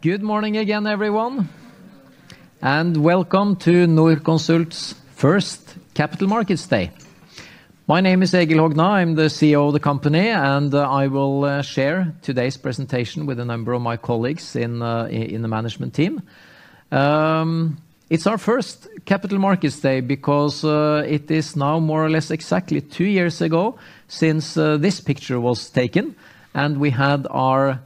Good morning again, everyone, and welcome to Norconsult's first Capital Markets Day. My name is Egil Hogna. I'm the CEO of the company, and I will share today's presentation with a number of my colleagues in the management team. It's our first Capital Markets Day because it is now more or less exactly two years ago since this picture was taken, and we had our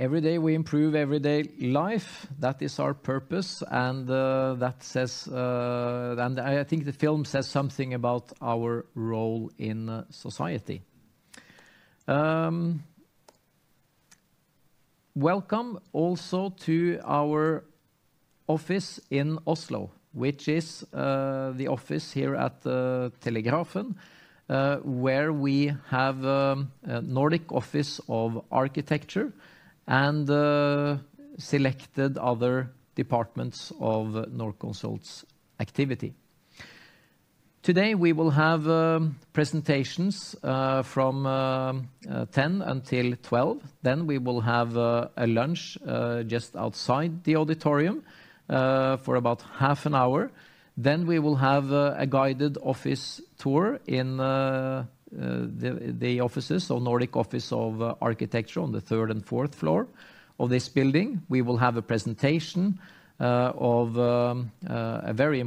launch at the Oslo Stock Exchange. However, Norconsult is a company with almost 100 years of tradition and a solid and well-developed business model. Today, we will go more in detail on how we run our business, how the market looks, and how we plan to develop going forward. Every day we improve, every day life. That is our purpose, and that says, and I think the film says something about our role in society. Welcome also to our office in Oslo, which is the office here at Telegrafen, where we have a Nordic Office of Architecture and selected other departments of Norconsult's activity. Today, we will have presentations from 10:00 A.M. until 12:00 P.M. Then we will have a lunch just outside the auditorium for about half an hour. After that, we will have a guided office tour in the offices, so Nordic Office of Architecture on the third and fourth floor of this building. We will have a presentation of a very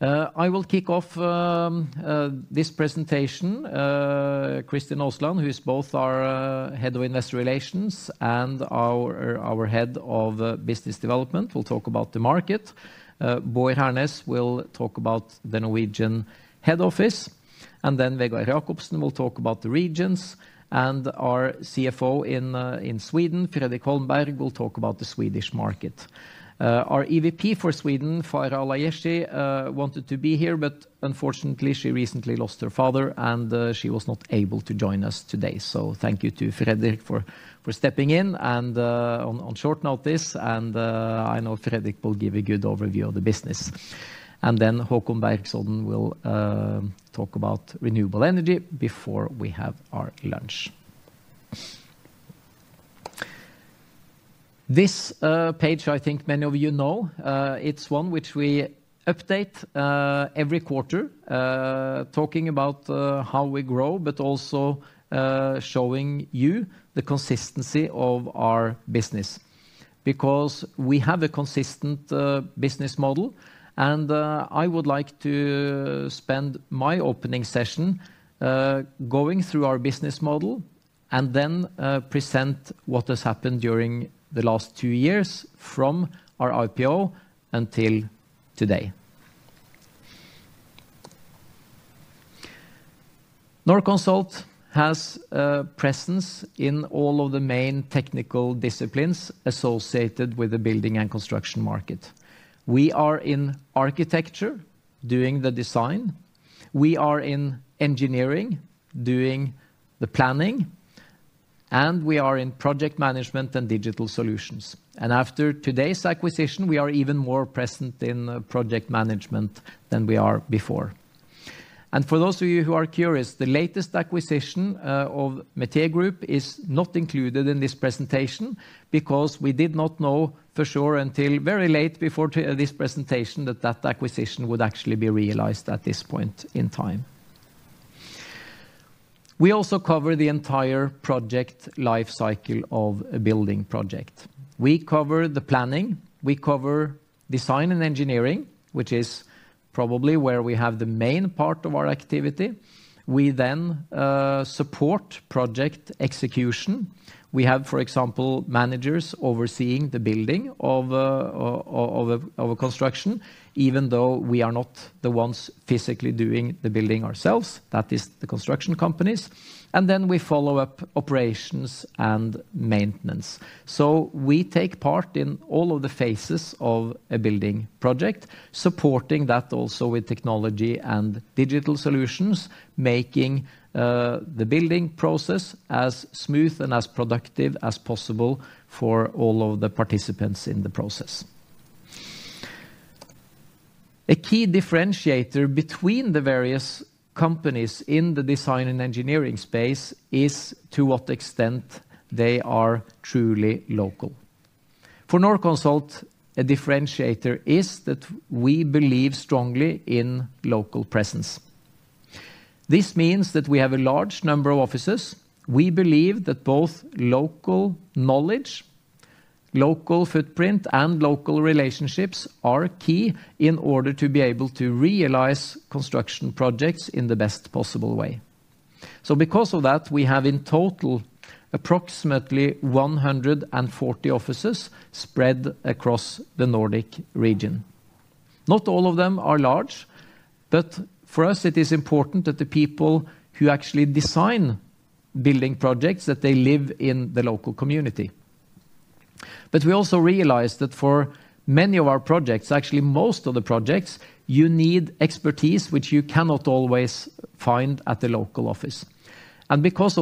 important project for Nordic with a new government headquarters. We will end talking about our M&A strategy, financial targets, and some concluding remarks. We expect to finish the day latest at 2:00 P.M. I will kick off this presentation. Christian Aasland, who is both our Head of Investor Relations and our Head of Business Development, will talk about the market. Bård Hernes will talk about the Norwegian Head Office. Vegard Jacobsen will talk about the regions. Our CFO in Sweden, Fredrik Holmberg, will talk about the Swedish market. Our EVP for Sweden, Farah Al-Ayesh, wanted to be here, but unfortunately, she recently lost her father and she was not able to join us today. Thank you to Fredrik for stepping in on short notice. I know Fredrik will give a good overview of the business. Håkon Bergsjø will talk about renewable energy before we have our lunch. This page, I think many of you know, is one which we update every quarter, talking about how we grow, but also showing you the consistency of our business. We have a consistent business model. I would like to spend my opening session going through our business model and then present what has happened during the last two years from our IPO until today. Norconsult has a presence in all of the main technical disciplines associated with the building and construction market. We are in architecture doing the design. We are in engineering doing the planning. We are in project management and digital solutions. After today's acquisition, we are even more present in project management than we were before. For those of you who are curious, the latest acquisition of Metier Group is not included in this presentation because we did not know for sure until very late before this presentation that that acquisition would actually be realized at this point in time. We also cover the entire project life cycle of a building project. We cover the planning. We cover design and engineering, which is probably where we have the main part of our activity. We then support project execution. We have, for example, managers overseeing the building of a construction, even though we are not the ones physically doing the building ourselves. That is the construction companies. We follow up operations and maintenance. We take part in all of the phases of a building project, supporting that also with technology and digital solutions, making the building process as smooth and as productive as possible for all of the participants in the process. A key differentiator between the various companies in the design and engineering space is to what extent they are truly local. For Norconsult, a differentiator is that we believe strongly in local presence. This means that we have a large number of offices. We believe that both local knowledge, local footprint, and local relationships are key in order to be able to realize construction projects in the best possible way. Because of that, we have in total approximately 140 offices spread across the Nordic region. Not all of them are large, but for us, it is important that the people who actually design building projects, that they live in the local community. We also realize that for many of our projects, actually most of the projects, you need expertise, which you cannot always find at the local office. Because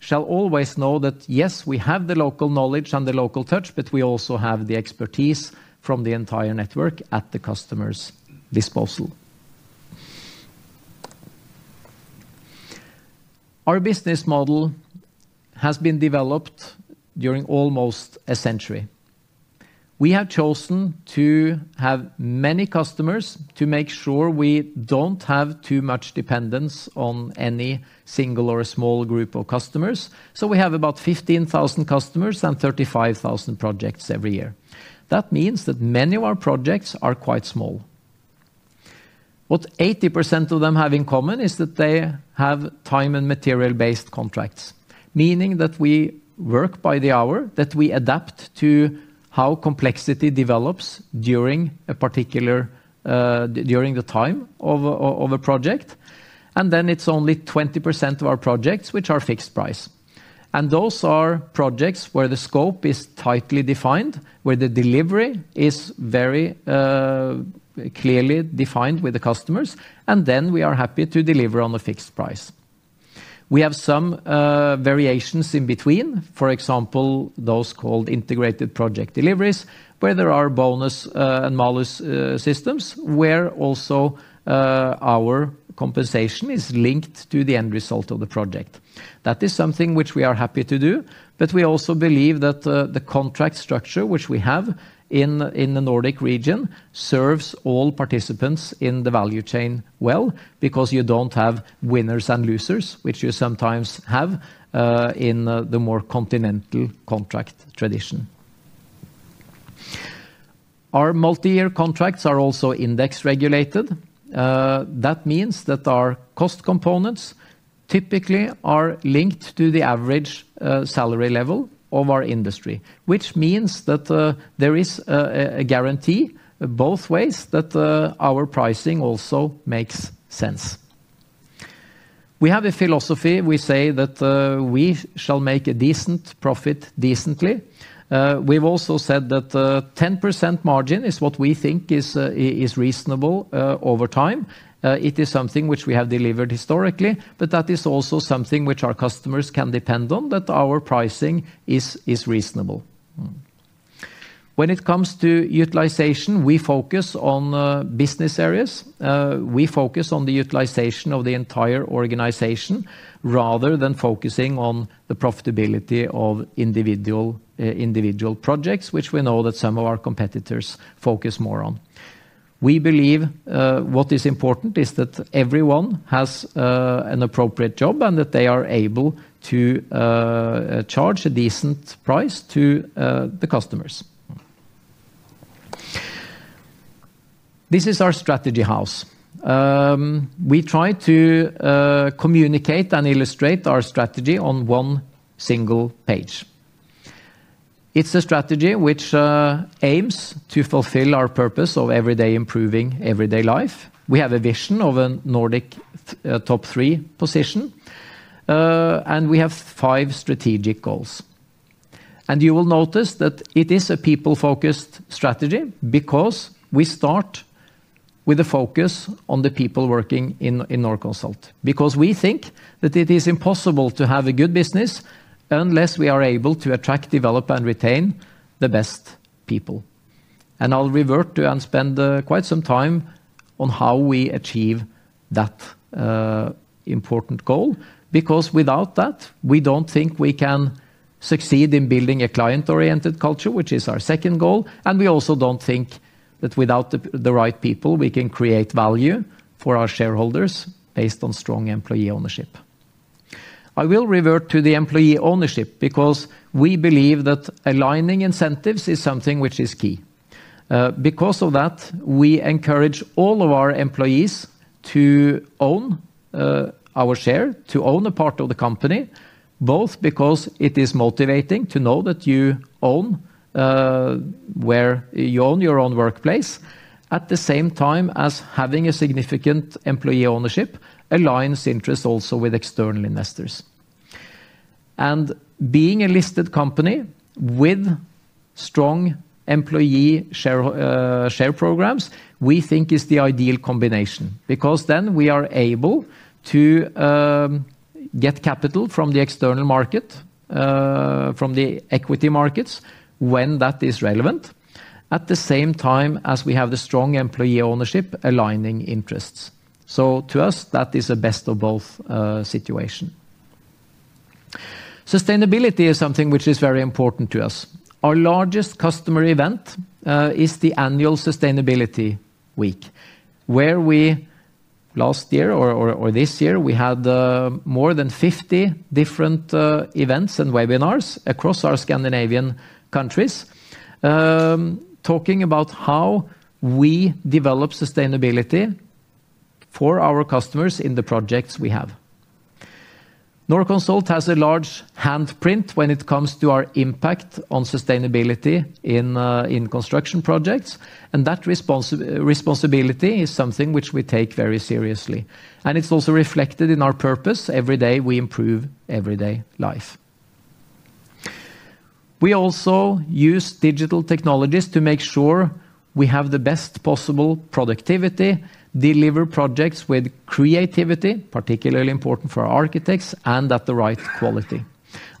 of that, roughly 70% of our projects above the smallest size use competence from several offices and several departments so that you truly have the cross-disciplinary expertise, which is necessary in order to deliver what the customers need. A Norconsult customer shall always know that, yes, we have the local knowledge and the local touch, but we also have the expertise from the entire network at the in the Nordic region serves all participants in the value chain well because you do not have winners and losers, which you sometimes have in the more continental contract tradition. Our multi-year contracts are also index regulated. That means that our cost components typically are linked to the average salary level of our industry, which means that there is a guarantee both ways that our pricing also makes sense. We have a philosophy. We say that we shall make a decent profit decently. We've also said that 10% margin is what we think is reasonable over time. It is something which we have delivered historically, but that is also something which our customers can depend on, that our pricing is reasonable. When it comes to utilization, we focus on business areas. We focus on the utilization of the entire organization rather than focusing on the profitability of individual projects, which we know that some of our competitors focus more on. We believe what is important is that everyone has an appropriate job and that they are able to charge a decent price to the customers. This is our strategy house. We try to communicate and illustrate our strategy on one single page. It's a strategy which aims to fulfill our purpose of everyday improving everyday life. We have a vision of a Nordic top three position, and we have five strategic goals. You will notice that it is a people-focused strategy because we start with a focus on the people working in Norconsult, because we think that it is impossible to have a good business unless we are able to attract, develop, and retain the best people. I'll revert to and spend quite some time on how we achieve that important goal, because without that, we don't think we can succeed in building a Sustainability is something which is very important to us. Our largest customer event is the annual Sustainability Week, where we last year or this year, we had more than 50 different events and webinars across our Scandinavian countries, talking about how we develop sustainability for our customers in the projects we have. Norconsult has a large handprint when it comes to our impact on sustainability in construction projects. That responsibility is something which we take very seriously. It is also reflected in our purpose. Every day we improve everyday life. We also use digital technologies to make sure we have the best possible productivity, deliver projects with creativity, particularly important for our architects, and at the right quality.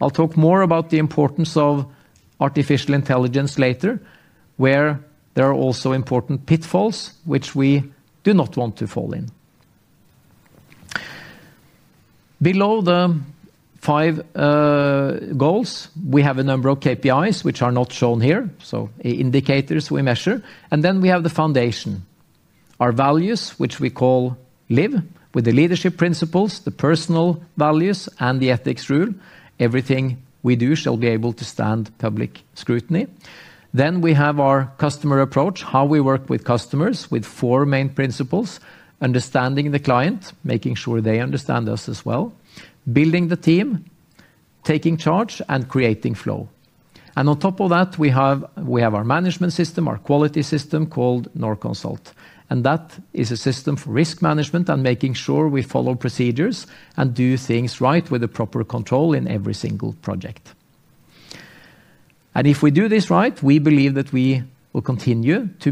I will talk more about the importance of artificial intelligence later, where there are also important pitfalls which we do not want to fall in. Below the five goals, we have a number of KPIs which are not shown here, so indicators we measure. We have the foundation, our values, which we call LIV, with the leadership principles, the personal values, and the ethics rule. Everything we do shall be able to stand public scrutiny. We have our customer approach, how we work with customers with four main principles: understanding the client, making sure they understand us as well, building the team, taking charge, and creating flow. On top of that, we have our management system, our quality system called Norconsult. That is a system for risk management and making sure we follow procedures and do things right with the proper control in every single project. If we do this right, we believe that we will continue to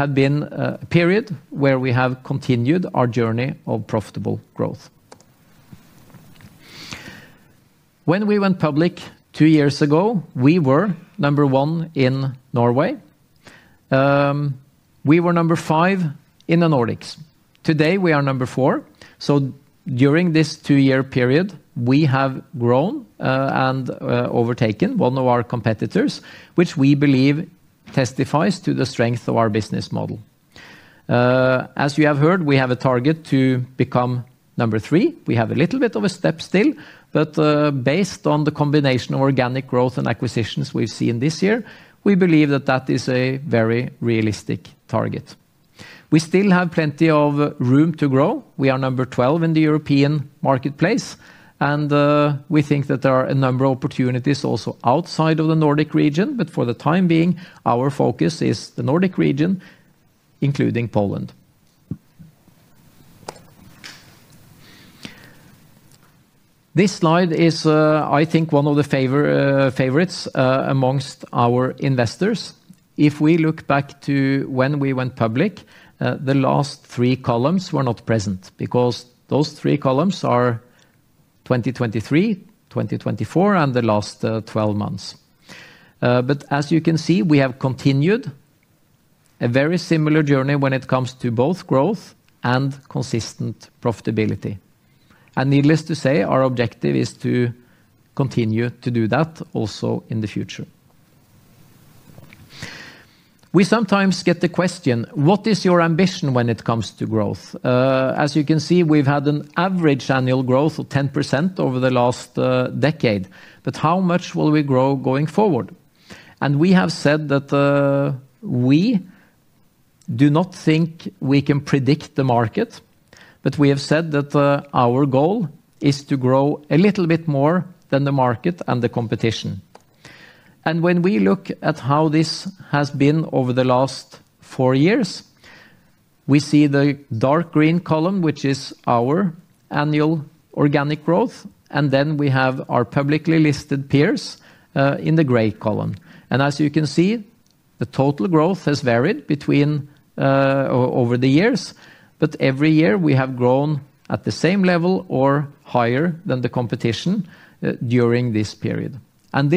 be able to make a decent profit decently. That is, in a way, our business model in a nutshell. Then I'd like to talk a little bit more about what has happened during the last two years, which have been a period where we have continued our journey of profitable growth. When we went public two years ago, we were number one in Norway. We were number five in the Nordics. Today, we are number four. During this two-year period, we have grown and overtaken one of our competitors, which we believe testifies to the strength of our business model. As you have heard, we have a target to become number three. We have a little bit of a step still, but based on the combination of organic growth and acquisitions we've seen this year, we believe that is a very realistic target. We still have plenty of room to grow. We are number 12 in the European marketplace, and we think that there are a number of opportunities also outside of the Nordic region. For the time being, our focus is the Nordic region, including Poland. This slide is, I think, one of the favorites amongst our investors. If we look back to when we went public, the last three columns were not present because those three columns are 2023, 2024, and the last 12 months. As you can see, we have continued a very similar journey when it comes to both growth and consistent profitability. Needless to say, our objective is to continue to do that also in the future. We sometimes get the question, what is your ambition when it comes to growth? As you can see, we've had an average annual growth of 10% over the last decade. How much will we grow going forward? We have said that we do not think we can predict the market, but we have said that our goal is to grow a little bit more than the market and the competition. When we look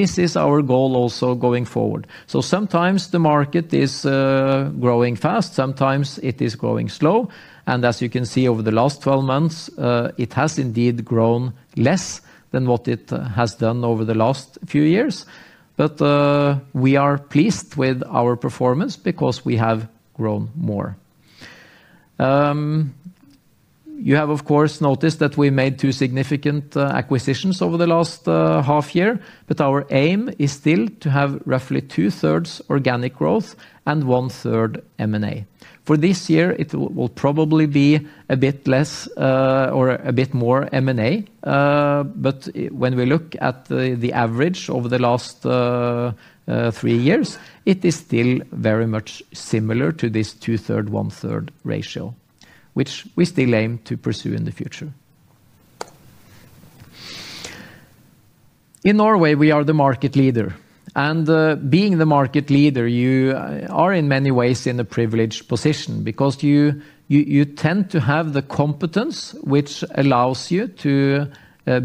at how this has been over the last four years, we see the dark green column, which is our annual organic growth, and then we have our publicly listed peers in the gray column. As you can see, the total growth has varied over the years, but every year we have grown at the same level or higher than the competition during this period. This is our goal also going forward. Sometimes the market is growing fast, sometimes it is growing slow. As you can see, over the last 12 months, it has indeed grown less than what it has done over the last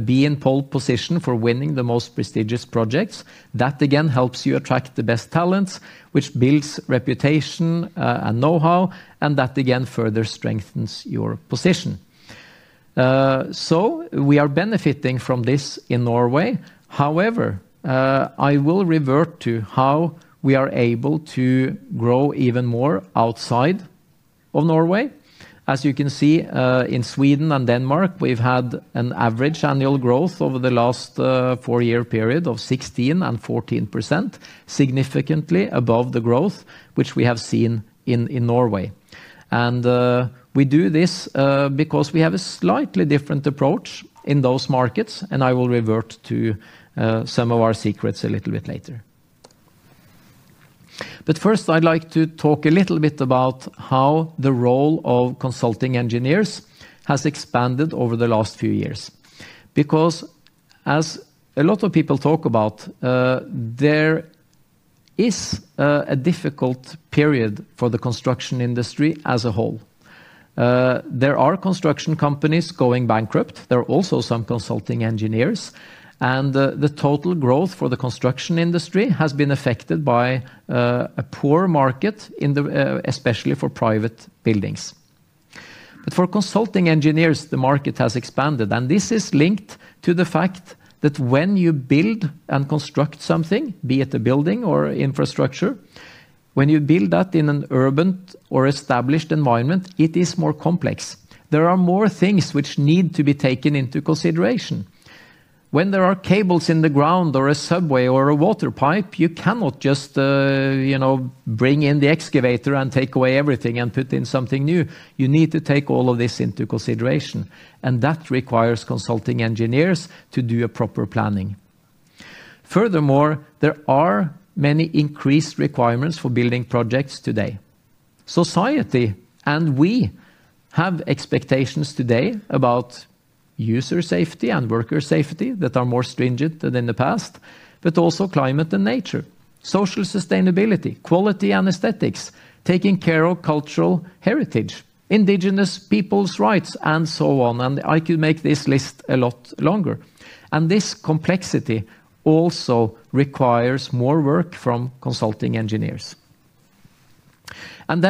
be in pole position for winning the most prestigious projects. That, again, helps you attract the best talents, which builds reputation and know-how, and that, again, further strengthens your position. We are benefiting from this in Norway. However, I will revert to how we are able to grow even more outside of Norway. As you can see, in Sweden and Denmark, we've had an average annual growth over the last four-year period of 16% and 14%, significantly above the growth which we have seen in Norway. We do this because we have a slightly different approach in those markets, and I will revert to some of our secrets a little bit later. First, I'd like to talk a little bit about how the role of consulting engineers has expanded over the last few years. Because as a lot of people talk about, there is a difficult period for the construction industry as a whole. There are construction companies going bankrupt. There are also some consulting engineers. The total growth for the construction industry has been affected by a poor market, especially for private buildings. For consulting engineers, the market has expanded. This is linked to the fact that when you build and construct something, be it a building or infrastructure, when you build that in an urban or established environment, it is more complex. There are more things which need to be taken into consideration. When there are cables in the ground or a subway or a water pipe, you cannot just bring in the excavator and take away everything and put in something new. You need to take all of this into consideration. That requires consulting engineers to do proper planning. Furthermore, there are many increased requirements for building projects today. Society and we have expectations today about user safety and worker safety that are more stringent than in the past, but also climate and nature, social sustainability, quality and aesthetics, taking care of cultural heritage, indigenous people's rights, and so on. I could make this list a lot longer. This complexity also requires more work from consulting engineers.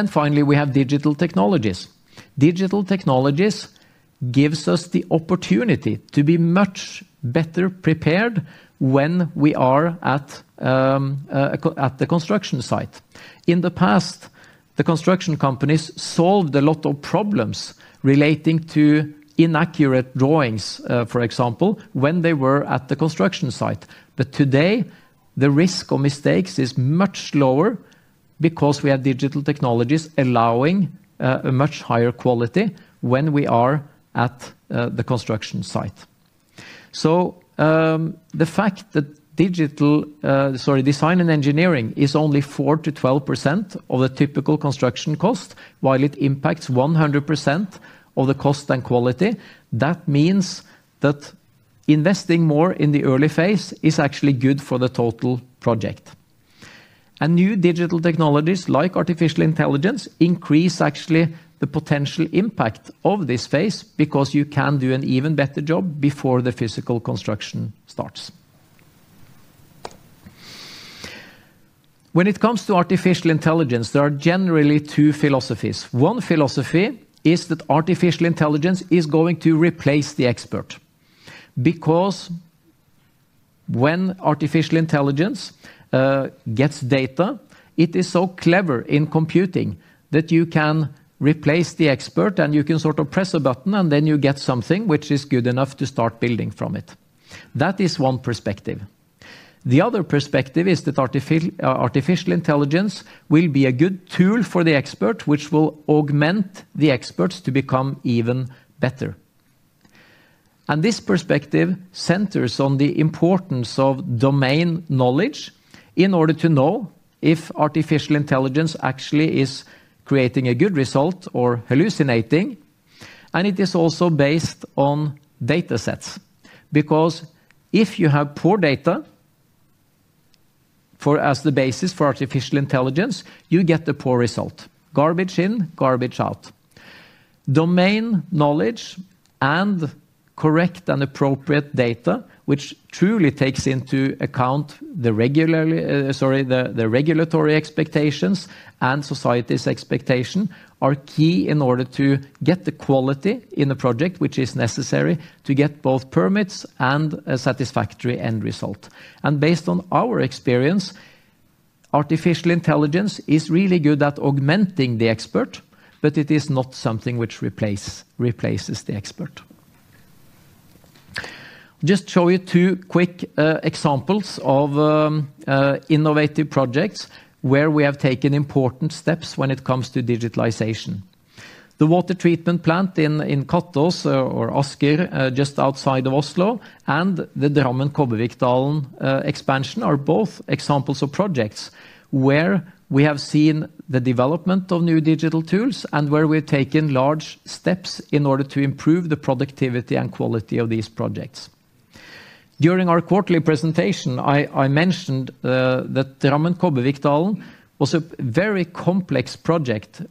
Finally, we have digital technologies. Digital technologies give us the opportunity to be much better prepared when we are at the construction site. In the past, the construction companies solved a lot of problems relating to inaccurate drawings, for example, when they were at the construction site. Today, the risk of mistakes is much lower because we have digital technologies allowing a much higher quality when we are at the construction site. The fact that digital design and engineering is only 4%-12% of the typical construction cost, while it impacts 100% of the cost and quality, means that investing more in the early phase is actually good for the total project. New digital technologies like artificial intelligence actually increase the potential impact of this phase because you can do an even better job before the physical construction starts. When it comes to artificial intelligence, there are generally two philosophies. One philosophy is that artificial intelligence is going to replace the expert. Because when artificial intelligence gets data, it is so clever in computing that you can replace the expert, and you can sort of press a button, and then you get something which is good enough to start building from it. That is one perspective. The other perspective is that artificial intelligence will be a good tool for the expert, which will augment the experts to become even better. This perspective centers on the importance of domain knowledge in order to know if artificial intelligence actually is creating a good result or hallucinating. It is also based on data sets. Because if you have poor data as the basis for artificial intelligence, you get a poor result, garbage in, garbage out. Domain knowledge and correct and appropriate data, which truly takes into account the regulatory expectations and society's expectation, are key in order to get the quality in a project which is necessary to get both permits and a satisfactory end result. Based on our experience, artificial intelligence is really good at augmenting the expert, but it is not something which replaces the expert. Just show you two quick examples of innovative projects where we have taken important steps when it comes to digitalization. The water treatment plant in Katås or Asker, just outside of Oslo, and the Drammen-Kobbervikdalen expansion are both examples of projects where we have seen the development of new digital tools and where we've taken large steps in order to improve the productivity and quality of these projects. During our quarterly presentation, I mentioned that Drammen-Kobbervikdalen was a very complex project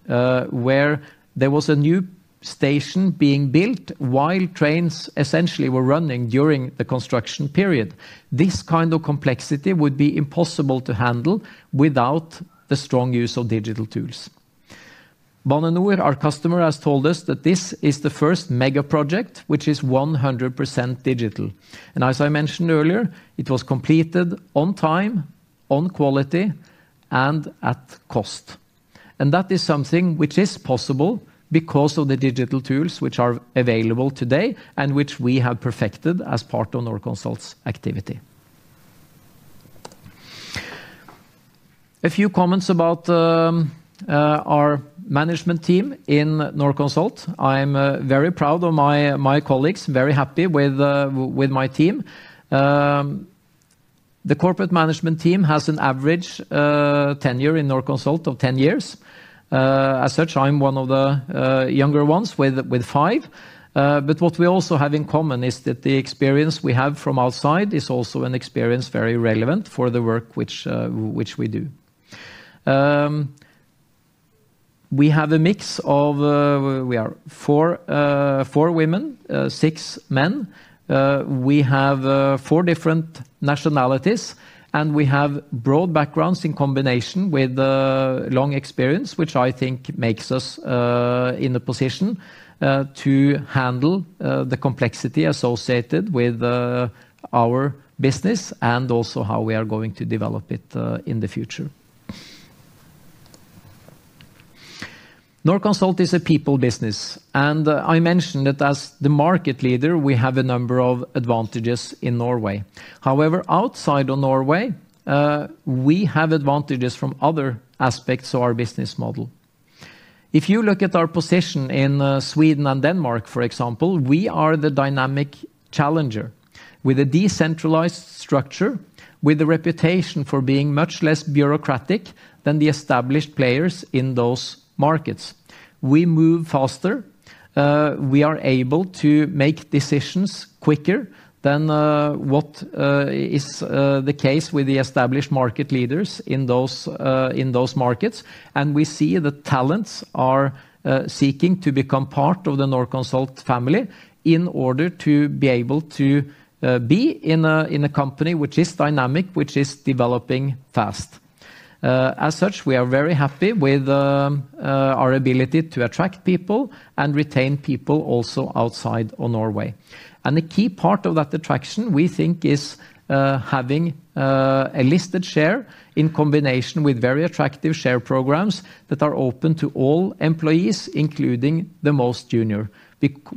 where there was a new station being built while trains essentially were running during the construction period. This kind of complexity would be impossible to handle without the strong use of digital tools. Bane NOR, our customer, has told us that this is the first mega project which is 100% digital. As I mentioned earlier, it was completed on time, on quality, and at cost. That is something which is possible because of the digital tools which are available today and which we have perfected as part of Norconsult's activity. A few comments about our management team in Norconsult. I'm very proud of my colleagues, very happy with my team. The corporate management team has an average tenure in Norconsult of 10 years. As such, I'm one of the younger ones with five. What we also have in common is that the experience we have from outside is also an experience very relevant for the work which we do. We have a mix of four women, six men. We have four different nationalities, and we have broad backgrounds in combination with long experience, which I think makes us in a position to handle the complexity associated with our business and also how we are going to develop it in the future. Norconsult is a people business. I mentioned that as the market leader, we have a number of advantages in Norway. However, outside of Norway, we have advantages from other aspects of our business model. If you look at our position in Sweden and Denmark, for example, we are the dynamic challenger with a decentralized structure, with a reputation for being much less bureaucratic than the established players in those markets. We move faster. We are able to make decisions quicker than what is the case with the established market leaders in those markets. We see that talents are seeking to become part of the Norconsult family in order to be able to be in a company which is dynamic, which is developing fast. As such, we are very happy with our ability to attract people and retain people also outside of Norway. A key part of that attraction, we think, is having a listed share in combination with very attractive share programs that are open to all employees, including the most junior,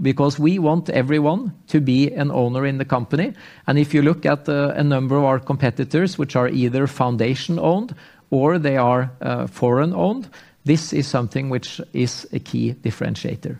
because we want everyone to be an owner in the company. If you look at a number of our competitors, which are either foundation-owned or they are foreign-owned, this is something which is a key differentiator.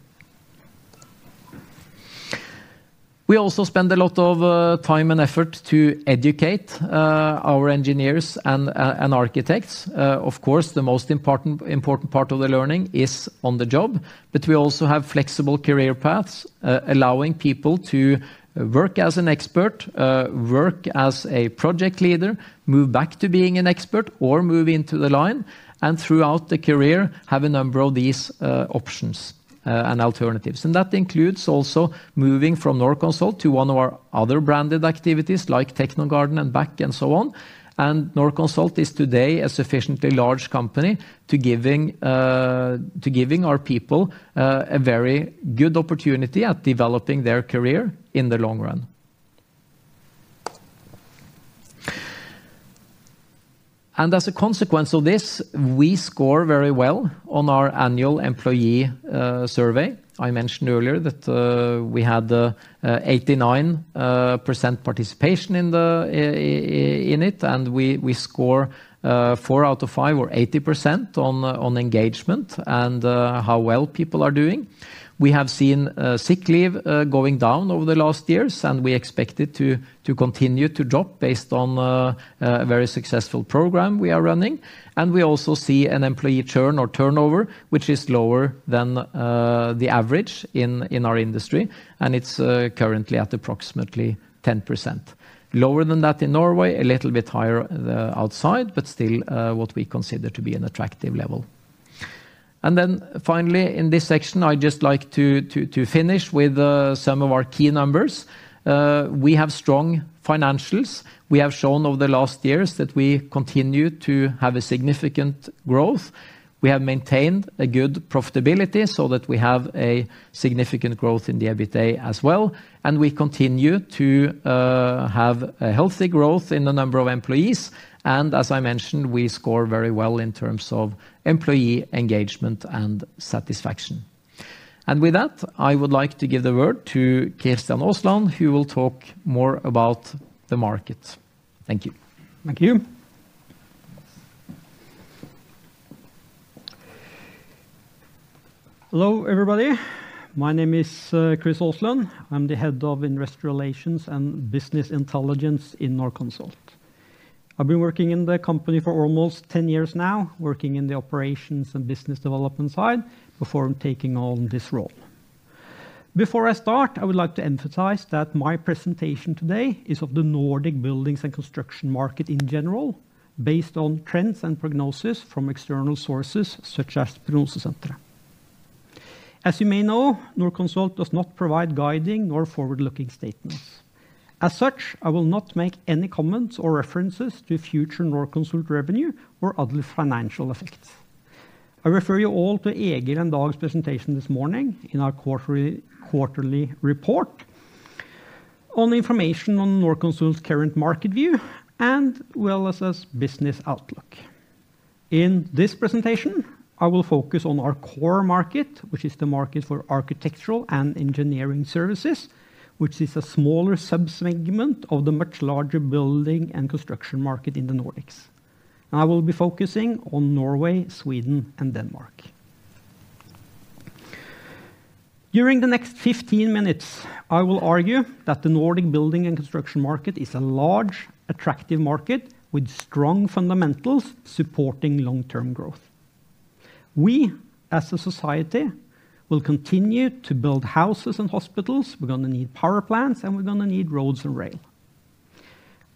We also spend a lot of time and effort to educate our engineers and architects. Of course, the most important part of the learning is on the job, but we also have flexible career paths allowing people to work as an expert, work as a project leader, move back to being an expert, or move into the line, and throughout the career have a number of these options and alternatives. That includes also moving from Norconsult to one of our other branded activities like Technogarden and BACK and so on. Norconsult is today a sufficiently large company to give our people a very good opportunity at developing their career in the long run. As a consequence of this, we score very well on our annual employee survey 13064037714. I mentioned earlier that we had 89% participation in it, I've been working in the company for almost 10 years now, working in the operations and business development side before taking on this role. Before I start, I would like to emphasize that my presentation today is of the Nordic buildings and construction market in general, based on trends and prognosis from external sources such as Prognosesenteret. As you may know, Norconsult does not provide guiding or forward-looking statements. As such, I will not make any comments or references to future Norconsult revenue or other financial effects. I refer you all to Egil and Dag's presentation this morning in our quarterly report on information on Norconsult's current market view and WLSS business outlook. In this presentation, I will focus on our core market, which is the market for architectural and engineering services, which is a smaller subsegment of the much larger building and construction market in the Nordics. I will be focusing on Norway, Sweden, and Denmark. During the next 15 minutes, I will argue that the Nordic building and construction market is a large, attractive market with strong fundamentals supporting long-term growth. We, as a society, will continue to build houses and hospitals. We're going to need power plants, and we're going to need roads and rail.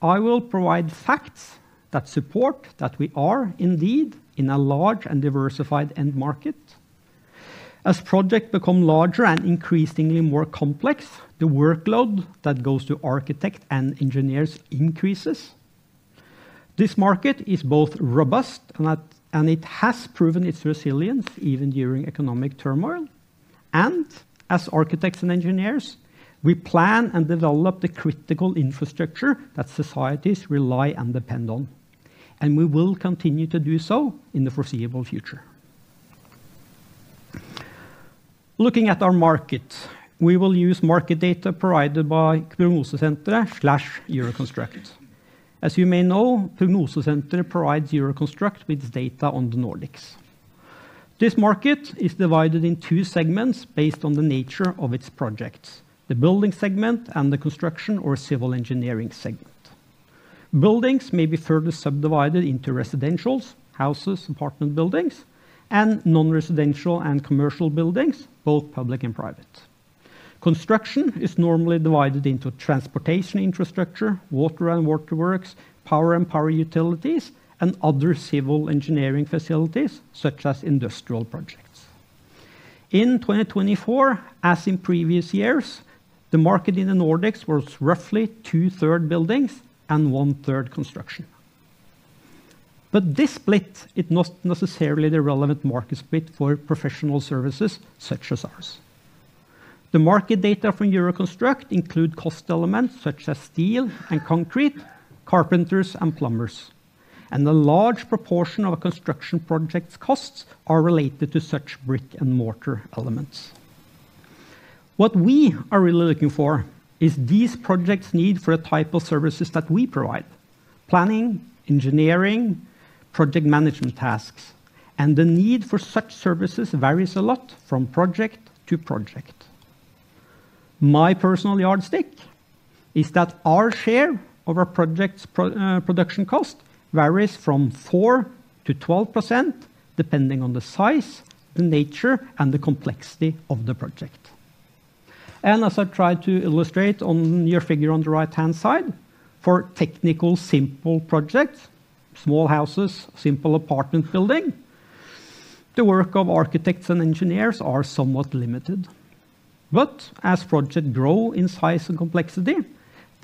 I will provide facts that support that we are indeed in a large and diversified end market. As projects become larger and increasingly more complex, the workload that goes to architects and engineers increases. This market is both robust, and it has proven its resilience even during economic turmoil. As architects and engineers, we plan and develop the critical infrastructure that societies rely and depend on. We will continue to do so in the foreseeable future. Looking at our market, we will use market data provided by Prognosesenteret/Euroconstruct. As you may know, Prognosesenteret provides Euroconstruct with data on the Nordics. This market is divided in two segments based on the nature of its projects: the building segment and the construction or civil engineering segment. Buildings may be further subdivided into residentials, houses, apartment buildings, and non-residential and commercial buildings, both public and private. Construction is normally divided into transportation infrastructure, water and waterworks, power and power utilities, and other civil engineering facilities such as industrial projects. In 2024, as in previous years, the market in the Nordics was roughly two-thirds buildings and one-third construction. This split is not necessarily the relevant market split for professional services such as ours. The market data from Euroconstruct include cost elements such as steel and concrete, carpenters, and plumbers. A large proportion of construction projects' costs are related to such brick-and-mortar elements. What we are really looking for is these projects' need for the type of services that we provide: planning, engineering, project management tasks. The need for such services varies a lot from project to project. My personal yardstick is that our share of our project's production cost varies from 4-12%, depending on the size, the nature, and the complexity of the project. As I tried to illustrate on your figure on the right-hand side, for technically simple projects, small houses, simple apartment buildings, the work of architects and engineers is somewhat limited. As projects grow in size and complexity,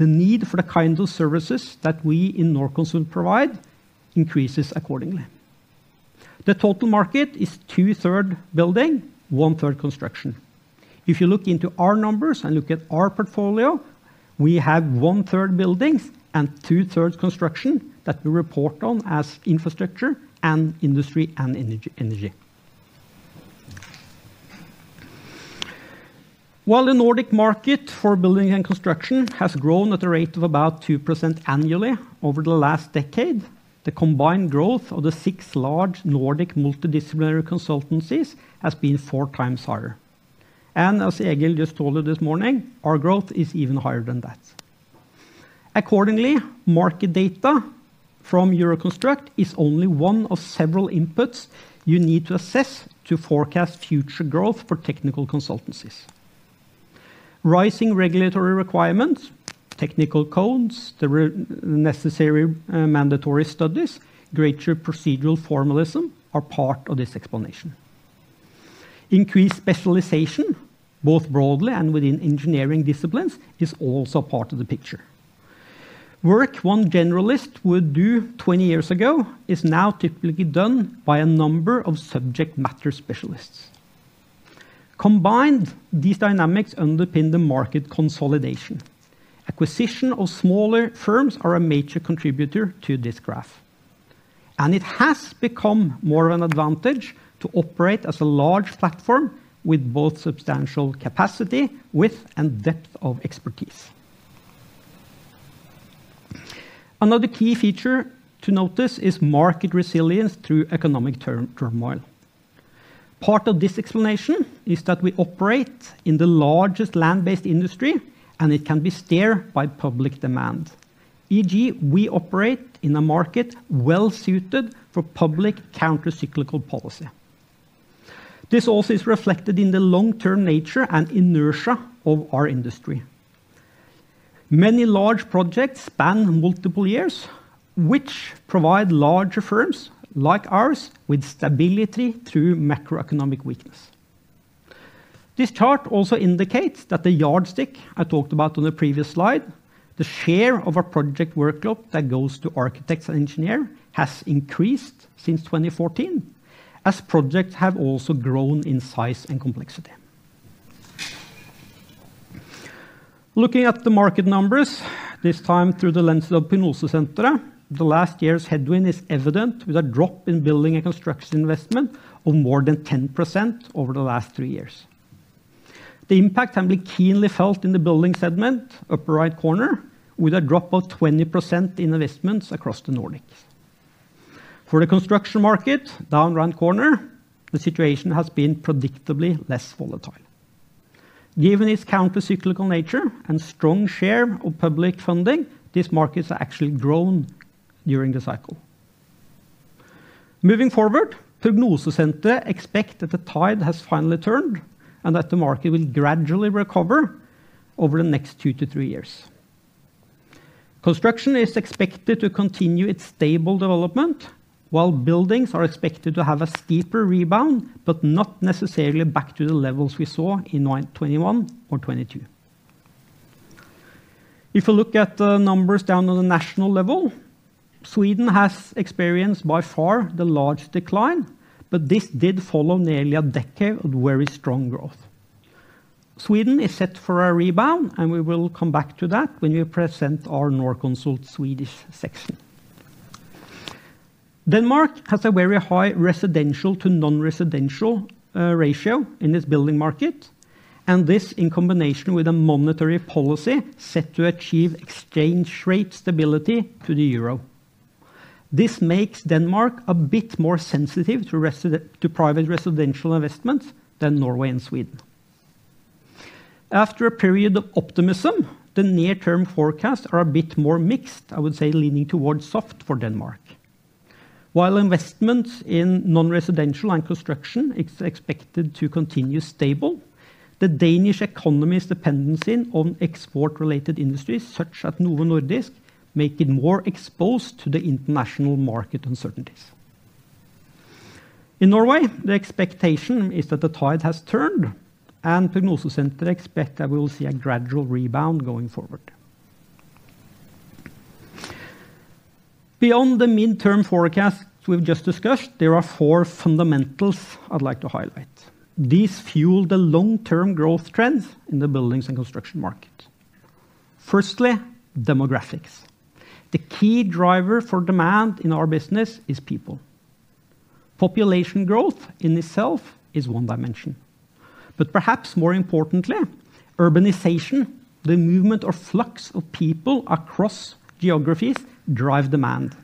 the need for the kind of services that we in Norconsult provide increases accordingly. The total market is two-thirds building, one-third construction. If you look into our numbers and look at our portfolio, we have one-third buildings and two-thirds construction that we report on as infrastructure and industry and energy. While the Nordic market for building and construction has grown at a rate of about 2% annually over the last decade, the combined growth of the six large Nordic multidisciplinary consultancies has been four times higher. As Egil just told you this morning, our growth is even higher than that. Accordingly, market data from Euroconstruct is only one of several inputs you need to assess to forecast future growth for technical consultancies. Rising regulatory requirements, technical codes, the necessary mandatory studies, greater procedural formalism are part of this explanation. Increased specialization, both broadly and within engineering disciplines, is also part of the picture. Work one generalist would do 20 years ago is now typically done by a number of subject matter specialists. Combined, these dynamics underpin the market consolidation. Acquisition of smaller firms is a major contributor to this graph. It has become more of an advantage to operate as a large platform with both substantial capacity, width, and depth of expertise. Another key feature to notice is market resilience through economic turmoil. Part of this explanation is that we operate in the largest land-based industry, and it can be steered by public demand, e.g., we operate in a market well-suited for public countercyclical policy. This also is reflected in the long-term nature and inertia of our industry. Many large projects span multiple years, which provide larger firms like ours with stability through macroeconomic weakness. This chart also indicates that the yardstick I talked about on the previous slide, the share of our project workload that goes to architects and engineers, has increased since 2014, as projects have also grown in size and complexity. Looking at the market numbers, this time through the lens of Pronosysenteret, the last year's headwind is evident with a drop in building and construction investment of more than 10% over the last three years. The impact can be keenly felt in the building segment, upper right corner, with a drop of 20% in investments across the Nordics. For the construction market, down right corner, the situation has been predictably less volatile. Given its countercyclical nature and strong share of public funding, these markets have actually grown during the cycle. Moving forward, Pronosysenteret expects that the tide has finally turned and that the market will gradually recover over the next two to three years. Construction is expected to continue its stable development, while buildings are expected to have a steeper rebound, but not necessarily back to the levels we saw in 2021 or 2022. If we look at the numbers down on the national level, Sweden has experienced by far the largest decline, but this did follow nearly a decade of very strong growth. Sweden is set for a rebound, and we will come back to that when we present our Norconsult Swedish section. Denmark has a very high residential to non-residential ratio in its building market, and this in combination with a monetary policy set to achieve exchange rate stability to the euro. This makes Denmark a bit more sensitive to private residential investments than Norway and Sweden. After a period of optimism, the near-term forecasts are a bit more mixed, I would say, leaning towards soft for Denmark. While investments in non-residential and construction are expected to continue stable, the Danish economy's dependency on export-related industries such as Novo Nordisk makes it more exposed to the international market uncertainties. In Norway, the expectation is that the tide has turned, and Pronosysenteret expects that we will see a gradual rebound going forward. Beyond the midterm forecasts we've just discussed, there are four fundamentals I'd like to highlight. These fuel the long-term growth trends in the buildings and construction market. Firstly, demographics. The key driver for demand in our business is people. Population growth in itself is one dimension. Perhaps more importantly, urbanization, the movement or flux of people across geographies, drives demand.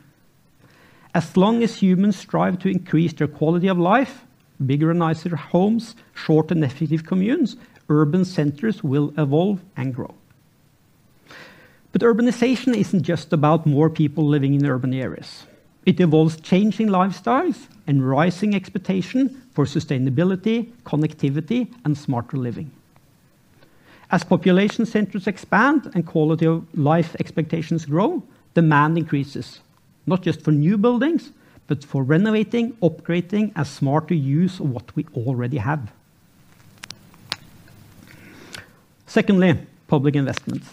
As long as humans strive to increase their quality of life, bigger and nicer homes, shorter and effective communes, urban centers will evolve and grow. Urbanization is not just about more people living in urban areas. It involves changing lifestyles and rising expectations for sustainability, connectivity, and smarter living. As population centers expand and quality of life expectations grow, demand increases, not just for new buildings, but for renovating, upgrading, and smarter use of what we already have. Secondly, public investments.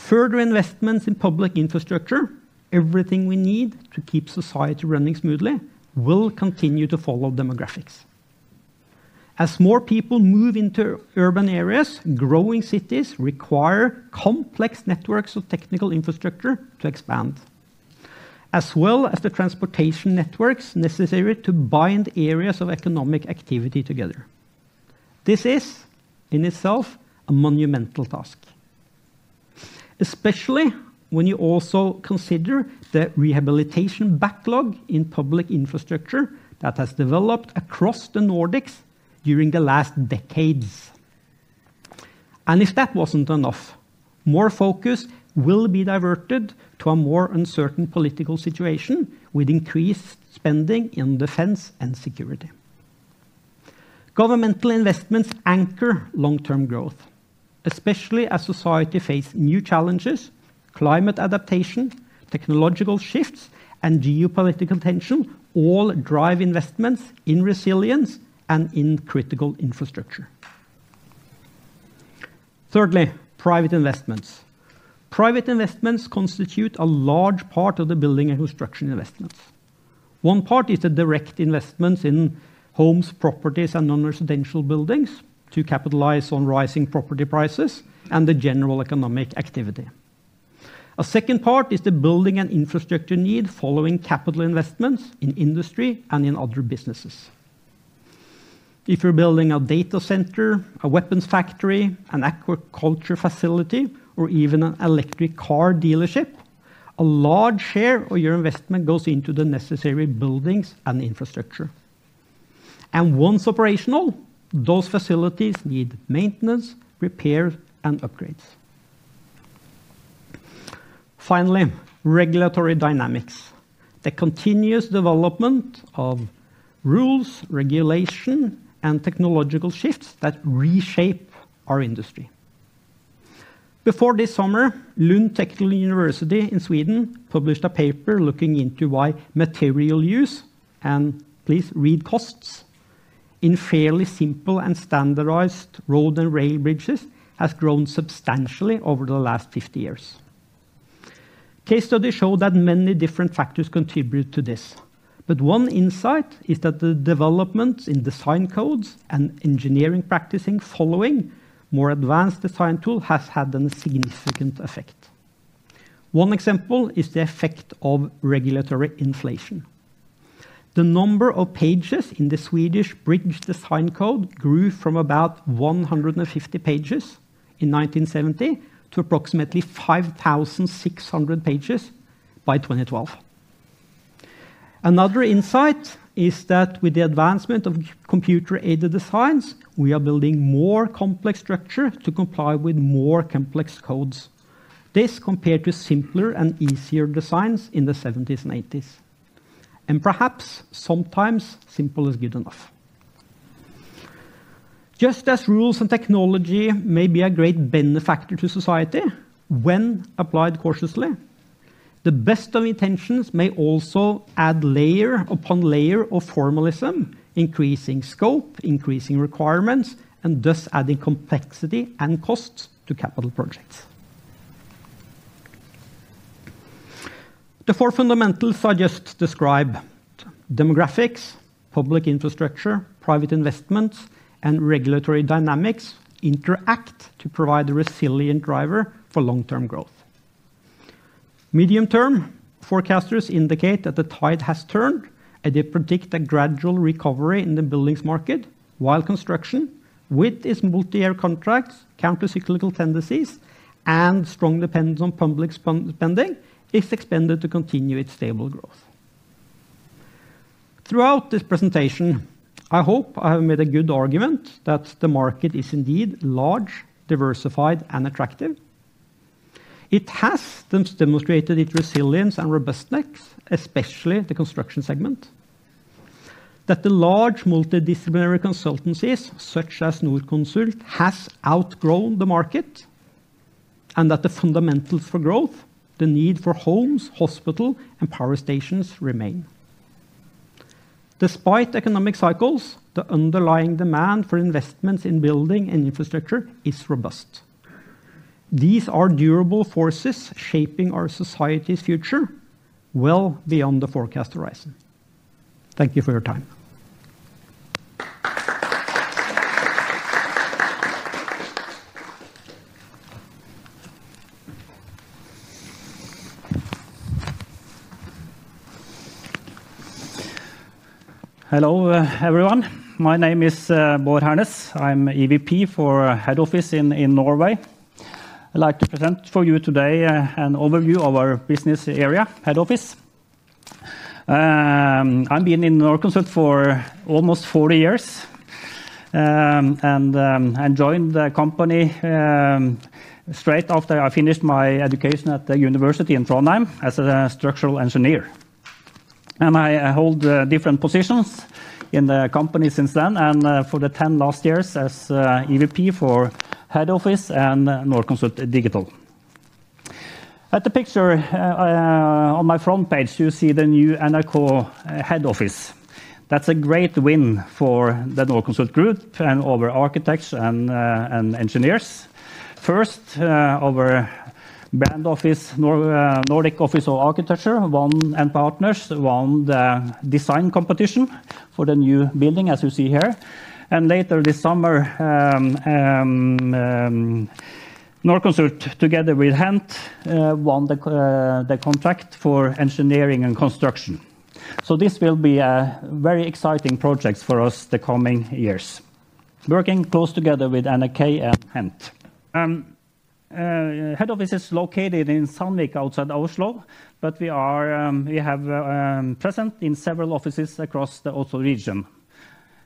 Further investments in public infrastructure, everything we need to keep society running smoothly, will continue to follow demographics. As more people move into urban areas, growing cities require complex networks of technical infrastructure to expand, as well as the transportation networks necessary to bind areas of economic activity together. This is, in itself, a monumental task, especially when you also consider the rehabilitation backlog in public infrastructure that has developed across the Nordics during the last decades. If that was not enough, more focus will be diverted to a more uncertain political situation with increased spending in defense and security. Governmental investments anchor long-term growth, especially as society faces new challenges. Climate adaptation, technological shifts, and geopolitical tensions all drive investments in resilience and in critical infrastructure. Thirdly, private investments. Private investments constitute a large part of the building and construction investments. One part is the direct investments in homes, properties, and non-residential buildings to capitalize on rising property prices and the general economic activity. A second part is the building and infrastructure need following capital investments in industry and in other businesses. If you're building a data center, a weapons factory, an aquaculture facility, or even an electric car dealership, a large share of your investment goes into the necessary buildings and infrastructure. Once operational, those facilities need maintenance, repairs, and upgrades. Finally, regulatory dynamics. The continuous development of rules, regulation, and technological shifts that reshape our industry. Before this summer, Lund Technical University in Sweden published a paper looking into why material use—and please read costs—in fairly simple and standardized road and rail bridges has grown substantially over the last 50 years. Case studies show that many different factors contribute to this. One insight is that the developments in design codes and engineering practices following more advanced design tools have had a significant effect. One example is the effect of regulatory inflation. The number of pages in the Swedish bridge design code grew from about 150 pages in 1970 to approximately 5,600 pages by 2012. Another insight is that with the advancement of computer-aided designs, we are building more complex structures to comply with more complex codes. This compared to simpler and easier designs in the 1970s and 1980s. Perhaps sometimes simple is good enough. Just as rules and technology may be a great benefactor to society when applied cautiously, the best of intentions may also add layer upon layer of formalism, increasing scope, increasing requirements, and thus adding complexity and costs to capital projects. The four fundamentals I just described—demographics, public infrastructure, private investments, and regulatory dynamics—interact to provide a resilient driver for long-term growth. Medium-term forecasters indicate that the tide has turned, and they predict a gradual recovery in the buildings market while construction, with its multi-year contracts, countercyclical tendencies, and strong dependence on public spending, is expected to continue its stable growth. Throughout this presentation, I hope I have made a good argument that the market is indeed large, diversified, and attractive. It has demonstrated its resilience and robustness, especially the construction segment. That the large multidisciplinary consultancies such as Norconsult have outgrown the market, and that the fundamentals for growth, the need for homes, hospitals, and power stations, remain. Despite economic cycles, the underlying demand for investments in building and infrastructure is robust. These are durable forces shaping our society's future well beyond the forecast horizon. Thank you for your time. Hello everyone. My name is Bård Hernes. I'm EVP for Head Office in Norway. I'd like to present for you today an overview of our business area, Head Office. I've been in Norconsult for almost 40 years and joined the company straight after I finished my education at the university in Trondheim as a structural engineer. I have held different positions in the company since then and for the 10 last years as EVP for Head Office and Norconsult Digital. At the picture on my front page, you see the new NRK Head Office. That's a great win for the Norconsult Group and our architects and engineers. First, our Nordic Office of Architecture and Partners won the design competition for the new building, as you see here. Later this summer, Norconsult, together with Hent, won the contract for engineering and construction. This will be a very exciting project for us the coming years, working close together with NRK and Hent. Head Office is located in Sandvika outside Oslo, but we have been present in several offices across the Oslo region.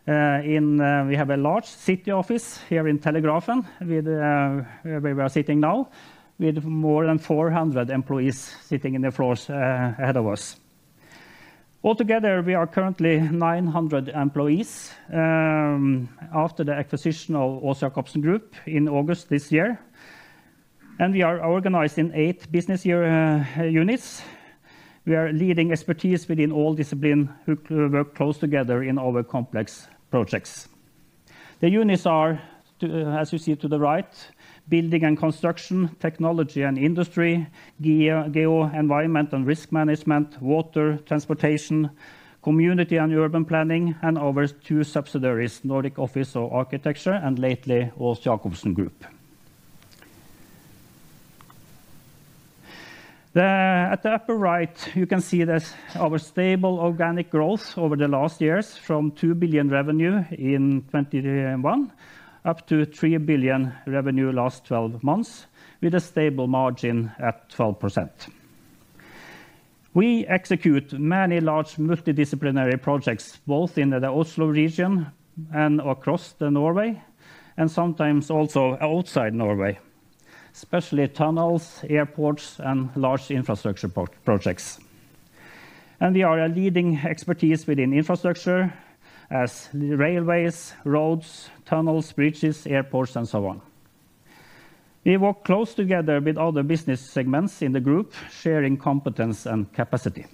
We have a large city office here in Telegrafen, where we are sitting now, with more than 400 employees sitting on the floors ahead of us. Altogether, we are currently 900 employees after the acquisition of Aas-Jakobsen Group in August this year. We are organized in eight business units. We are leading expertise within all disciplines who work close together in our complex projects. The units are, as you see to the right, Building and Construction, Technology and Industry, Geoenvironment and Risk Management, Water, Transportation, Community and Urban Planning, and our two subsidiaries, Nordic Office of Architecture and lately Aas-Jakobsen Group. At the upper right, you can see our stable organic growth over the last years from 2 billion revenue in 2021 up to 3 billion revenue in the last 12 months, with a stable margin at 12%. We execute many large multidisciplinary projects, both in the Oslo region and across Norway, and sometimes also outside Norway, especially tunnels, airports, and large infrastructure projects. We are a leading expertise within infrastructure as railways, roads, tunnels, bridges, airports, and so on. We work close together with other business segments in the group, sharing competence and capacity.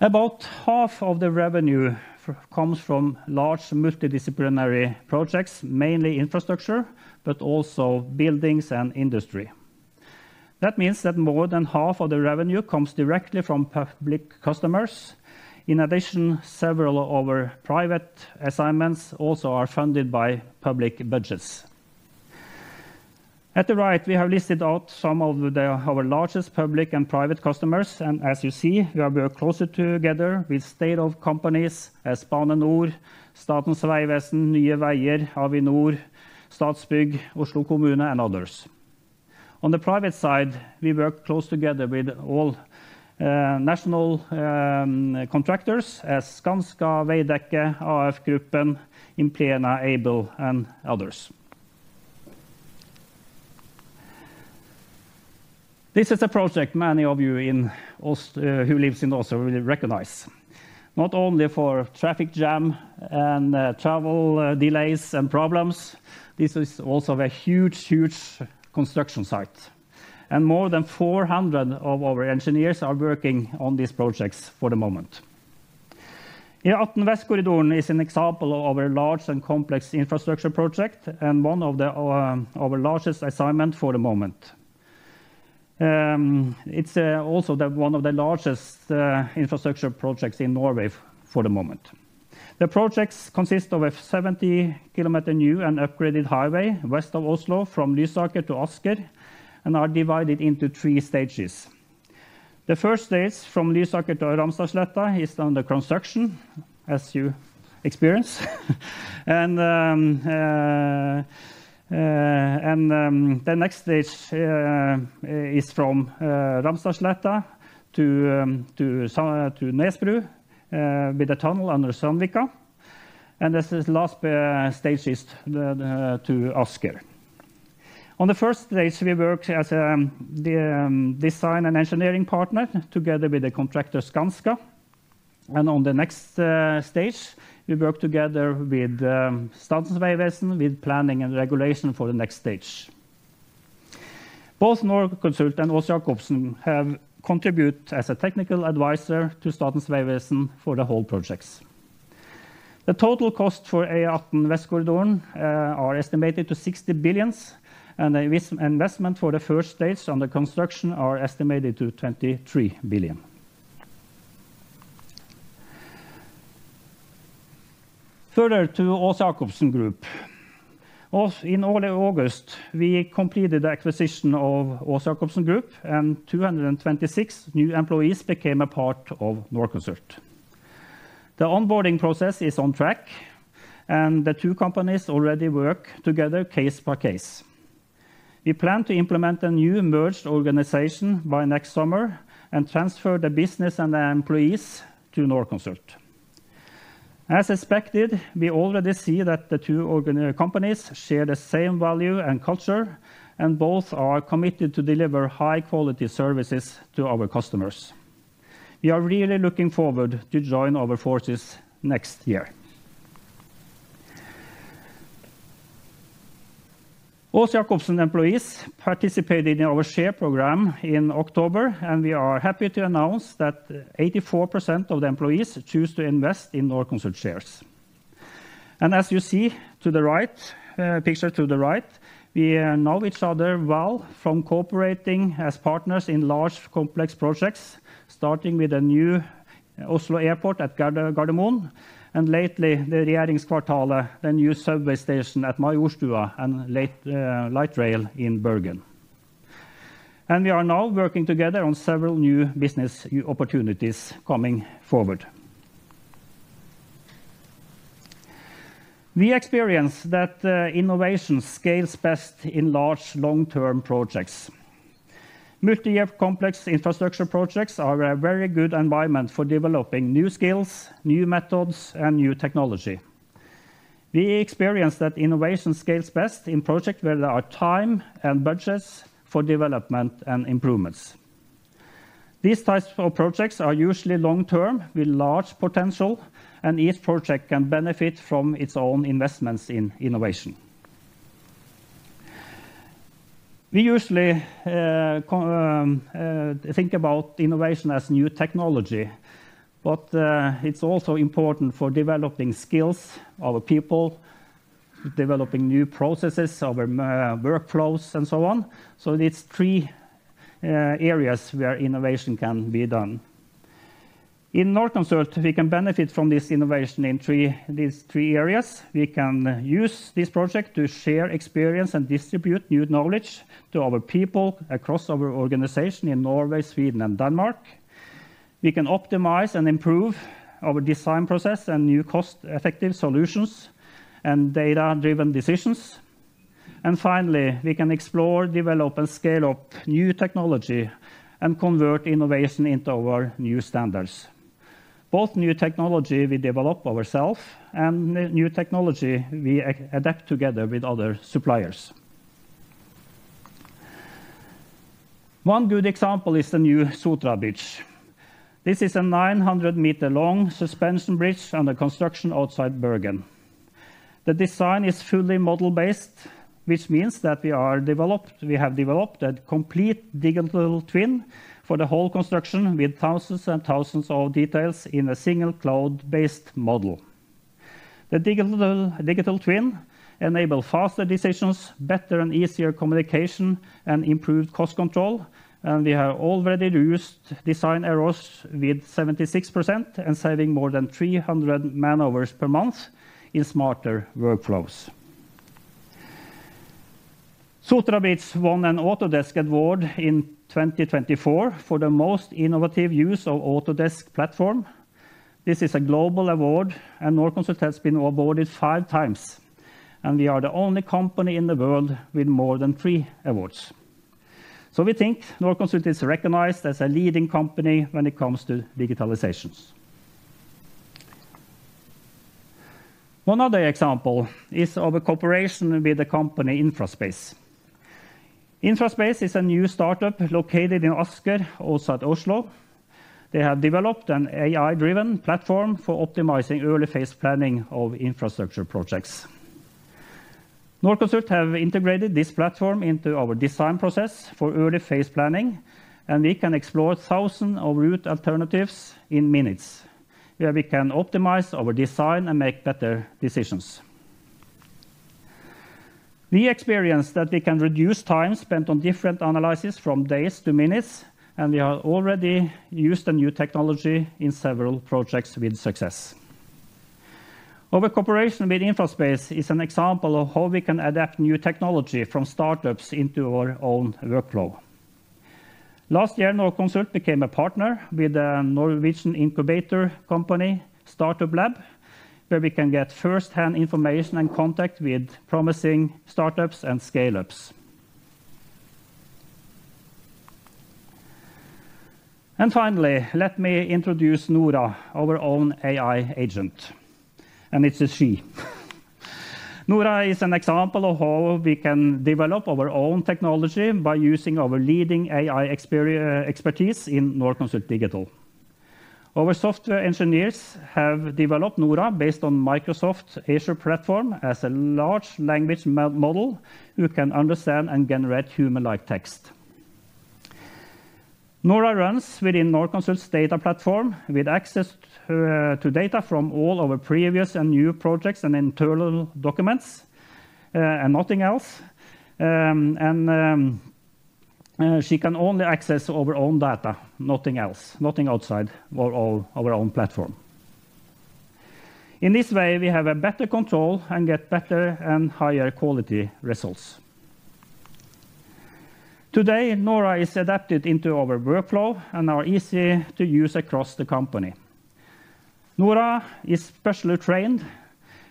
About half of the revenue comes from large multidisciplinary projects, mainly infrastructure, but also buildings and industry. That means that more than half of the revenue comes directly from public customers. In addition, several of our private assignments also are funded by public budgets. At the right, we have listed out some of our largest public and private customers. As you see, we are working closer together with state-owned companies as Bane NOR, Statens Vegvesen, Nye Veier, Avinor, Statsbygg, Oslo Kommune, and others. On the private side, we work close together with all national contractors as Skanska, Veidekke, AF Gruppen, Implenia, Abel, and others. This is a project many of you who live in Oslo will recognize. Not only for traffic jams and travel delays and problems, this is also a huge, huge construction site. More than 400 of our engineers are working on these projects for the moment. E18 corridor is an example of our large and complex infrastructure project and one of our largest assignments for the moment. It is also one of the largest infrastructure projects in Norway for the moment. The projects consist of a 70 km new and upgraded highway west of Oslo from Lysaker to Asker, and are divided into three stages. The first stage from Lysaker to Ramsøysletta is under construction, as you experience. The next stage is from Ramsøysletta to Nesbru with a tunnel under Sandvika. This last stage is to Asker. On the first stage, we work as a design and engineering partner together with the contractor Skanska. On the next stage, we work together with Statens Vegvesen with planning and regulation for the next stage. Both Norconsult and Aas-Jakobsen have contributed as a technical advisor to Statens Vegvesen for the whole projects. The total cost for E18 korridoren is estimated to be 60 billion, and the investment for the first stage under construction is estimated to be 23 billion. Further to Aas-Jakobsen Group. In early August, we completed the acquisition of Aas-Jakobsen Group, and 226 new employees became a part of Norconsult. The onboarding process is on track, and the two companies already work together case by case. We plan to implement a new merged organization by next summer and transfer the business and the employees to Norconsult. As expected, we already see that the two companies share the same value and culture, and both are committed to deliver high-quality services to our customers. We are really looking forward to joining our forces next year. Aas-Jakobsen employees participated in our share program in October, and we are happy to announce that 84% of the employees chose to invest in Norconsult shares. As you see to the right, picture to the right, we know each other well from cooperating as partners in large complex projects, starting with the new Oslo Airport at Gardermoen, and lately the Regjeringskvartalet, the new subway station at Majorstua, and Light Rail in Bergen. We are now working together on several new business opportunities coming forward. We experience that innovation scales best in large long-term projects. Multi-year complex infrastructure projects are a very good environment for developing new skills, new methods, and new technology. We experience that innovation scales best in projects where there are time and budgets for development and improvements. These types of projects are usually long-term with large potential, and each project can benefit from its own investments in innovation. We usually think about innovation as new technology, but it's also important for developing skills of people, developing new processes, our workflows, and so on. It is three areas where innovation can be done. In Norconsult, we can benefit from this innovation in these three areas. We can use this project to share experience and distribute new knowledge to our people across our organization in Norway, Sweden, and Denmark. We can optimize and improve our design process and new cost-effective solutions and data-driven decisions. Finally, we can explore, develop, and scale up new technology and convert innovation into our new standards. Both new technology we develop ourselves and new technology we adapt together with other suppliers. One good example is the new Sotra Bridge. This is a 900-meter-long suspension bridge under construction outside Bergen. The design is fully model-based, which means that we have developed a complete digital twin for the whole construction with thousands and thousands of details in a single cloud-based model. The digital twin enables faster decisions, better and easier communication, and improved cost control. We have already reduced design errors by 76% and are saving more than 300 man-hours per month in smarter workflows. Sotra Bridge won an Autodesk Award in 2024 for the most innovative use of the Autodesk platform. This is a global award, and Norconsult has been awarded five times. We are the only company in the world with more than three awards. We think Norconsult is recognized as a leading company when it comes to digitalization. One other example is of a cooperation with the company Infraspace. Infraspace is a new startup located in Asker, also at Oslo. They have developed an AI-driven platform for optimizing early phase planning of infrastructure projects. Norconsult has integrated this platform into our design process for early phase planning, and we can explore thousands of route alternatives in minutes where we can optimize our design and make better decisions. We experience that we can reduce time spent on different analyses from days to minutes, and we have already used the new technology in several projects with success. Our cooperation with Infraspace is an example of how we can adapt new technology from startups into our own workflow. Last year, Norconsult became a partner with a Norwegian incubator company, Startup Lab, where we can get first-hand information and contact with promising startups and scale-ups. Finally, let me introduce Nora, our own AI agent. It is a she. Nora is an example of how we can develop our own technology by using our leading AI expertise in Norconsult Digital. Our software engineers have developed Nora based on Microsoft Azure Platform as a large language model who can understand and generate human-like text. Nora runs within Norconsult's data platform with access to data from all our previous and new projects and internal documents and nothing else. She can only access our own data, nothing else, nothing outside our own platform. In this way, we have better control and get better and higher quality results. Today, Nora is adapted into our workflow and is easy to use across the company. Nora is specially trained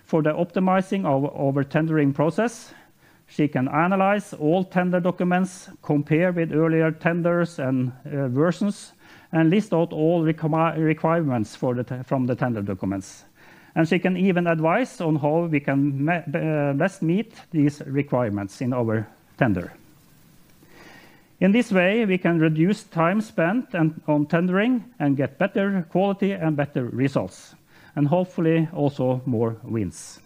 for the optimizing of our tendering process. She can analyze all tender documents, compare with earlier tenders and versions, and list out all requirements from the tender documents. She can even advise on how we can best meet these requirements in our tender. In this way, we can reduce time spent on tendering and get better quality and better results, hopefully also more wins.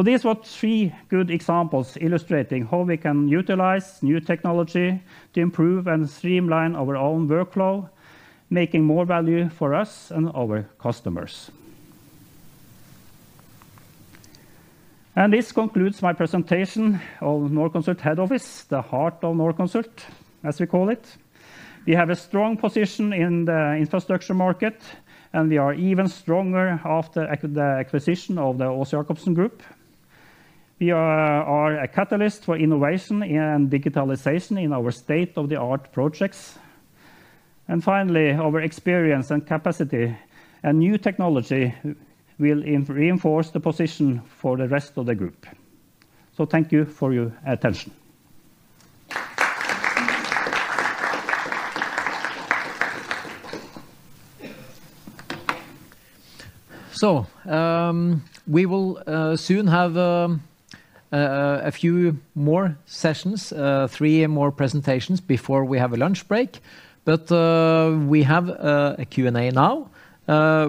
These were three good examples illustrating how we can utilize new technology to improve and streamline our own workflow, making more value for us and our customers. This concludes my presentation on Norconsult Head Office, the heart of Norconsult, as we call it. We have a strong position in the infrastructure market, and we are even stronger after the acquisition of the Aas-Jakobsen Group. We are a catalyst for innovation and digitalization in our state-of-the-art projects. Finally, our experience and capacity and new technology will reinforce the position for the rest of the group. Thank you for your attention. We will soon have a few more sessions, three more presentations before we have a lunch break. We have a Q&A now,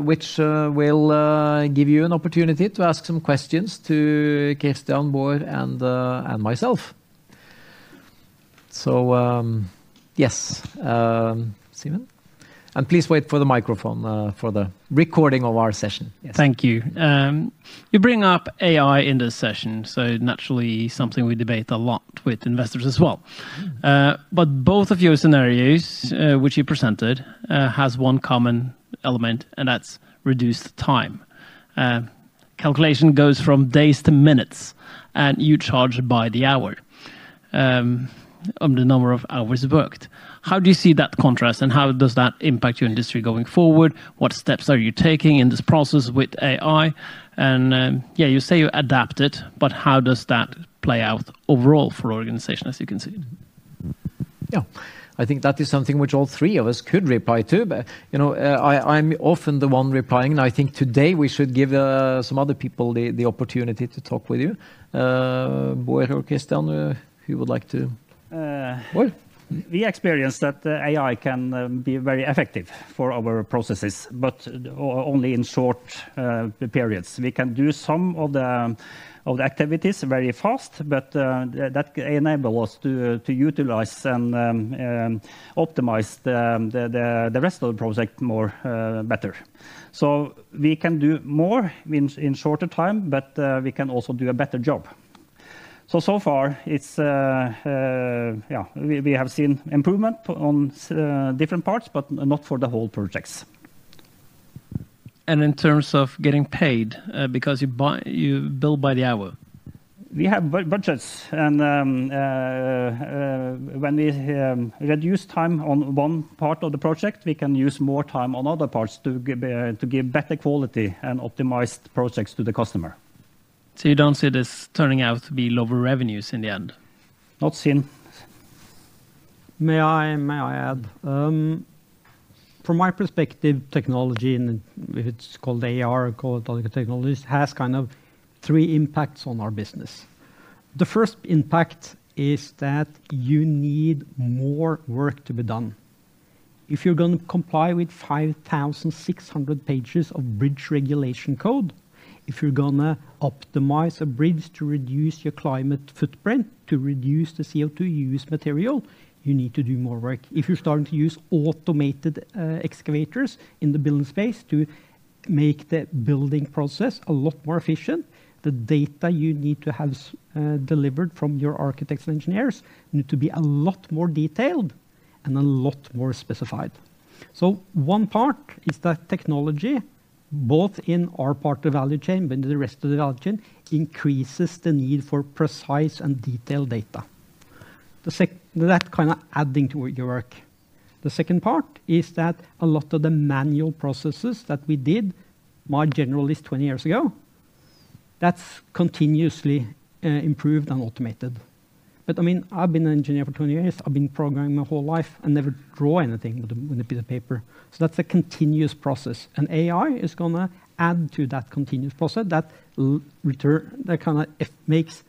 which will give you an opportunity to ask some questions to Christian Salbu Aasland and myself. Yes, Simen, and please wait for the microphone for the recording of our session. Thank you. You bring up AI in this session, so naturally something we debate a lot with investors as well. Both of your scenarios, which you presented, have one common element, and that's reduced time. Calculation goes from days to minutes, and you charge by the hour on the number of hours worked. How do you see that contrast, and how does that impact your industry going forward? What steps are you taking in this process with AI? Yeah, you say you adapt it, but how does that play out overall for the organization, as you can see? Yeah, I think that is something which all three of us could reply to. I'm often the one replying, and I think today we should give some other people the opportunity to talk with you. Bård or Christian, who would like to? We experience that AI can be very effective for our processes, but only in short periods. We can do some of the activities very fast, but that enables us to utilize and optimize the rest of the project better. We can do more in shorter time, but we can also do a better job. So far, we have seen improvement on different parts, but not for the whole projects. In terms of getting paid, because you bill by the hour? We have budgets, and when we reduce time on one part of the project, we can use more time on other parts to give better quality and optimized projects to the customer. You do not see this turning out to be lower revenues in the end? May I add? From my perspective, technology, and it is called AR, called technology, has kind of three impacts on our business. The first impact is that you need more work to be done. If you're going to comply with 5,600 pages of bridge regulation code, if you're going to optimize a bridge to reduce your climate footprint, to reduce the CO2 used material, you need to do more work. If you're starting to use automated excavators in the building space to make the building process a lot more efficient, the data you need to have delivered from your architects and engineers need to be a lot more detailed and a lot more specified. One part is that technology, both in our part of the value chain and the rest of the value chain, increases the need for precise and detailed data. That kind of adds into your work. The second part is that a lot of the manual processes that we did, my generalist 20 years ago, that's continuously improved and automated. I mean, I've been an engineer for 20 years. I've been programming my whole life. I never draw anything on a piece of paper. That is a continuous process. AI is going to add to that continuous process that kind of makes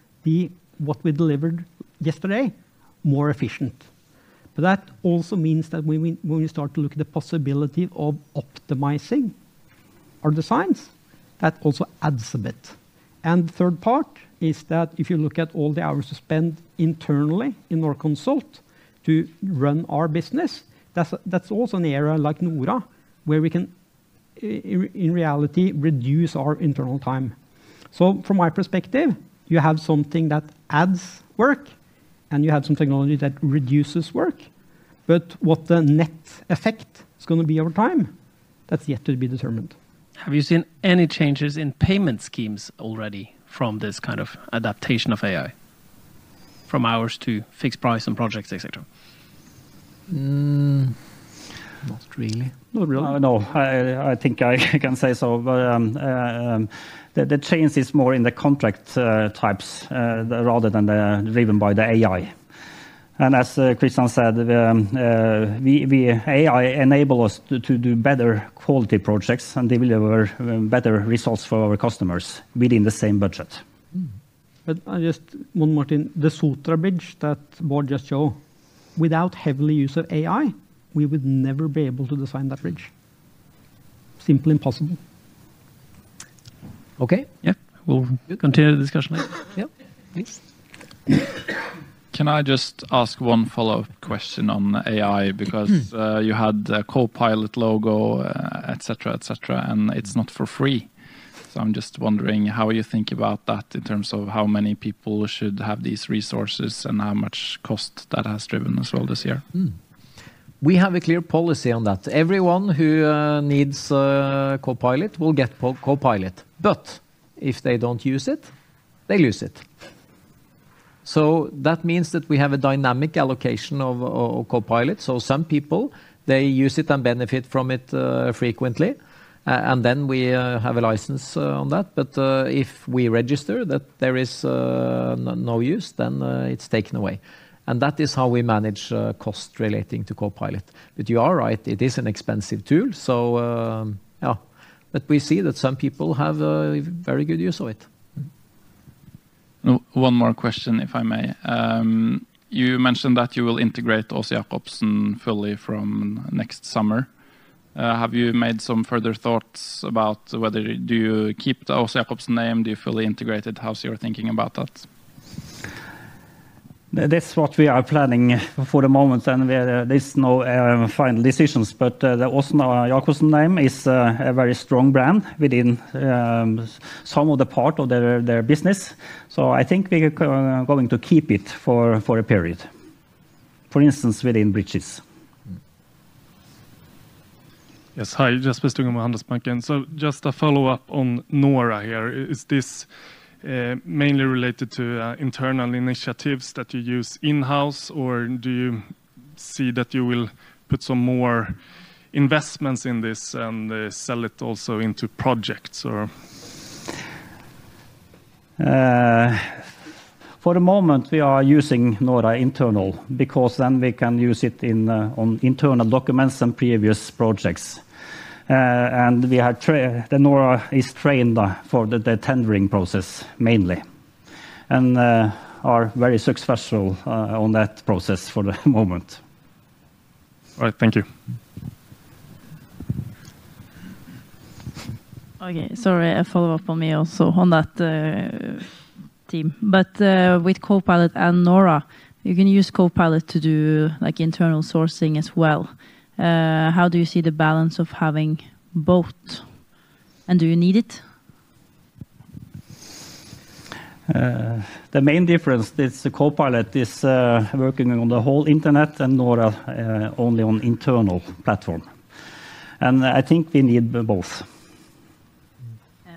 what we delivered yesterday more efficient. That also means that when we start to look at the possibility of optimizing our designs, that also adds a bit. The third part is that if you look at all the hours spent internally in Norconsult to run our business, that is also an area like Nora where we can in reality reduce our internal time. From my perspective, you have something that adds work, and you have some technology that reduces work. What the net effect is going to be over time, that is yet to be determined. Have you seen any changes in payment schemes already from this kind of adaptation of AI, from hours to fixed price on projects, etc.? Not really. Not really. No, I think I can say so. The change is more in the contract types rather than driven by the AI. As Christian said, AI enables us to do better quality projects and deliver better results for our customers within the same budget. Just one more thing. The Sotra Bridge that Bård just showed, without heavily used AI, we would never be able to design that bridge. Simply impossible. Okay. Yeah. We'll continue the discussion. Yeah. Thanks. Can I just ask one follow-up question on AI? Because you had a Copilot logo, etc., etc., and it's not for free. I'm just wondering how you think about that in terms of how many people should have these resources and how much cost that has driven as well this year. We have a clear policy on that. Everyone who needs Copilot will get Copilot. If they don't use it, they lose it. That means that we have a dynamic allocation of Copilot. Some people use it and benefit from it frequently, and then we have a license on that. If we register that there is no use, then it's taken away. That is how we manage cost relating to Copilot. You are right. It is an expensive tool. Yeah, we see that some people have very good use of it. One more question, if I may. You mentioned that you will integrate Aas-Jakobsen Group fully from next summer. Have you made some further thoughts about whether you keep the Aas-Jakobsen name? Do you fully integrate it? How's your thinking about that? That's what we are planning for the moment. There are no final decisions. The Aas-Jakobsen name is a very strong brand within some of the part of their business. I think we are going to keep it for a period. For instance, within bridges. Yes. Hi, Jespers Stugemo with Handelsbanken. Just a follow-up on Nora here. Is this mainly related to internal initiatives that you use in-house, or do you see that you will put some more investments in this and sell it also into projects? For the moment, we are using Nora internal because then we can use it on internal documents and previous projects. Nora is trained for the tendering process mainly and is very successful on that process for the moment. All right. Thank you. Okay. Sorry, a follow-up on me also on that team. With Copilot and Nora, you can use Copilot to do internal sourcing as well. How do you see the balance of having both? Do you need it? The main difference is Copilot is working on the whole internet and Nora only on internal platform. I think we need both.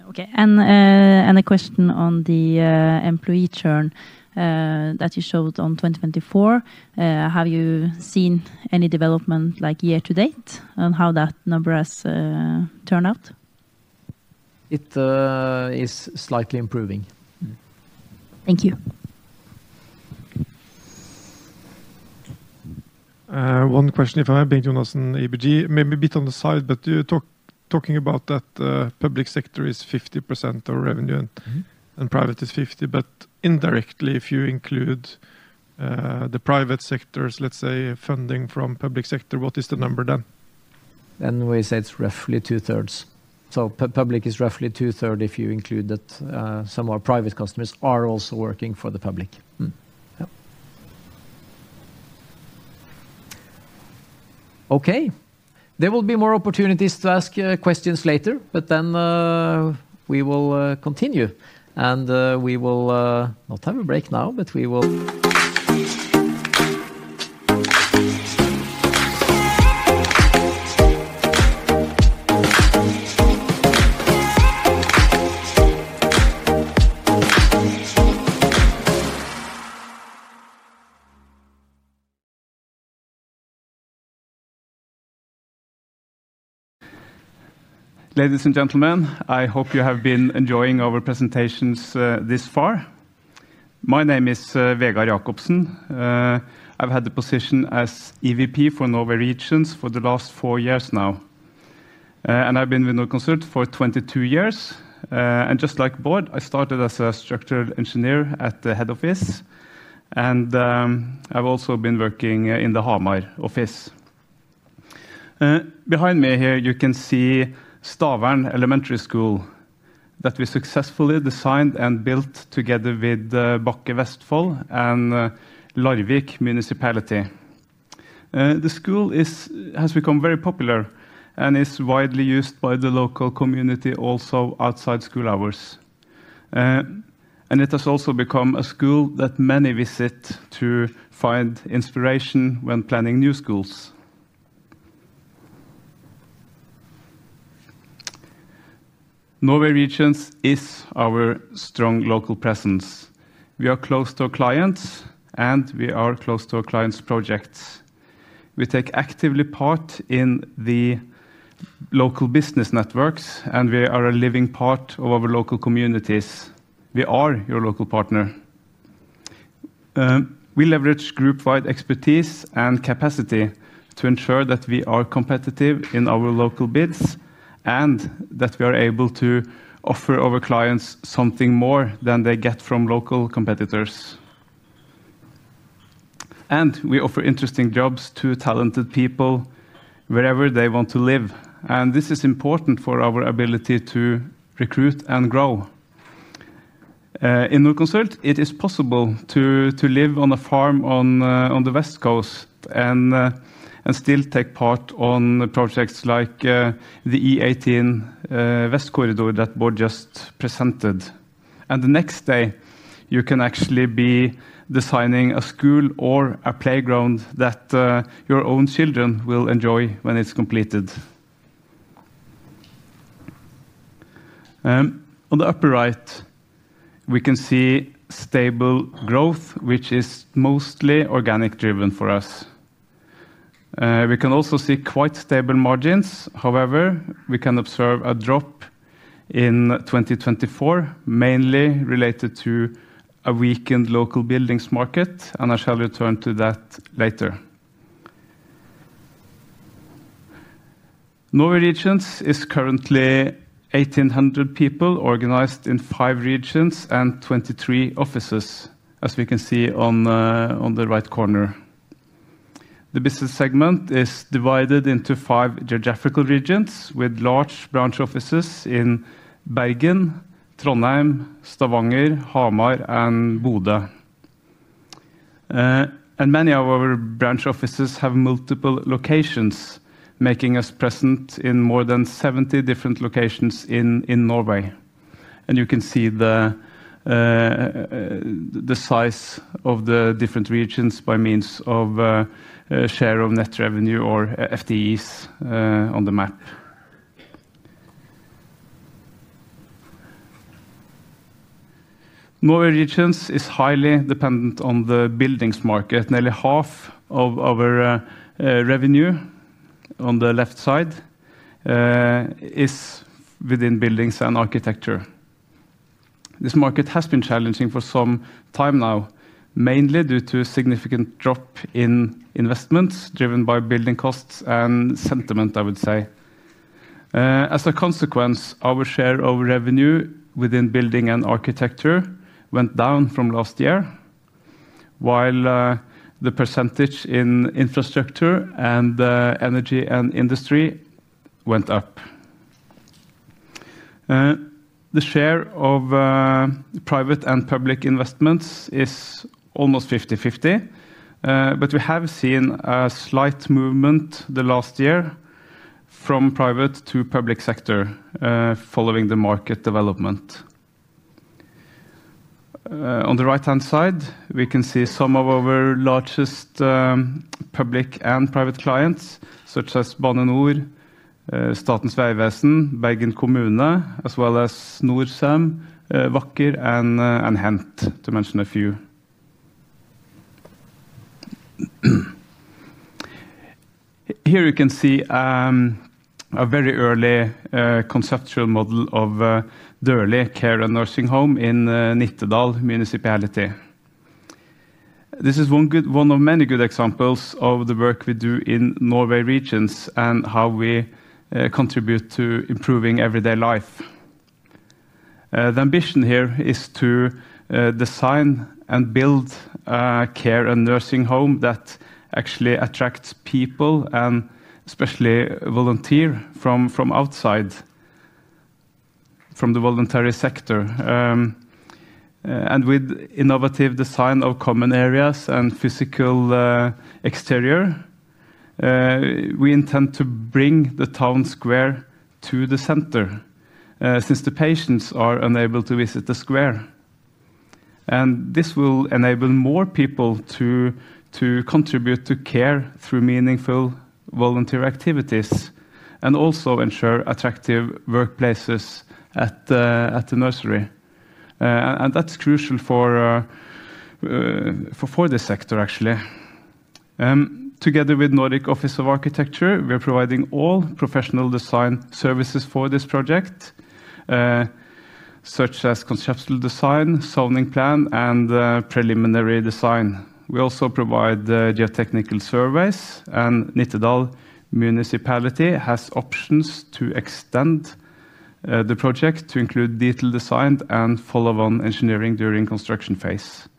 Okay. A question on the employee churn that you showed on 2024. Have you seen any development year to date and how that number has turned out? It is slightly improving. Thank you. One question if I may, Bengt Jonassen ABG. Maybe a bit on the side, but talking about that public sector is 50% of revenue and private is 50%. But indirectly, if you include the private sector's, let's say, funding from public sector, what is the number then? We say it's roughly two-thirds. Public is roughly two-thirds if you include that. Some of our private customers are also working for the public. Okay. There will be more opportunities to ask questions later, but we will continue. We will not have a break now, but we will. Ladies and gentlemen, I hope you have been enjoying our presentations this far. My name is Vegard Jacobsen. I've had the position as EVP for Norway Regions for the last four years now. I've been with Norconsult for 22 years. Just like Bård, I started as a structural engineer at the head office. I've also been working in the Hamar office. Behind me here, you can see Stavern Elementary School that we successfully designed and built together with Bakke Vestfold and Larvik Municipality. The school has become very popular and is widely used by the local community also outside school hours. It has also become a school that many visit to find inspiration when planning new schools. Norway Regions is our strong local presence. We are close to our clients, and we are close to our clients' projects. We take actively part in the local business networks, and we are a living part of our local communities. We are your local partner. We leverage group-wide expertise and capacity to ensure that we are competitive in our local bids and that we are able to offer our clients something more than they get from local competitors. We offer interesting jobs to talented people wherever they want to live. This is important for our ability to recruit and grow. In Norconsult, it is possible to live on a farm on the West Coast and still take part in projects like the E18 West Corridor that Bård just presented. The next day, you can actually be designing a school or a playground that your own children will enjoy when it is completed. On the upper right, we can see stable growth, which is mostly organic driven for us. We can also see quite stable margins. However, we can observe a drop in 2024, mainly related to a weakened local buildings market, and I shall return to that later. Norway Regions is currently 1,800 people organized in five regions and 23 offices, as we can see on the right corner. The business segment is divided into five geographical regions with large branch offices in Bergen, Trondheim, Stavanger, Hamar, and Bodø. Many of our branch offices have multiple locations, making us present in more than 70 different locations in Norway. You can see the size of the different regions by means of the share of net revenue or FTEs on the map. Norway Regions is highly dependent on the buildings market. Nearly half of our revenue on the left side is within buildings and architecture. This market has been challenging for some time now, mainly due to a significant drop in investments driven by building costs and sentiment, I would say. As a consequence, our share of revenue within building and architecture went down from last year, while the percentage in infrastructure and energy and industry went up. The share of private and public investments is almost 50-50, but we have seen a slight movement the last year from private to public sector following the market development. On the right-hand side, we can see some of our largest public and private clients, such as Bane NOR, Statens Vegvesen, Bergen Kommune, as well as Norsem, Vakker, and Hent, to mention a few. Here you can see a very early conceptual model of Dørlig Care and Nursing Home in Nittedal Municipality. This is one of many good examples of the work we do in Norway Regions and how we contribute to improving everyday life. The ambition here is to design and build a care and nursing home that actually attracts people and especially volunteers from outside, from the voluntary sector. With innovative design of common areas and physical exterior, we intend to bring the town square to the center since the patients are unable to visit the square. This will enable more people to contribute to care through meaningful volunteer activities and also ensure attractive workplaces at the nursery. That is crucial for this sector, actually. Together with Nordic Office of Architecture, we are providing all professional design services for this project, such as conceptual design, zoning plan, and preliminary design. We also provide geotechnical surveys, and Nittedal Municipality has options to extend the project to include detailed design and follow-on engineering during the construction phase.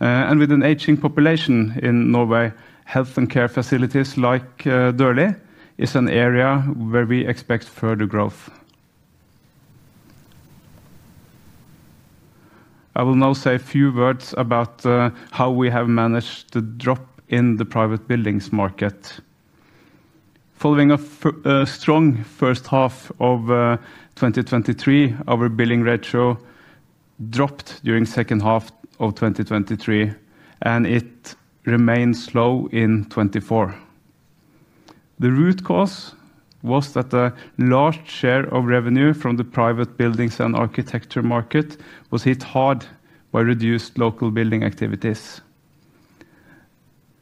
With an aging population in Norway, health and care facilities like Dørlig is an area where we expect further growth. I will now say a few words about how we have managed the drop in the private buildings market. Following a strong first half of 2023, our billing ratio dropped during the second half of 2023, and it remained low in 2024. The root cause was that a large share of revenue from the private buildings and architecture market was hit hard by reduced local building activities.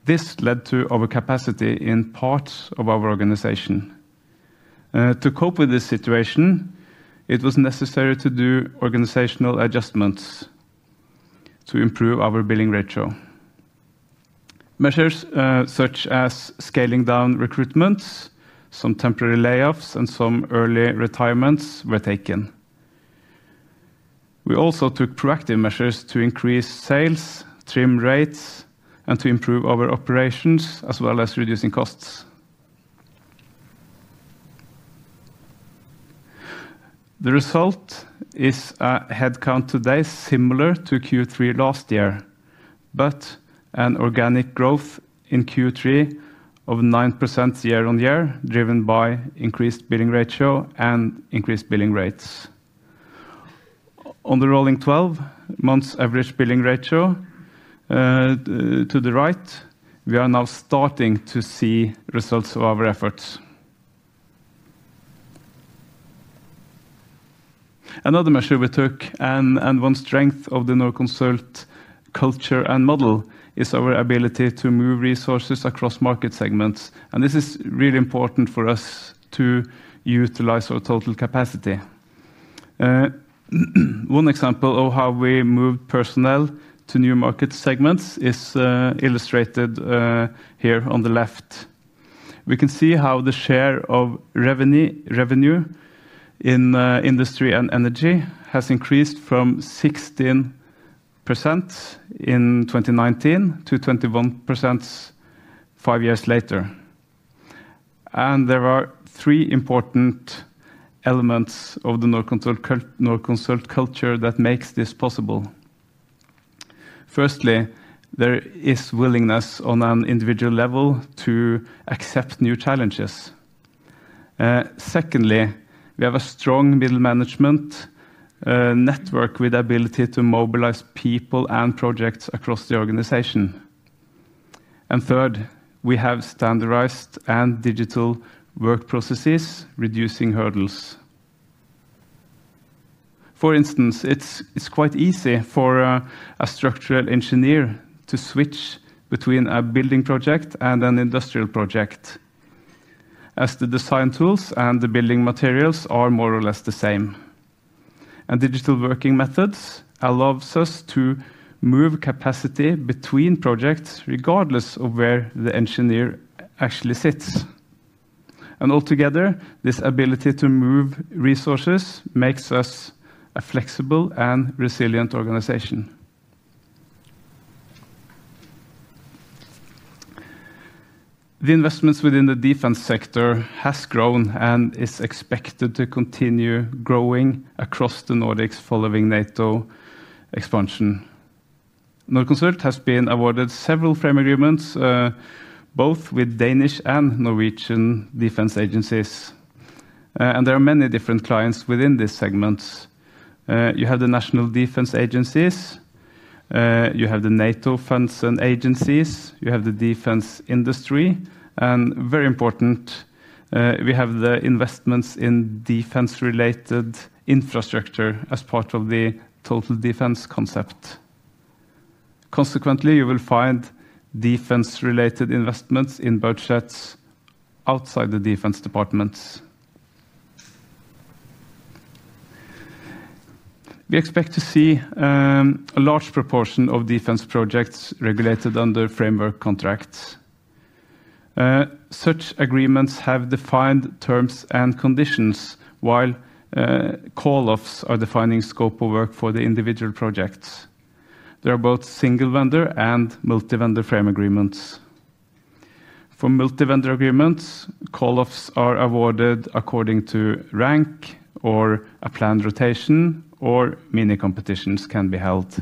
This led to our capacity in parts of our organization. To cope with this situation, it was necessary to do organizational adjustments to improve our billing ratio. Measures such as scaling down recruitment, some temporary layoffs, and some early retirements were taken. We also took proactive measures to increase sales, trim rates, and to improve our operations, as well as reducing costs. The result is a headcount today similar to Q3 last year, but an organic growth in Q3 of 9% year on year, driven by increased billing ratio and increased billing rates. On the rolling 12-month average billing ratio to the right, we are now starting to see results of our efforts. Another measure we took and one strength of the Norconsult culture and model is our ability to move resources across market segments. This is really important for us to utilize our total capacity. One example of how we moved personnel to new market segments is illustrated here on the left. We can see how the share of revenue in industry and energy has increased from 16% in 2019 to 21% five years later. There are three important elements of the Norconsult culture that make this possible. Firstly, there is willingness on an individual level to accept new challenges. Secondly, we have a strong middle management network with the ability to mobilize people and projects across the organization. Third, we have standardized and digital work processes reducing hurdles. For instance, it's quite easy for a structural engineer to switch between a building project and an industrial project as the design tools and the building materials are more or less the same. Digital working methods allow us to move capacity between projects regardless of where the engineer actually sits. Altogether, this ability to move resources makes us a flexible and resilient organization. The investments within the defense sector have grown and are expected to continue growing across the Nordics following NATO expansion. Norconsult has been awarded several frame agreements, both with Danish and Norwegian defense agencies. There are many different clients within this segment. You have the national defense agencies. You have the NATO defense agencies. You have the defense industry. Very important, we have the investments in defense-related infrastructure as part of the total defense concept. Consequently, you will find defense-related investments in budgets outside the defense departments. We expect to see a large proportion of defense projects regulated under framework contracts. Such agreements have defined terms and conditions, while call-offs are defining scope of work for the individual projects. There are both single vendor and multi-vendor frame agreements. For multi-vendor agreements, call-offs are awarded according to rank or a planned rotation, or mini-competitions can be held.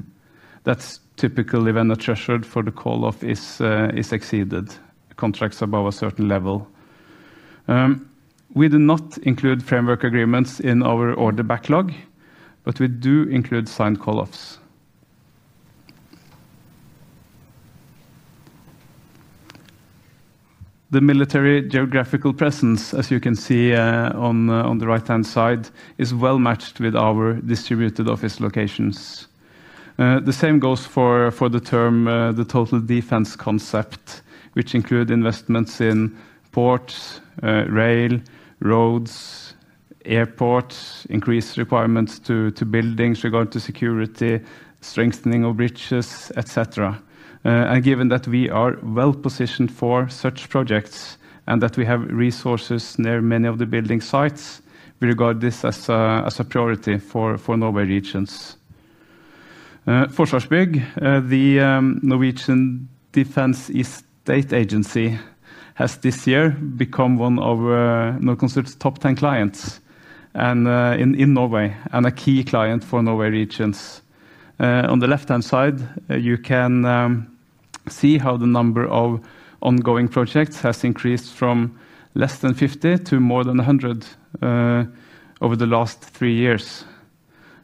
That's typically when the threshold for the call-off is exceeded, contracts above a certain level. We do not include framework agreements in our order backlog, but we do include signed call-offs. The military geographical presence, as you can see on the right-hand side, is well matched with our distributed office locations. The same goes for the term the total defense concept, which includes investments in ports, rail, roads, airports, increased requirements to buildings regarding security, strengthening of bridges, etc. Given that we are well positioned for such projects and that we have resources near many of the building sites, we regard this as a priority for Norway Regions. Forsvarsbygg, the Norwegian Defense Estate Agency, has this year become one of Norconsult's top 10 clients in Norway and a key client for Norway Regions. On the left-hand side, you can see how the number of ongoing projects has increased from less than 50 to more than 100 over the last three years.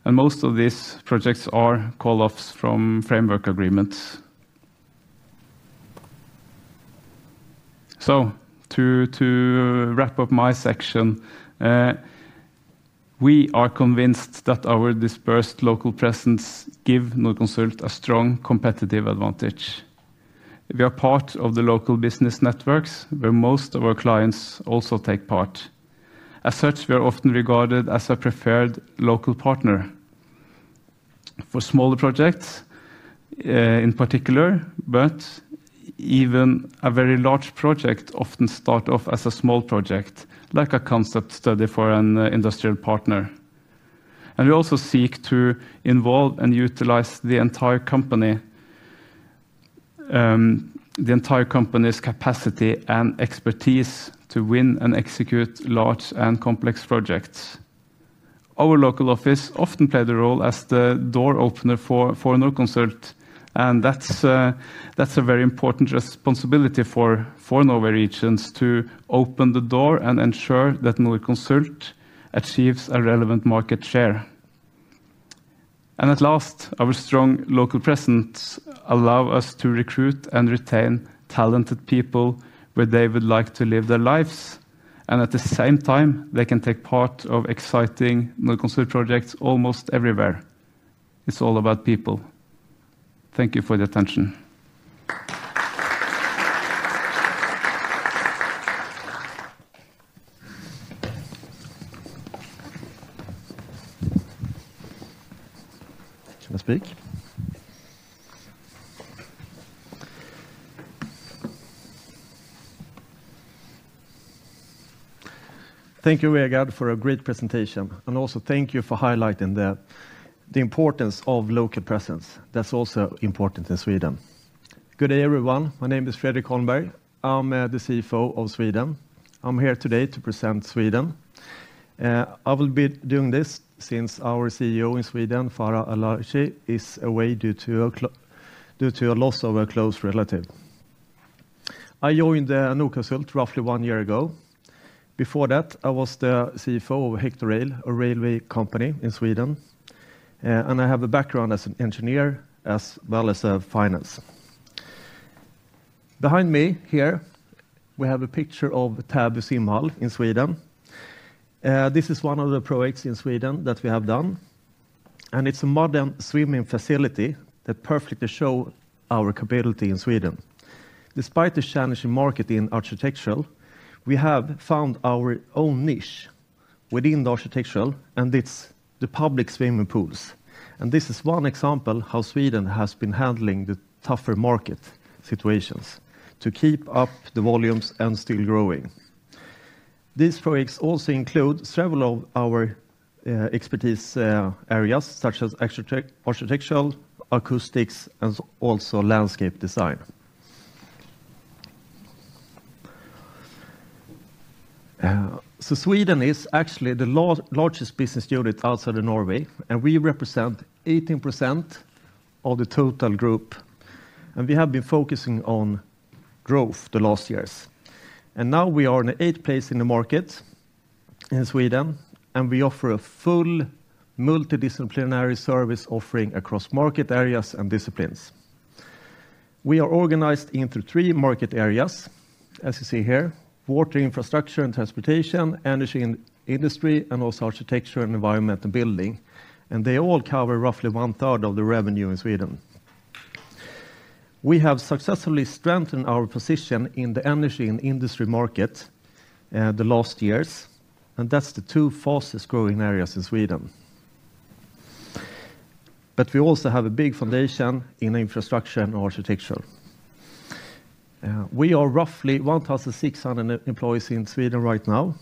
Most of these projects are call-offs from framework agreements. To wrap up my section, we are convinced that our dispersed local presence gives Norconsult a strong competitive advantage. We are part of the local business networks where most of our clients also take part. As such, we are often regarded as a preferred local partner. For smaller projects, in particular, but even a very large project often starts off as a small project, like a concept study for an industrial partner. We also seek to involve and utilize the entire company's capacity and expertise to win and execute large and complex projects. Our local office often plays the role as the door opener for Norconsult, and that's a very important responsibility for Norway Regions to open the door and ensure that Norconsult achieves a relevant market share. At last, our strong local presence allows us to recruit and retain talented people where they would like to live their lives, and at the same time, they can take part in exciting Norconsult projects almost everywhere. It's all about people. Thank you for the attention. Thank you, Vegard, for a great presentation. Also, thank you for highlighting the importance of local presence. That's also important in Sweden. Good day, everyone. My name is Fredrik Holmberg. I'm the CFO of Sweden. I'm here today to present Sweden. I will be doing this since our CEO in Sweden, Farah Al-Ayesh, is away due to a loss of a close relative. I joined Norconsult roughly one year ago. Before that, I was the CFO of Hector Rail, a railway company in Sweden. And I have a background as an engineer as well as finance. Behind me here, we have a picture of Täby simhall in Sweden. This is one of the projects in Sweden that we have done. And it's a modern swimming facility that perfectly shows our capability in Sweden. Despite the challenging market in architecture, we have found our own niche within the architecture, and it's the public swimming pools. This is one example of how Sweden has been handling the tougher market situations to keep up the volumes and still growing. These projects also include several of our expertise areas, such as architectural, acoustics, and also landscape design. Sweden is actually the largest business unit outside of Norway, and we represent 18% of the total group. We have been focusing on growth the last years. Now we are in the eighth place in the market in Sweden, and we offer a full multidisciplinary service offering across market areas and disciplines. We are organized into three market areas, as you see here: water infrastructure and transportation, energy and industry, and also architecture and environment and building. They all cover roughly one third of the revenue in Sweden. We have successfully strengthened our position in the energy and industry market the last years, and that's the two fastest growing areas in Sweden. We also have a big foundation in infrastructure and architecture. We are roughly 1,600 employees in Sweden right now,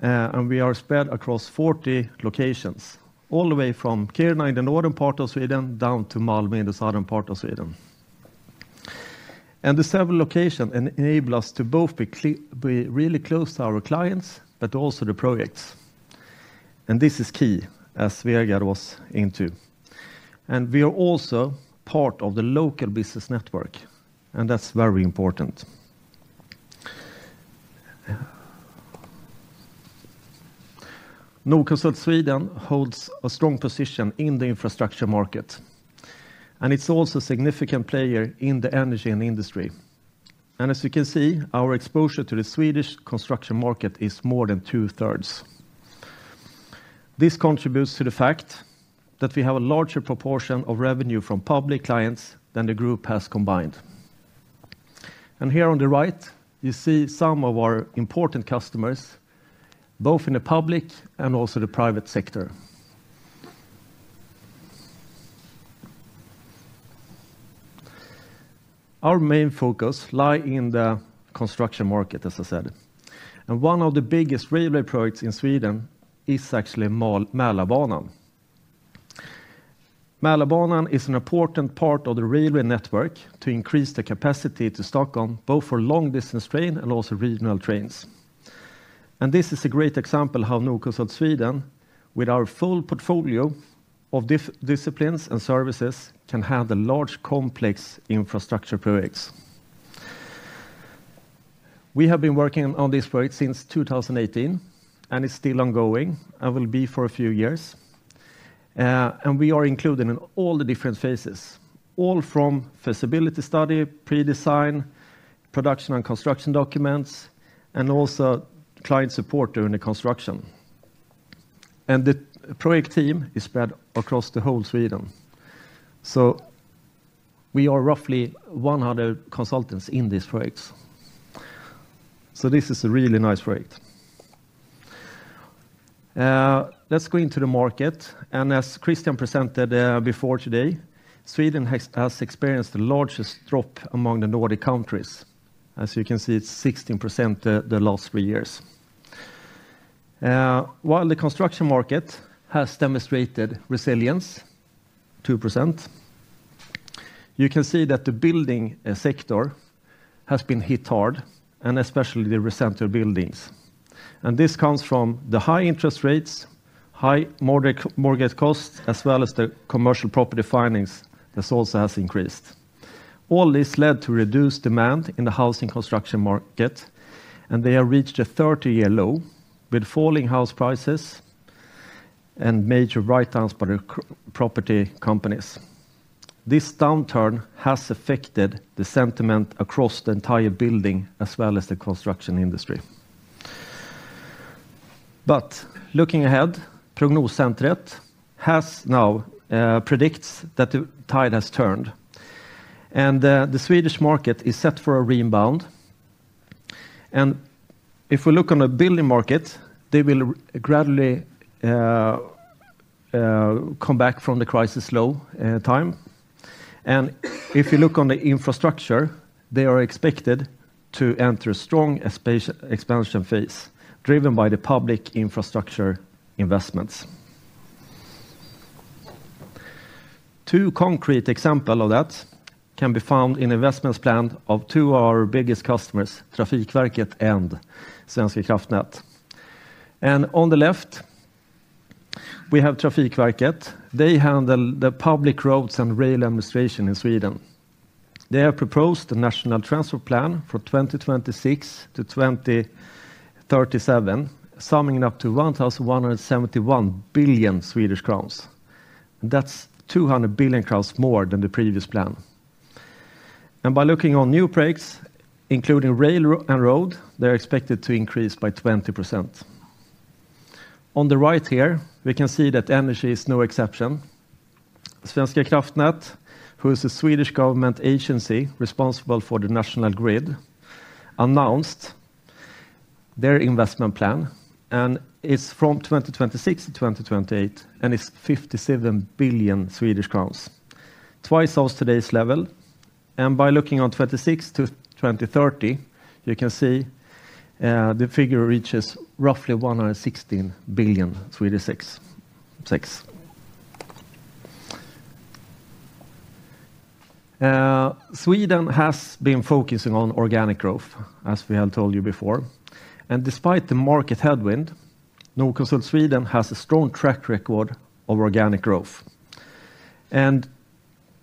and we are spread across 40 locations, all the way from Kiruna in the northern part of Sweden down to Malmö in the southern part of Sweden. The several locations enable us to both be really close to our clients, but also the projects. This is key, as Vegard was into. We are also part of the local business network, and that's very important. Norconsult Sweden holds a strong position in the infrastructure market, and it's also a significant player in the energy and industry. As you can see, our exposure to the Swedish construction market is more than two thirds. This contributes to the fact that we have a larger proportion of revenue from public clients than the group has combined. Here on the right, you see some of our important customers, both in the public and also the private sector. Our main focus lies in the construction market, as I said. One of the biggest railway projects in Sweden is actually Mälarbanan. Mälarbanan is an important part of the railway network to increase the capacity to Stockholm, both for long-distance trains and also regional trains. This is a great example of how Norconsult Sweden, with our full portfolio of disciplines and services, can handle large, complex infrastructure projects. We have been working on this project since 2018, and it is still ongoing and will be for a few years. We are included in all the different phases, all from feasibility study, pre-design, production and construction documents, and also client support during the construction. The project team is spread across the whole Sweden. We are roughly 100 consultants in these projects. This is a really nice project. Let's go into the market. As Christian presented before today, Sweden has experienced the largest drop among the Nordic countries. As you can see, it is 16% the last three years. While the construction market has demonstrated resilience, 2%, you can see that the building sector has been hit hard, and especially the recent buildings. This comes from the high interest rates, high mortgage costs, as well as the commercial property fines that also have increased. All this led to reduced demand in the housing construction market, and they have reached a 30-year low with falling house prices and major write-downs by the property companies. This downturn has affected the sentiment across the entire building as well as the construction industry. Looking ahead, Prognoscentret has now predicted that the tide has turned, and the Swedish market is set for a rebound. If we look on the building market, they will gradually come back from the crisis low time. If you look on the infrastructure, they are expected to enter a strong expansion phase driven by the public infrastructure investments. Two concrete examples of that can be found in the investment plan of two of our biggest customers, Trafikverket and Svenska Kraftnät. On the left, we have Trafikverket. They handle the public roads and rail administration in Sweden. They have proposed a national transfer plan for 2026 to 2037, summing up to 1,171 billion Swedish crowns. That is 200 billion crowns more than the previous plan. By looking on new projects, including rail and road, they are expected to increase by 20%. On the right here, we can see that energy is no exception. Svenska Kraftnät, who is a Swedish government agency responsible for the national grid, announced their investment plan, and it is from 2026 to 2028, and it is 57 billion Swedish crowns, twice of today's level. By looking on 2026 to 2030, you can see the figure reaches roughly 116 billion. Sweden has been focusing on organic growth, as we have told you before. Despite the market headwind, Norconsult Sweden has a strong track record of organic growth.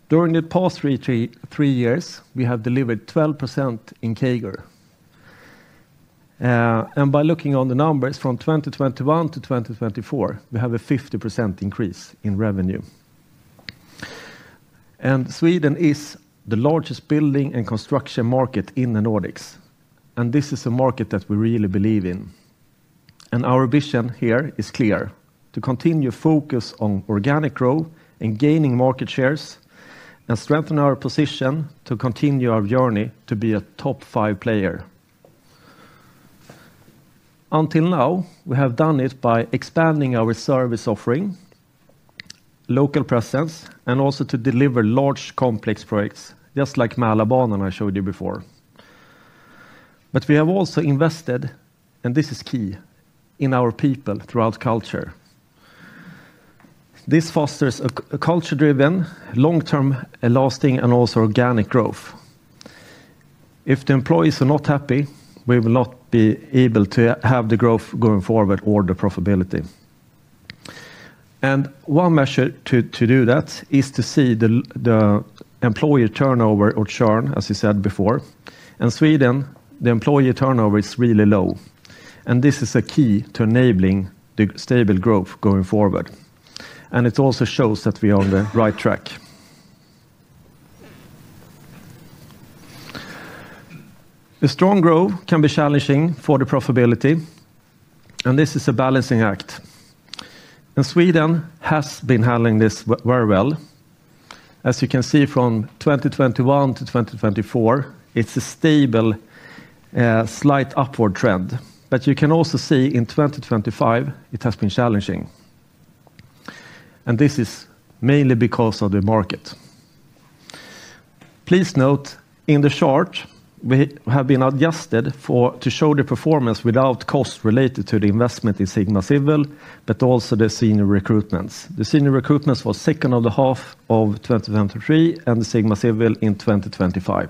During the past three years, we have delivered 12% in CAGR. By looking on the numbers from 2021 to 2024, we have a 50% increase in revenue. Sweden is the largest building and construction market in the Nordics, and this is a market that we really believe in. Our vision here is clear: to continue focus on organic growth and gaining market shares and strengthen our position to continue our journey to be a top five player. Until now, we have done it by expanding our service offering, local presence, and also to deliver large, complex projects, just like Mälarbanan I showed you before. We have also invested, and this is key, in our people throughout culture. This fosters a culture-driven, long-term lasting, and also organic growth. If the employees are not happy, we will not be able to have the growth going forward or the profitability. One measure to do that is to see the employee turnover or churn, as you said before. In Sweden, the employee turnover is really low, and this is a key to enabling the stable growth going forward. It also shows that we are on the right track. A strong growth can be challenging for the profitability, and this is a balancing act. Sweden has been handling this very well. As you can see from 2021 to 2024, it is a stable, slight upward trend. You can also see in 2025, it has been challenging. This is mainly because of the market. Please note in the chart, we have been adjusted to show the performance without costs related to the investment in Sigma Civil, but also the senior recruitments. The senior recruitments were second of the half of 2023 and Sigma Civil in 2025.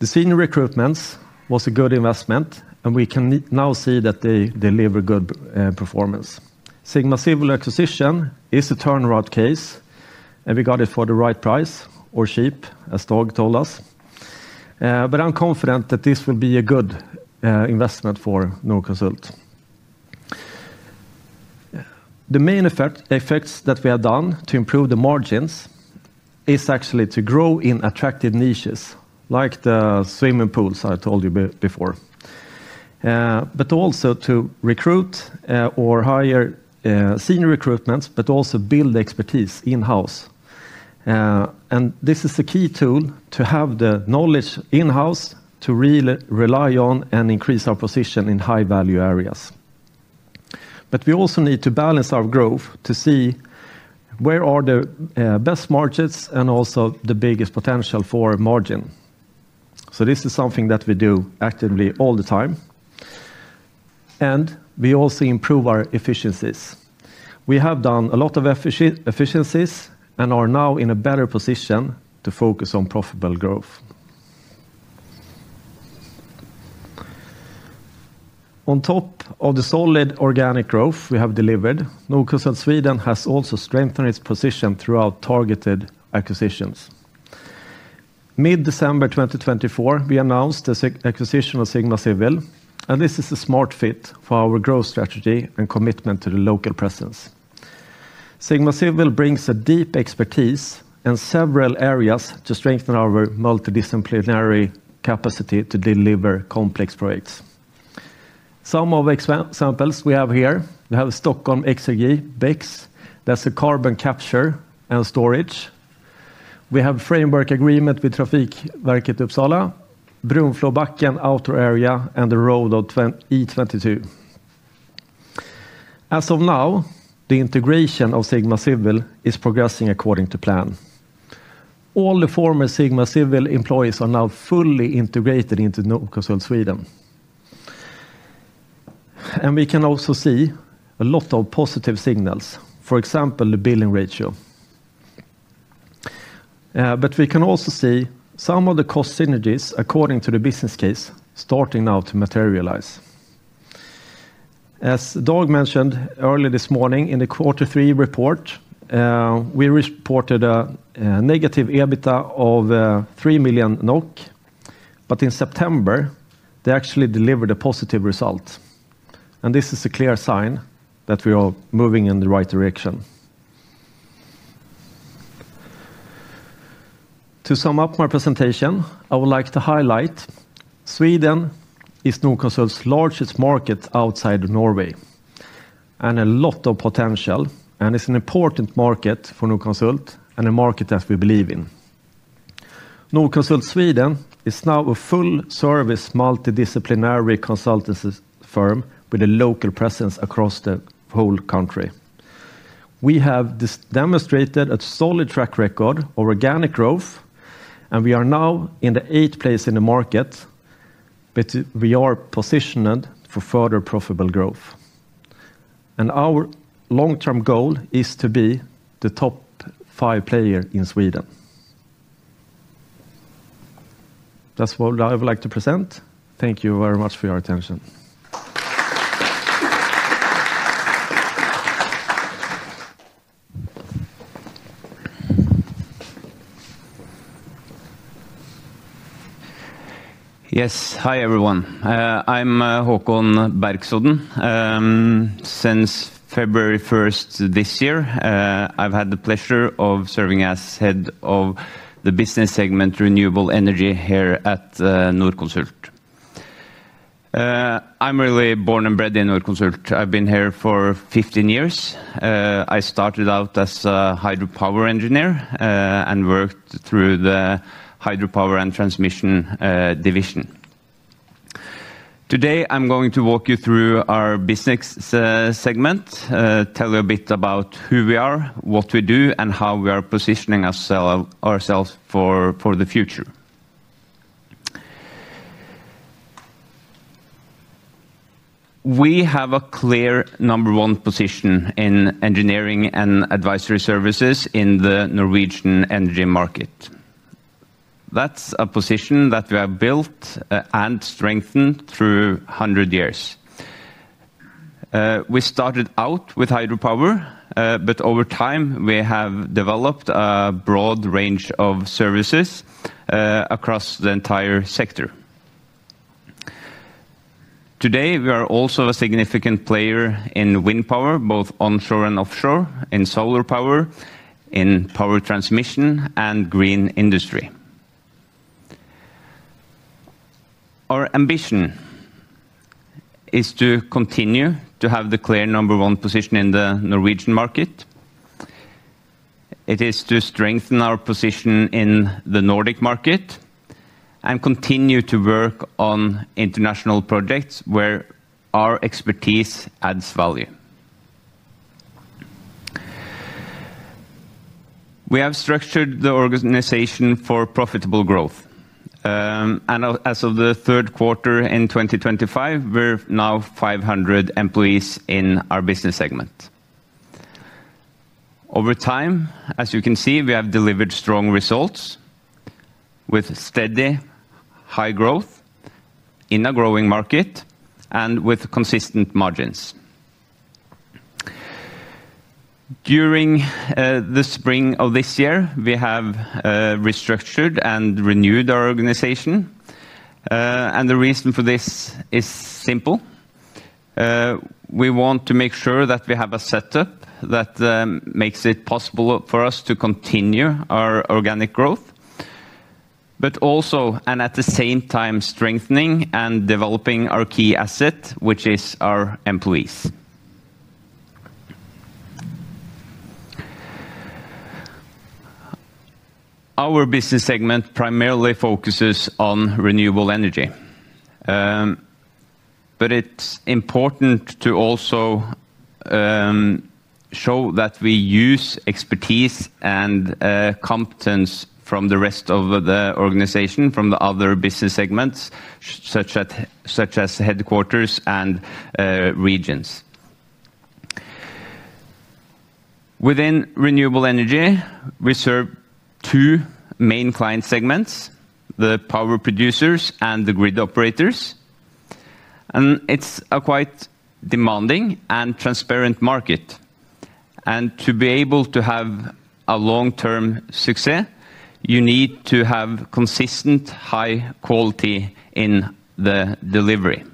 The senior recruitments were a good investment, and we can now see that they deliver good performance. Sigma Civil acquisition is a turnaround case, and we got it for the right price or cheap, as Torg told us. I'm confident that this will be a good investment for Norconsult. The main effects that we have done to improve the margins are actually to grow in attractive niches, like the swimming pools I told you before. We also recruit or hire senior recruitments, but also build expertise in-house. This is a key tool to have the knowledge in-house to really rely on and increase our position in high-value areas. We also need to balance our growth to see where are the best margins and also the biggest potential for margin. This is something that we do actively all the time. We also improve our efficiencies. We have done a lot of efficiencies and are now in a better position to focus on profitable growth. On top of the solid organic growth we have delivered, Norconsult Sweden has also strengthened its position throughout targeted acquisitions. Mid-December 2024, we announced the acquisition of Sigma Civil, and this is a smart fit for our growth strategy and commitment to the local presence. Sigma Civil brings a deep expertise in several areas to strengthen our multidisciplinary capacity to deliver complex projects. Some of the examples we have here: we have Stockholm XRG BICS, that's a carbon capture and storage. We have a framework agreement with Trafikverket Uppsala, Brunflobacken outer area, and the road of E22. As of now, the integration of Sigma Civil is progressing according to plan. All the former Sigma Civil employees are now fully integrated into Norconsult Sweden. We can also see a lot of positive signals, for example, the billing ratio. We can also see some of the cost synergies according to the business case starting now to materialize. As Torg mentioned early this morning in the Q3 report, we reported a negative EBITDA of 3 million NOK, but in September, they actually delivered a positive result. This is a clear sign that we are moving in the right direction. To sum up my presentation, I would like to highlight Sweden is Norconsult's largest market outside of Norway, and a lot of potential, and it is an important market for Norconsult and a market that we believe in. Norconsult Sweden is now a full-service multidisciplinary consultancy firm with a local presence across the whole country. We have demonstrated a solid track record of organic growth, and we are now in the eighth place in the market, but we are positioned for further profitable growth. Our long-term goal is to be the top five player in Sweden. That is what I would like to present. Thank you very much for your attention. Yes, hi everyone. I'm Håkon Bergsodden. Since February 1 this year, I've had the pleasure of serving as Head of the business segment renewable energy here at Norconsult. I'm really born and bred in Norconsult. I've been here for 15 years. I started out as a hydropower engineer and worked through the hydropower and transmission division. Today, I'm going to walk you through our business segment, tell you a bit about who we are, what we do, and how we are positioning ourselves for the future. We have a clear number one position in engineering and advisory services in the Norwegian energy market. That's a position that we have built and strengthened through 100 years. We started out with hydropower, but over time, we have developed a broad range of services across the entire sector. Today, we are also a significant player in wind power, both onshore and offshore, in solar power, in power transmission, and green industry. Our ambition is to continue to have the clear number one position in the Norwegian market. It is to strengthen our position in the Nordic market and continue to work on international projects where our expertise adds value. We have structured the organization for profitable growth. As of the third quarter in 2025, we're now 500 employees in our business segment. Over time, as you can see, we have delivered strong results with steady high growth in a growing market and with consistent margins. During the spring of this year, we have restructured and renewed our organization. The reason for this is simple. We want to make sure that we have a setup that makes it possible for us to continue our organic growth, but also, and at the same time, strengthening and developing our key asset, which is our employees. Our business segment primarily focuses on renewable energy, but it's important to also show that we use expertise and competence from the rest of the organization, from the other business segments, such as headquarters and regions. Within renewable energy, we serve two main client segments: the power producers and the grid operators. It's a quite demanding and transparent market. To be able to have long-term success, you need to have consistent high quality in the delivery.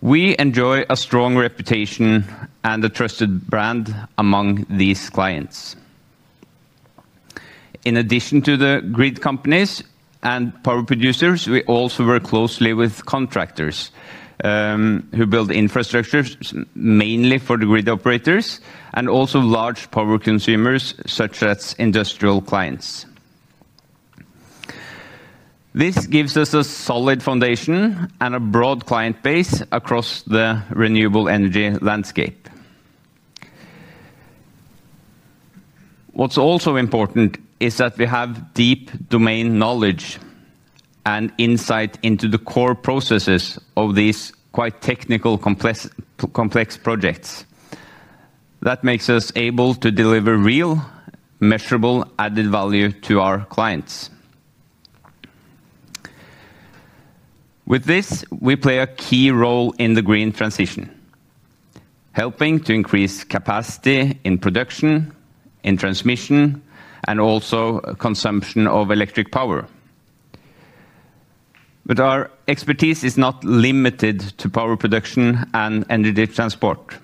We enjoy a strong reputation and a trusted brand among these clients. In addition to the grid companies and power producers, we also work closely with contractors who build infrastructures mainly for the grid operators and also large power consumers such as industrial clients. This gives us a solid foundation and a broad client base across the renewable energy landscape. What's also important is that we have deep domain knowledge and insight into the core processes of these quite technical, complex projects. That makes us able to deliver real, measurable added value to our clients. With this, we play a key role in the green transition, helping to increase capacity in production, in transmission, and also consumption of electric power. Our expertise is not limited to power production and energy transport.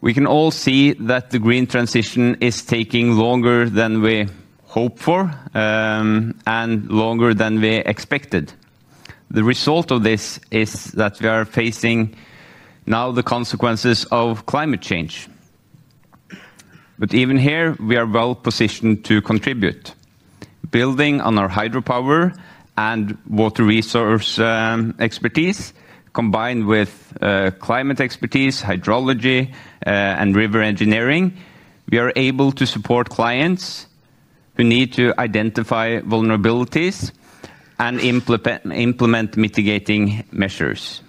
We can all see that the green transition is taking longer than we hoped for and longer than we expected. The result of this is that we are facing now the consequences of climate change. Even here, we are well positioned to contribute. Building on our hydropower and water resource expertise, combined with climate expertise, hydrology, and river engineering, we are able to support clients who need to identify vulnerabilities and implement mitigating measures.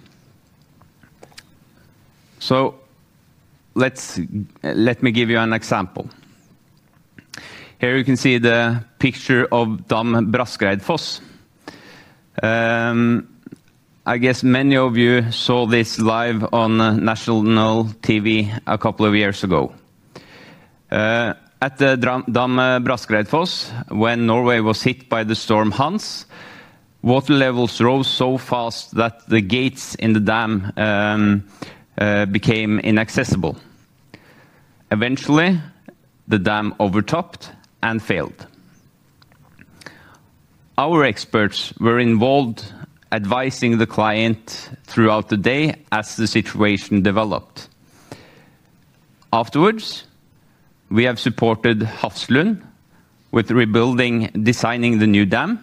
Let me give you an example. Here you can see the picture of Dam Braskreddfoss. I guess many of you saw this live on national TV a couple of years ago. At Dam Braskreddfoss, when Norway was hit by the storm Hans, water levels rose so fast that the gates in the dam became inaccessible. Eventually, the dam overtopped and failed. Our experts were involved advising the client throughout the day as the situation developed. Afterwards, we have supported Hafslund with rebuilding, designing the new dam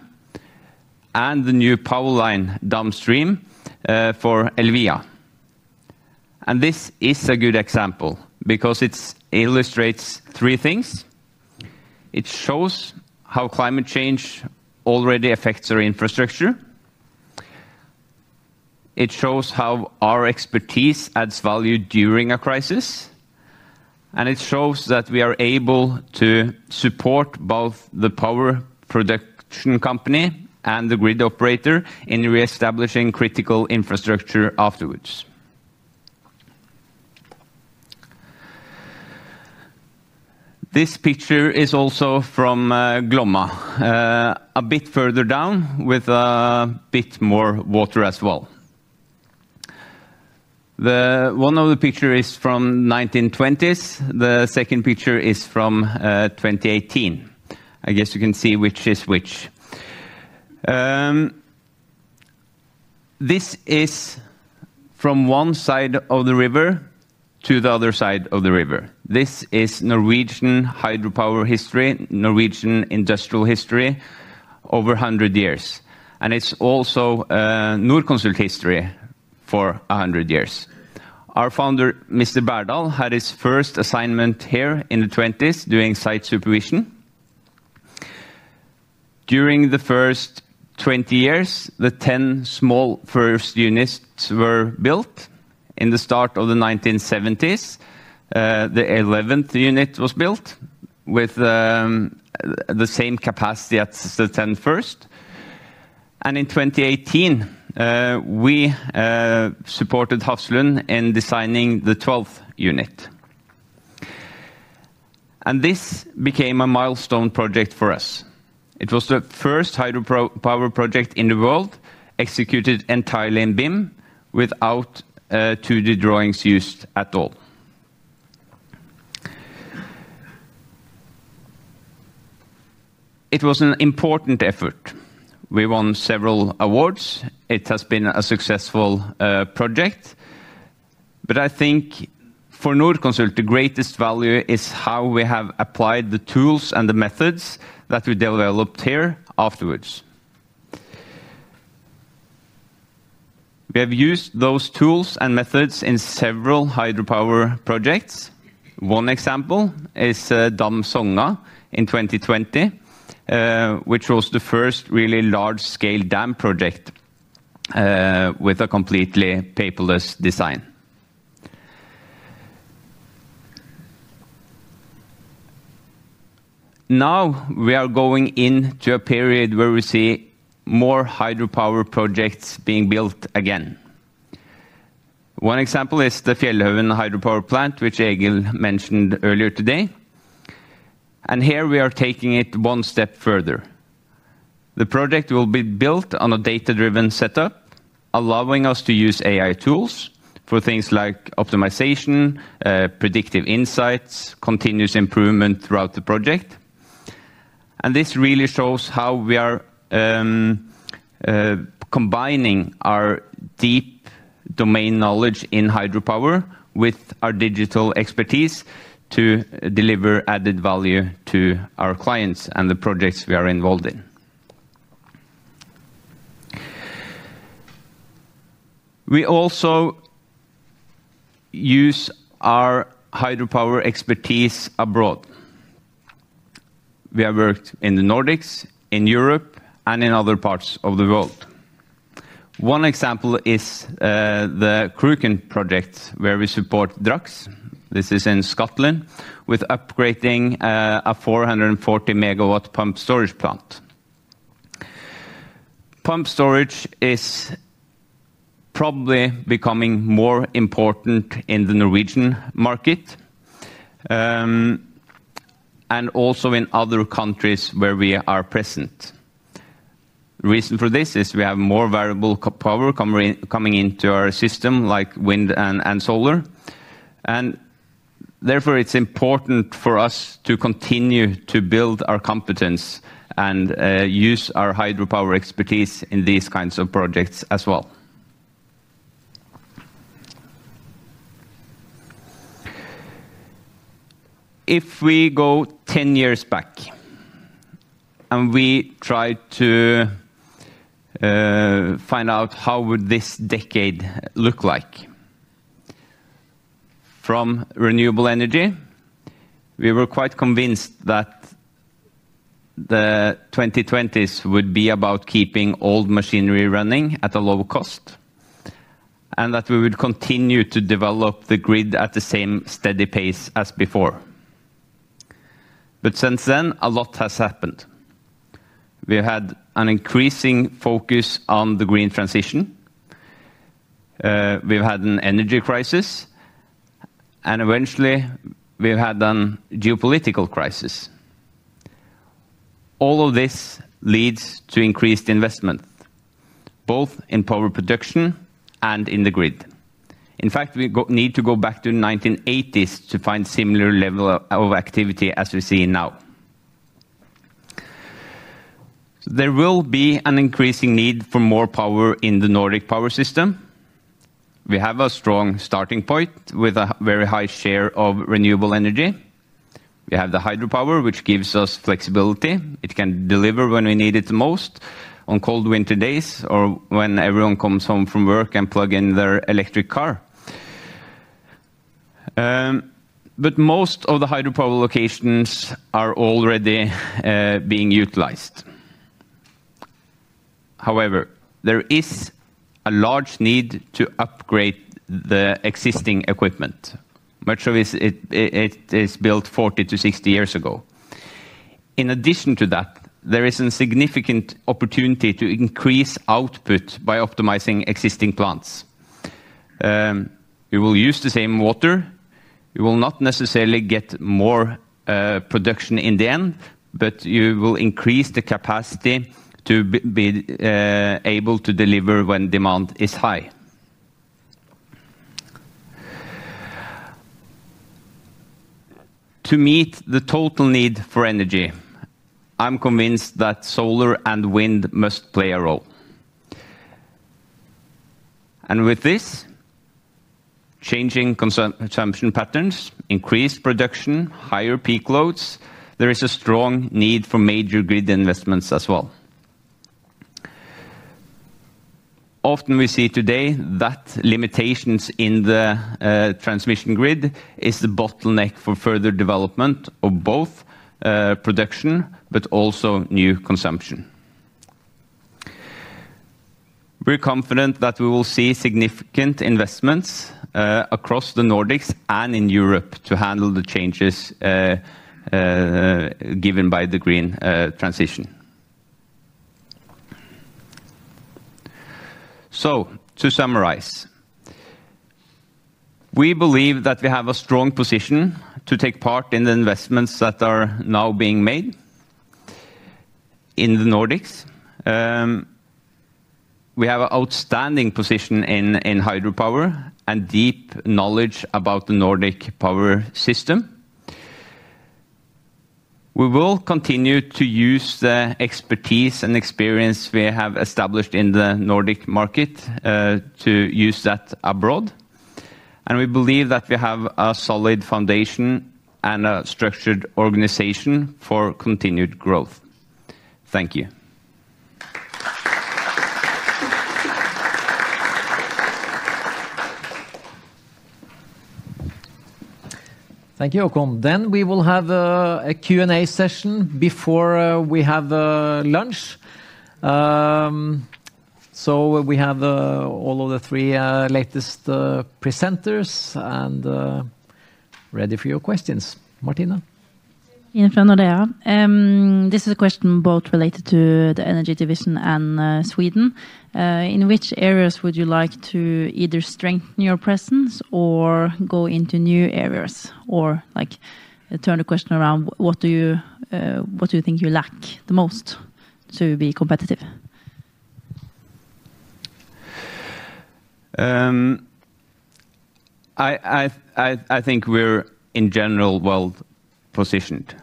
and the new power line downstream for Elvia. This is a good example because it illustrates three things. It shows how climate change already affects our infrastructure. It shows how our expertise adds value during a crisis. It shows that we are able to support both the power production company and the grid operator in reestablishing critical infrastructure afterwards. This picture is also from Glomma, a bit further down with a bit more water as well. One of the pictures is from the 1920s. The second picture is from 2018. I guess you can see which is which. This is from one side of the river to the other side of the river. This is Norwegian hydropower history, Norwegian industrial history over 100 years. It is also Norconsult history for 100 years. Our founder, Mr. Berdahl, had his first assignment here in the 1920s doing site supervision. During the first 20 years, the 10 small first units were built. In the start of the 1970s, the 11th unit was built with the same capacity as the 10 first. In 2018, we supported Hafslund in designing the 12th unit. This became a milestone project for us. It was the first hydropower project in the world executed entirely in BIM without 2D drawings used at all. It was an important effort. We won several awards. It has been a successful project. I think for Norconsult, the greatest value is how we have applied the tools and the methods that we developed here afterwards. We have used those tools and methods in several hydropower projects. One example is Dam Sogna in 2020, which was the first really large-scale dam project with a completely paperless design. Now we are going into a period where we see more hydropower projects being built again. One example is the Fjellhaugen Hydropower Plant, which Egil mentioned earlier today. Here we are taking it one step further. The project will be built on a data-driven setup, allowing us to use AI tools for things like optimization, predictive insights, continuous improvement throughout the project. This really shows how we are combining our deep domain knowledge in hydropower with our digital expertise to deliver added value to our clients and the projects we are involved in. We also use our hydropower expertise abroad. We have worked in the Nordics, in Europe, and in other parts of the world. One example is the Krøken project where we support Drax. This is in Scotland with upgrading a 440 megawatt pump storage plant. Pump storage is probably becoming more important in the Norwegian market and also in other countries where we are present. The reason for this is we have more variable power coming into our system, like wind and solar. Therefore, it's important for us to continue to build our competence and use our hydropower expertise in these kinds of projects as well. If we go 10 years back and we try to find out how would this decade look like. From renewable energy, we were quite convinced that the 2020s would be about keeping old machinery running at a low cost and that we would continue to develop the grid at the same steady pace as before. Since then, a lot has happened. We had an increasing focus on the green transition. We've had an energy crisis, and eventually, we've had a geopolitical crisis. All of this leads to increased investment, both in power production and in the grid. In fact, we need to go back to the 1980s to find a similar level of activity as we see now. There will be an increasing need for more power in the Nordic power system. We have a strong starting point with a very high share of renewable energy. We have the hydropower, which gives us flexibility. It can deliver when we need it the most on cold winter days or when everyone comes home from work and plugs in their electric car. Most of the hydropower locations are already being utilized. However, there is a large need to upgrade the existing equipment, much of it is built 40 to 60 years ago. In addition to that, there is a significant opportunity to increase output by optimizing existing plants. You will use the same water. You will not necessarily get more production in the end, but you will increase the capacity to be able to deliver when demand is high. To meet the total need for energy, I'm convinced that solar and wind must play a role. With this, changing consumption patterns, increased production, higher peak loads, there is a strong need for major grid investments as well. Often we see today that limitations in the transmission grid are the bottleneck for further development of both production, but also new consumption. We're confident that we will see significant investments across the Nordics and in Europe to handle the changes given by the green transition. To summarize, we believe that we have a strong position to take part in the investments that are now being made in the Nordics. We have an outstanding position in hydropower and deep knowledge about the Nordic power system. We will continue to use the expertise and experience we have established in the Nordic market to use that abroad. We believe that we have a solid foundation and a structured organization for continued growth. Thank you. Thank you, Håkon. We will have a Q&A session before we have lunch. We have all of the three latest presenters and are ready for your questions. Martine? Infrån Nordea. This is a question both related to the Energy Division and Sweden. In which areas would you like to either strengthen your presence or go into new areas? Or turn the question around, what do you think you lack the most to be competitive? I think we're, in general, well positioned.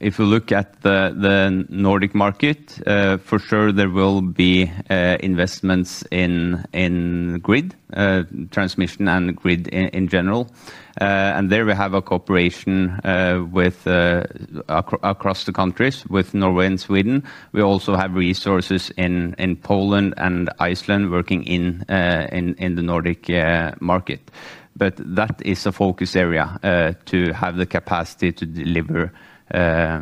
If you look at the Nordic market, for sure there will be investments in grid transmission and grid in general. There we have a cooperation across the countries with Norway and Sweden. We also have resources in Poland and Iceland working in the Nordic market. That is a focus area to have the capacity to deliver to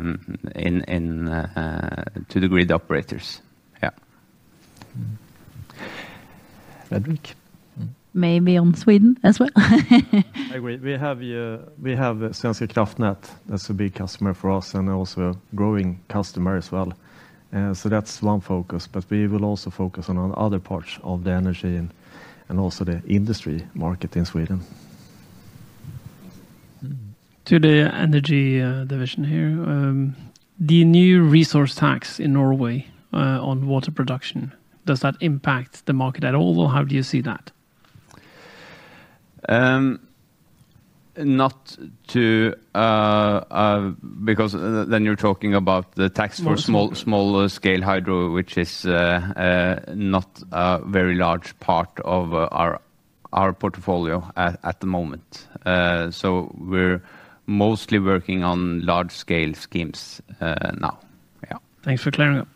the grid operators. Yeah. Maybe on Sweden as well. I agree. We have Svenska Kraftnät. That's a big customer for us and also a growing customer as well. That's one focus. We will also focus on other parts of the energy and also the industry market in Sweden. To the Energy Division here. The new resource tax in Norway on water production, does that impact the market at all? How do you see that? Not too, because then you're talking about the tax for small-scale hydro, which is not a very large part of our portfolio at the moment. So we're mostly working on large-scale schemes now. Yeah. Thanks for clearing up.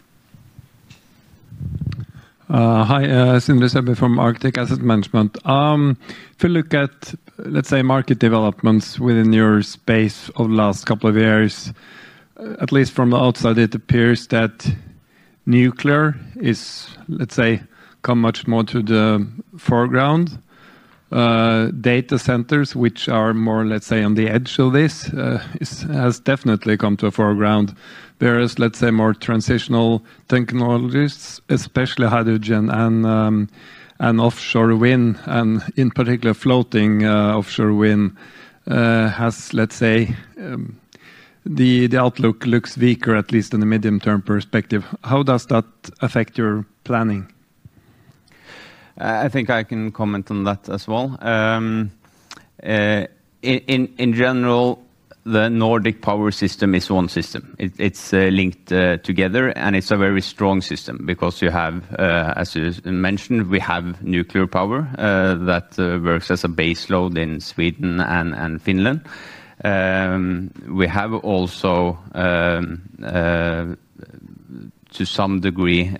Hi. Sindre Soerbye from Arctic Asset Management. If you look at, let's say, market developments within your space over the last couple of years, at least from the outside, it appears that nuclear is, let's say, come much more to the foreground. Data centers, which are more, let's say, on the edge of this, has definitely come to the foreground. There is, let's say, more transitional technologies, especially hydrogen and offshore wind, and in particular, floating offshore wind has, let's say, the outlook looks weaker, at least in the medium-term perspective. How does that affect your planning? I think I can comment on that as well. In general, the Nordic power system is one system. It's linked together, and it's a very strong system because you have, as you mentioned, we have nuclear power that works as a base load in Sweden and Finland. We have also, to some degree,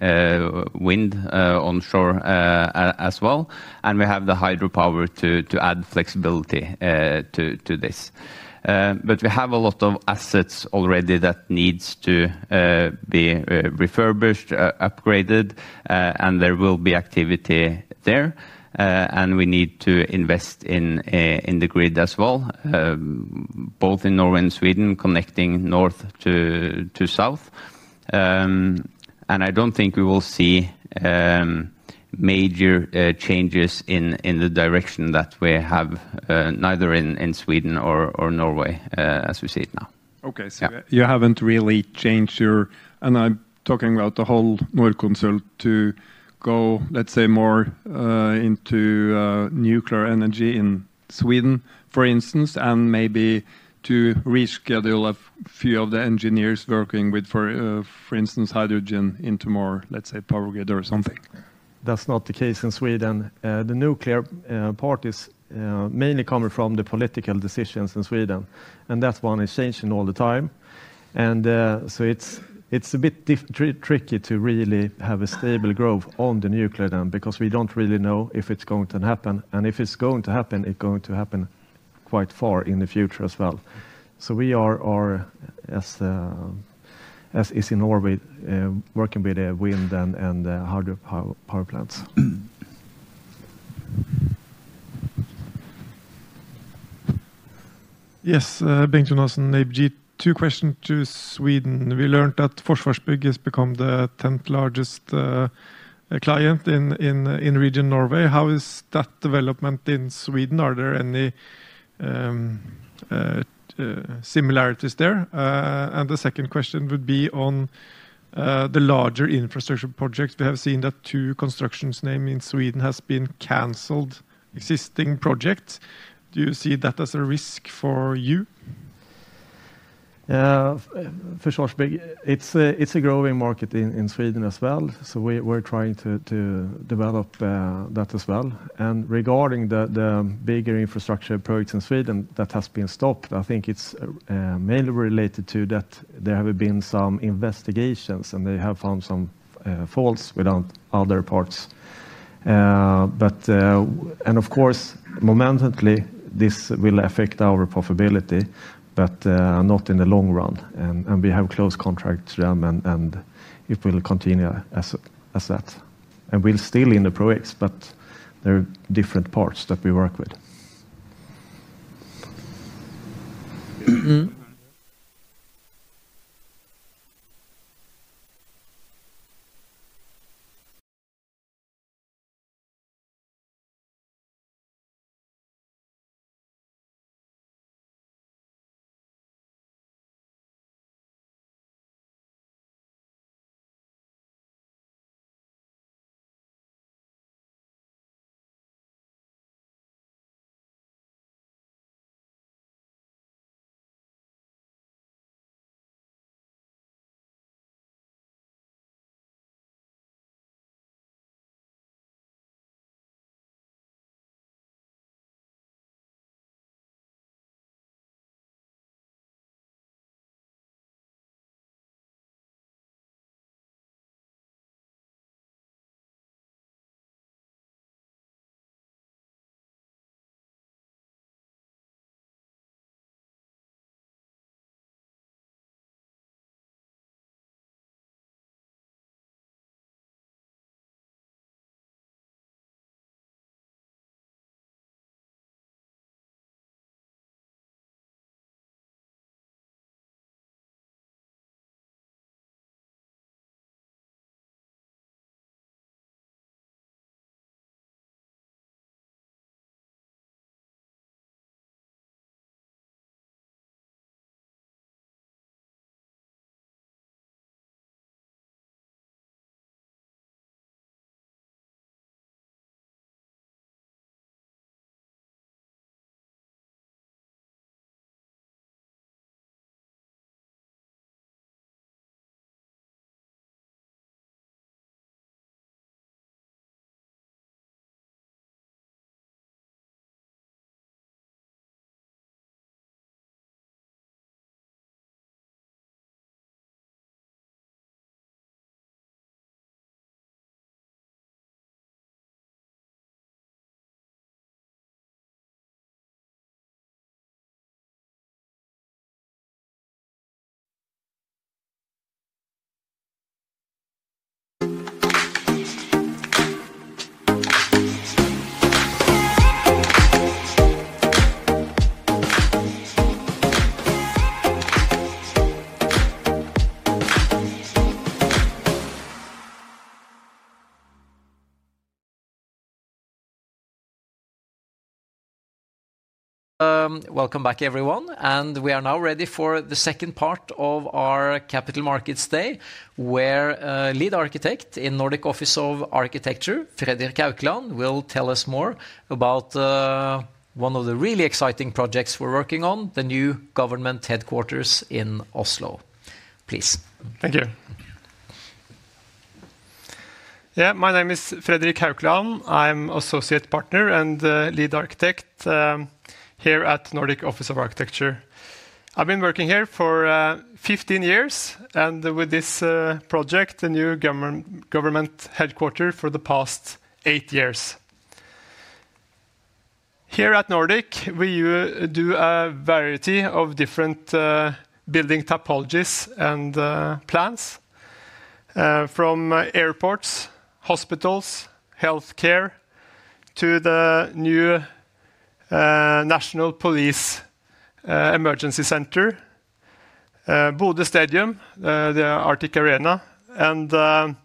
wind onshore as well. We have the hydropower to add flexibility to this. We have a lot of assets already that need to be refurbished, upgraded, and there will be activity there. We need to invest in the grid as well, both in Norway and Sweden, connecting north to south. I don't think we will see major changes in the direction that we have, neither in Sweden or Norway, as we see it now. You haven't really changed your, and I'm talking about the whole Norconsult, to go, let's say, more into nuclear energy in Sweden, for instance, and maybe to reschedule a few of the engineers working with, for instance, hydrogen into more, let's say, power grid or something? That's not the case in Sweden. The nuclear part is mainly coming from the political decisions in Sweden. That one is changing all the time. It is a bit tricky to really have a stable growth on the nuclear then because we don't really know if it's going to happen. If it's going to happen, it's going to happen quite far in the future as well. We are, as is in Norway, working with wind and hydropower plants. Yes. Bengt Jonassen, ABG, two questions to Sweden. We learned that Forsvarsbygg has become the tenth largest client in region Norway. How is that development in Sweden? Are there any similarities there? The second question would be on the larger infrastructure projects. We have seen that two construction names in Sweden have been canceled. Existing projects. Do you see that as a risk for you? Forsvarsbygg, it's a growing market in Sweden as well. We're trying to develop that as well. Regarding the bigger infrastructure projects in Sweden that have been stopped, I think it's mainly related to that there have been some investigations and they have found some faults with other parts. Of course, momentarily, this will affect our profitability, but not in the long run. We have close contracts to them, and it will continue as that. We're still in the projects, but there are different parts that we work with. Welcome back, everyone. We are now ready for the second part of our Capital Markets Day, where Lead Architect in Nordic Office of Architecture, Fredrik Haukland, will tell us more about one of the really exciting projects we're working on, the new government headquarters in Oslo. Please. Thank you. Yeah, my name is Fredrik Haukland. I'm an Associate Partner and Lead Architect here at Nordic Office of Architecture. I've been working here for 15 years and with this project, the new government headquarters, for the past eight years. Here at Nordic, we do a variety of different building typologies and plans, from airports, hospitals, healthcare, to the new National Police Emergency Center, Bodø Stadium, the Arctic Arena, and the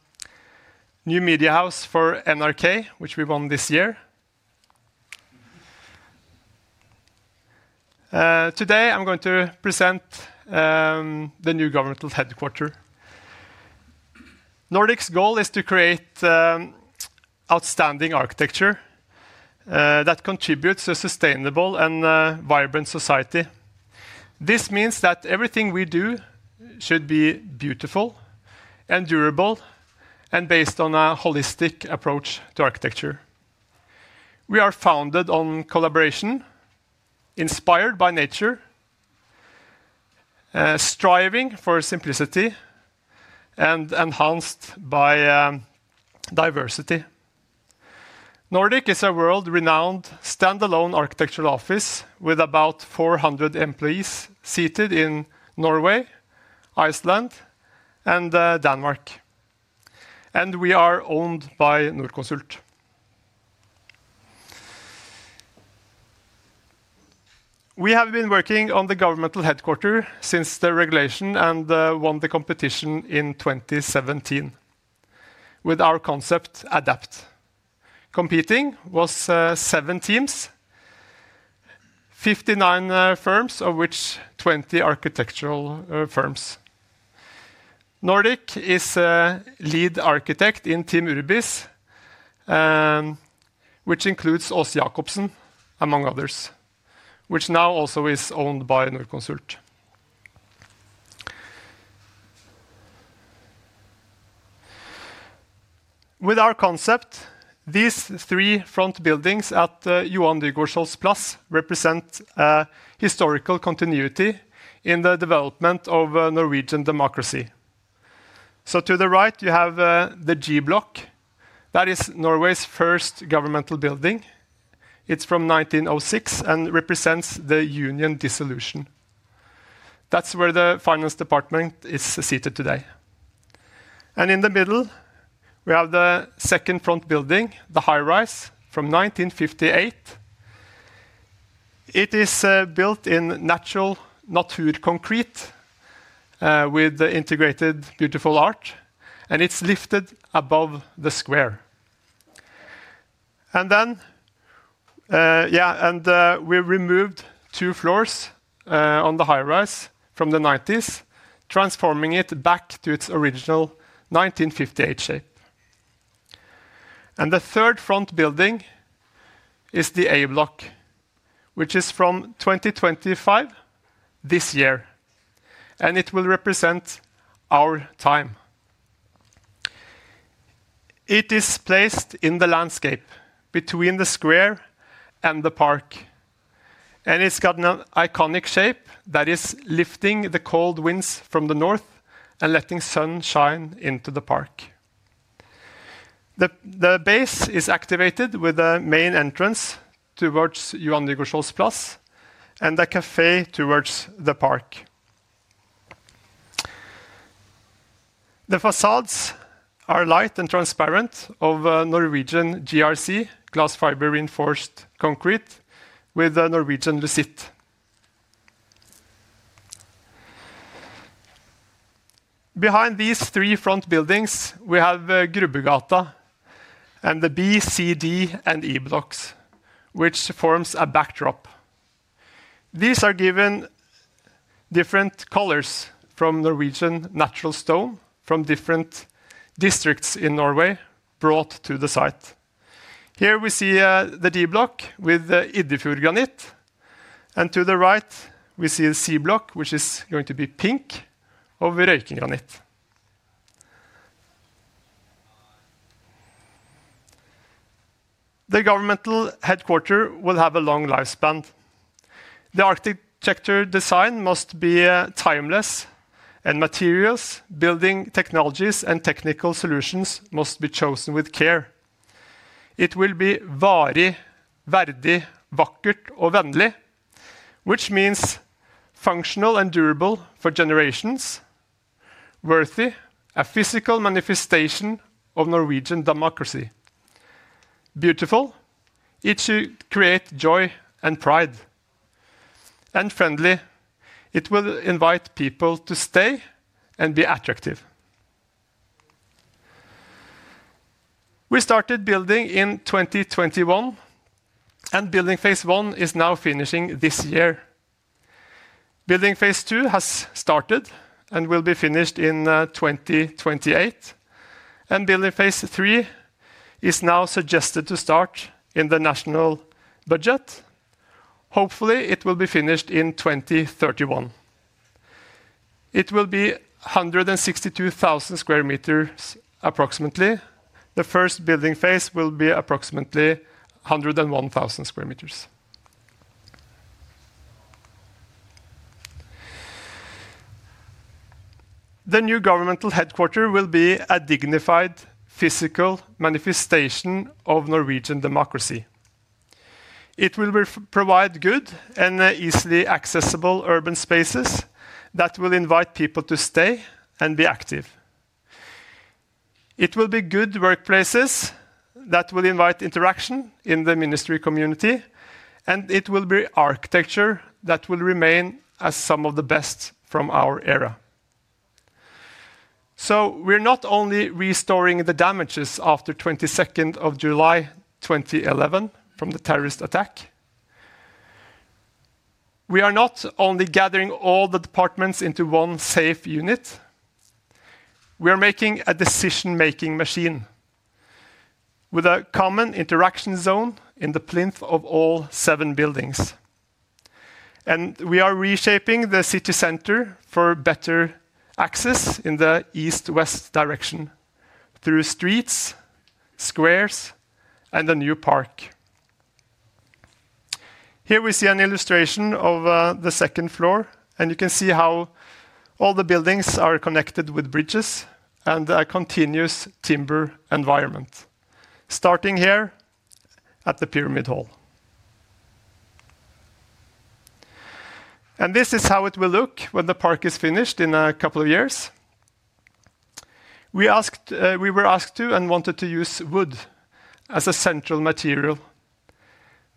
new media house for NRK, which we won this year. Today, I'm going to present the new governmental headquarter. Nordic's goal is to create outstanding architecture that contributes to a sustainable and vibrant society. This means that everything we do should be beautiful and durable and based on a holistic approach to architecture. We are founded on collaboration, inspired by nature, striving for simplicity, and enhanced by diversity. Nordic is a world-renowned standalone architectural office with about 400 employees seated in Norway, Iceland, and Denmark. We are owned by Norconsult. We have been working on the governmental headquarters since the regulation and won the competition in 2017 with our concept ADAPT. Competing was seven teams, 59 firms, of which 20 architectural firms. Nordic is a lead architect in Team Urbis, which includes Åse Jakobsen among others, which now also is owned by Norconsult. With our concept, these three front buildings at Johan Dygårdsholts plass represent a historical continuity in the development of Norwegian democracy. To the right, you have the G-block. That is Norway's first governmental building. It is from 1906 and represents the union dissolution. That is where the finance department is seated today. In the middle, we have the second front building, the high rise from 1958. It is built in natural concrete with integrated beautiful art, and it is lifted above the square. Yeah, and we removed two floors on the high rise from the 1990s, transforming it back to its original 1958 shape. The third front building is the A-block, which is from 2025, this year. It will represent our time. It is placed in the landscape between the square and the park. It has got an iconic shape that is lifting the cold winds from the north and letting sunshine into the park. The base is activated with the main entrance towards Johan Dygårdsholts plass and the café towards the park. The facades are light and transparent of Norwegian GRC, glass fiber reinforced concrete with Norwegian Lucite. Behind these three front buildings, we have Grubbergata and the B, C, D, and E-blocks, which forms a backdrop. These are given different colors from Norwegian natural stone from different districts in Norway brought to the site. Here we see the D-block with Iddefjord granite. To the right, we see the C-block, which is going to be pink of Røyking granite. The governmental headquarters will have a long lifespan. The architecture design must be timeless, and materials, building technologies, and technical solutions must be chosen with care. It will be varig, verdig, vakkert, og vennlig, which means functional and durable for generations, worthy, a physical manifestation of Norwegian democracy. Beautiful, it should create joy and pride. Friendly, it will invite people to stay and be attractive. We started building in 2021, and building phase one is now finishing this year. Building phase two has started and will be finished in 2028. Building phase three is now suggested to start in the national budget. Hopefully, it will be finished in 2031. It will be 162,000 sq m approximately. The first building phase will be approximately 101,000 sq m. The new governmental headquarters will be a dignified physical manifestation of Norwegian democracy. It will provide good and easily accessible urban spaces that will invite people to stay and be active. It will be good workplaces that will invite interaction in the ministry community. It will be architecture that will remain as some of the best from our era. We are not only restoring the damages after 22nd of July 2011 from the terrorist attack. We are not only gathering all the departments into one safe unit. We are making a decision-making machine with a common interaction zone in the plinth of all seven buildings. We are reshaping the city center for better access in the east-west direction through streets, squares, and a new park. Here we see an illustration of the second floor, and you can see how all the buildings are connected with bridges and a continuous timber environment, starting here at the pyramid hall. This is how it will look when the park is finished in a couple of years. We were asked to and wanted to use wood as a central material,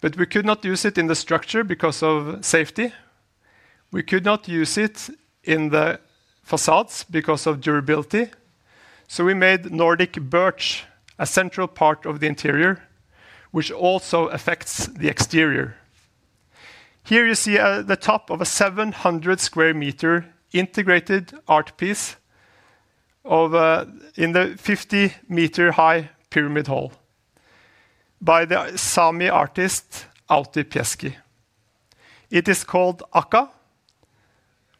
but we could not use it in the structure because of safety. We could not use it in the facades because of durability. So we made Nordic birch a central part of the interior, which also affects the exterior. Here you see the top of a 700 sq m integrated art piece in the 50 m high pyramid hall by the Sámi artist Outi Pieski. It is called Aka,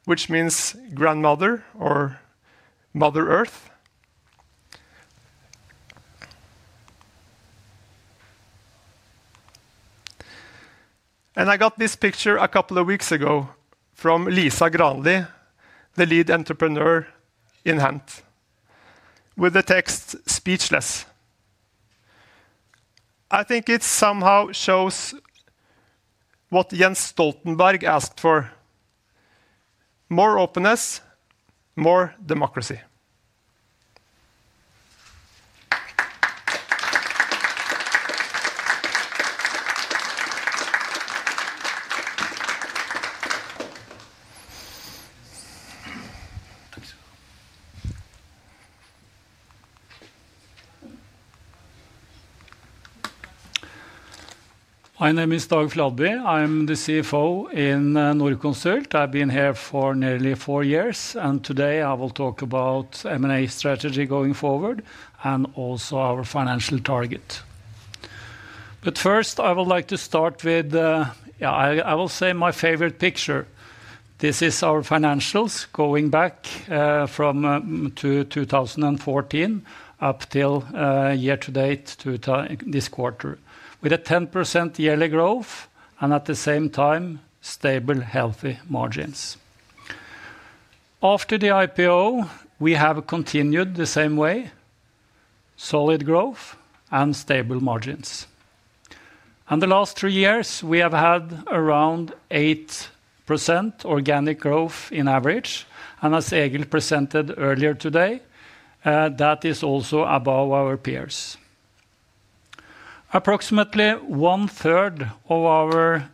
which means grandmother or mother earth. I got this picture a couple of weeks ago from Lisa Granli, the lead entrepreneur in Hent, with the text Speechless. I think it somehow shows what Jens Stoltenberg asked for: more openness, more democracy. My name is Dag Fladby. I'm the CFO in Norconsult. I've been here for nearly four years. Today I will talk about M&A strategy going forward and also our financial target. First, I would like to start with, yeah, I will say my favorite picture. This is our financials going back from 2014 up till year to date this quarter, with a 10% yearly growth and at the same time stable, healthy margins. After the IPO, we have continued the same way: solid growth and stable margins. The last three years, we have had around 8% organic growth in average. As Egil presented earlier today, that is also above our peers. Approximately one third of our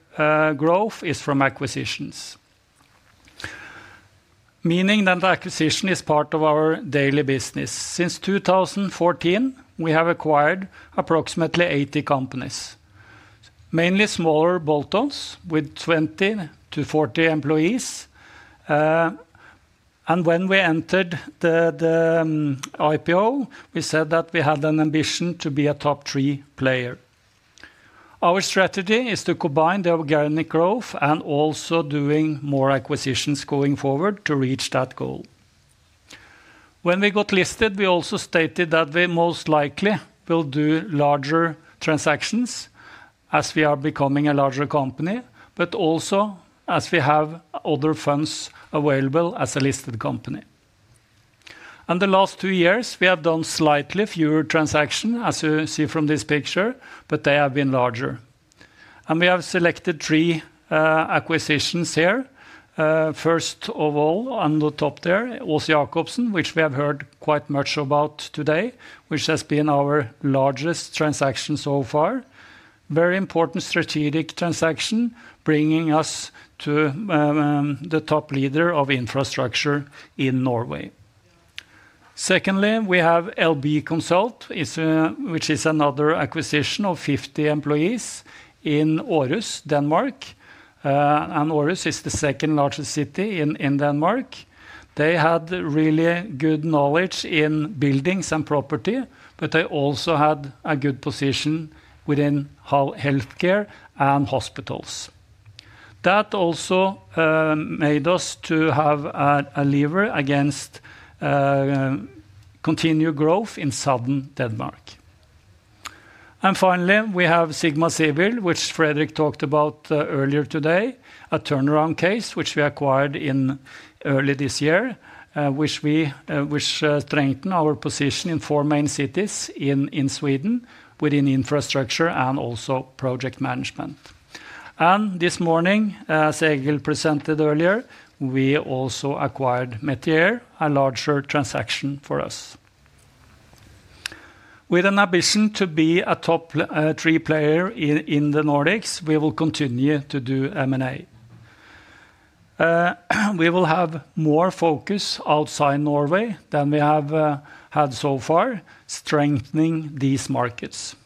growth is from acquisitions, meaning that acquisition is part of our daily business. Since 2014, we have acquired approximately 80 companies, mainly smaller bolt-ons with 20-40 employees. When we entered the IPO, we said that we had an ambition to be a top three player. Our strategy is to combine the organic growth and also do more acquisitions going forward to reach that goal. When we got listed, we also stated that we most likely will do larger transactions as we are becoming a larger company, but also as we have other funds available as a listed company. The last two years, we have done slightly fewer transactions, as you see from this picture, but they have been larger. We have selected three acquisitions here. First of all, on the top there, Aas-Jakobsen Group, which we have heard quite much about today, which has been our largest transaction so far. Very important strategic transaction, bringing us to the top leader of infrastructure in Norway. Secondly, we have LB Consult, which is another acquisition of 50 employees in Aarhus, Denmark. Aarhus is the second largest city in Denmark. They had really good knowledge in buildings and property, but they also had a good position within healthcare and hospitals. That also made us to have a lever against continued growth in southern Denmark. Finally, we have Sigma Civil, which Fredrik talked about earlier today, a turnaround case which we acquired early this year, which strengthened our position in four main cities in Sweden within infrastructure and also project management. This morning, as Egil presented earlier, we also acquired Metier, a larger transaction for us. With an ambition to be a top three player in the Nordics, we will continue to do M&A. We will have more focus outside Norway than we have had so far, strengthening these markets.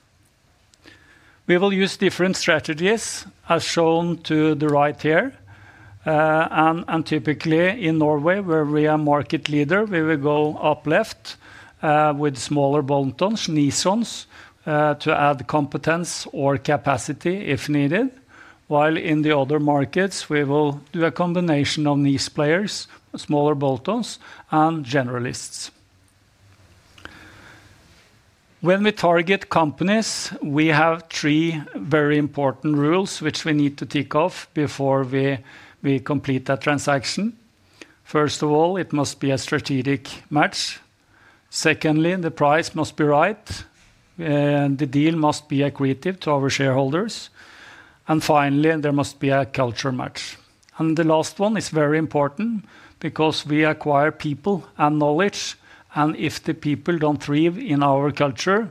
We will use different strategies, as shown to the right here. Typically in Norway, where we are a market leader, we will go up left with smaller bolt-ons, niche-ons, to add competence or capacity if needed. While in the other markets, we will do a combination of NIS players, smaller bolt-ons, and generalists. When we target companies, we have three very important rules which we need to tick off before we complete that transaction. First of all, it must be a strategic match. Secondly, the price must be right. The deal must be accretive to our shareholders. Finally, there must be a culture match. The last one is very important because we acquire people and knowledge. If the people do not thrive in our culture,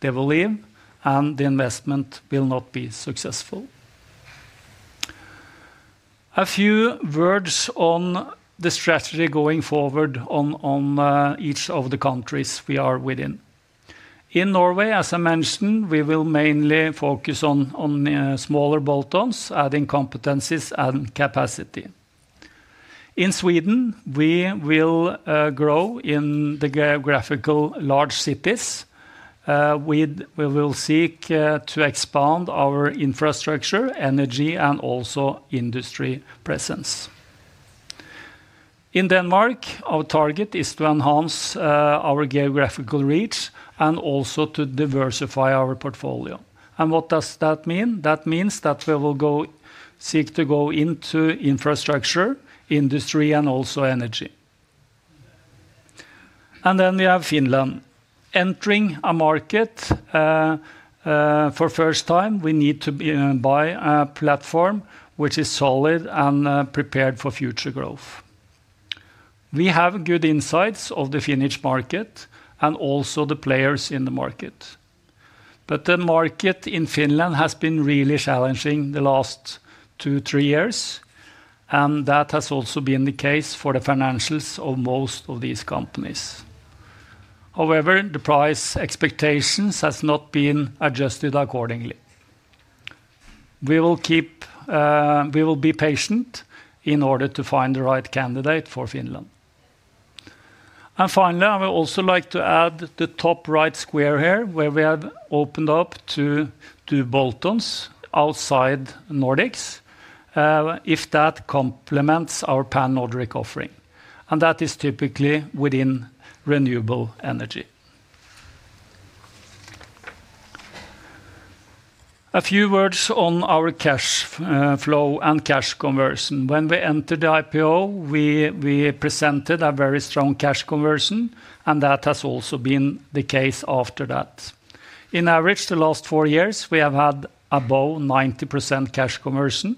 they will leave, and the investment will not be successful. A few words on the strategy going forward on each of the countries we are within. In Norway, as I mentioned, we will mainly focus on smaller bolt-ons, adding competencies and capacity. In Sweden, we will grow in the geographical large cities. We will seek to expand our infrastructure, energy, and also industry presence. In Denmark, our target is to enhance our geographical reach and also to diversify our portfolio. What does that mean? That means that we will seek to go into infrastructure, industry, and also energy. We have Finland. Entering a market for the first time, we need to buy a platform which is solid and prepared for future growth. We have good insights of the Finnish market and also the players in the market. The market in Finland has been really challenging the last two, three years. That has also been the case for the financials of most of these companies. However, the price expectations have not been adjusted accordingly. We will be patient in order to find the right candidate for Finland. Finally, I would also like to add the top right square here where we have opened up to bolt-ons outside Nordics if that complements our pan-Nordic offering. That is typically within renewable energy. A few words on our cash flow and cash conversion. When we entered the IPO, we presented a very strong cash conversion, and that has also been the case after that. On average, the last four years, we have had above 90% cash conversion.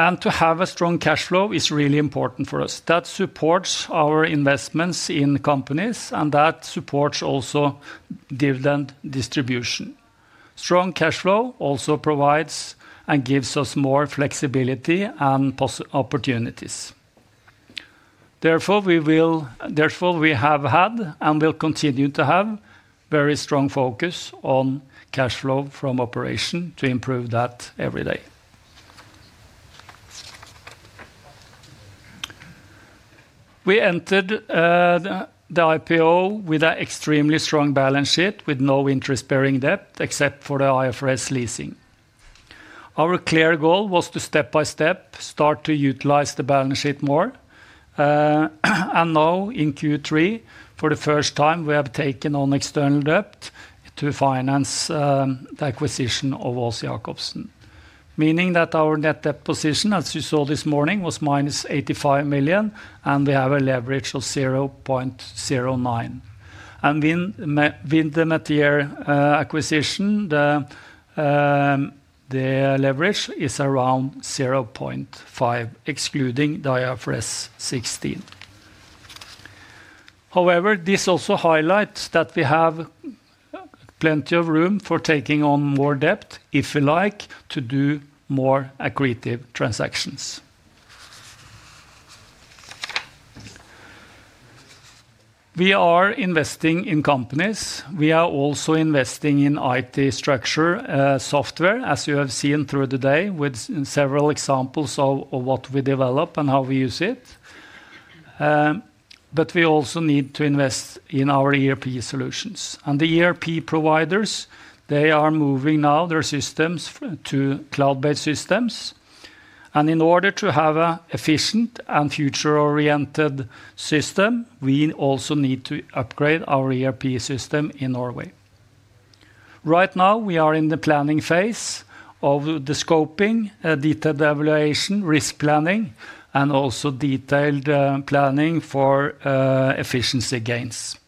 To have a strong cash flow is really important for us. That supports our investments in companies, and that supports also dividend distribution. Strong cash flow also provides and gives us more flexibility and opportunities. Therefore, we have had and will continue to have very strong focus on cash flow from operation to improve that every day. We entered the IPO with an extremely strong balance sheet with no interest-bearing debt except for the IFRS leasing. Our clear goal was to step by step start to utilize the balance sheet more. Now in Q3, for the first time, we have taken on external debt to finance the acquisition of Aas-Jakobsen Group, meaning that our net debt position, as you saw this morning, was -85 million, and we have a leverage of 0.09. With the Metier Group acquisition, the leverage is around 0.5, excluding the IFRS 16. However, this also highlights that we have plenty of room for taking on more debt if we like to do more accretive transactions. We are investing in companies. We are also investing in IT structure software, as you have seen through the day with several examples of what we develop and how we use it. We also need to invest in our ERP solutions. The ERP providers are moving their systems to cloud-based systems. In order to have an efficient and future-oriented system, we also need to upgrade our ERP system in Norway. Right now, we are in the planning phase of the scoping, detailed evaluation, risk planning, and also detailed planning for efficiency gains.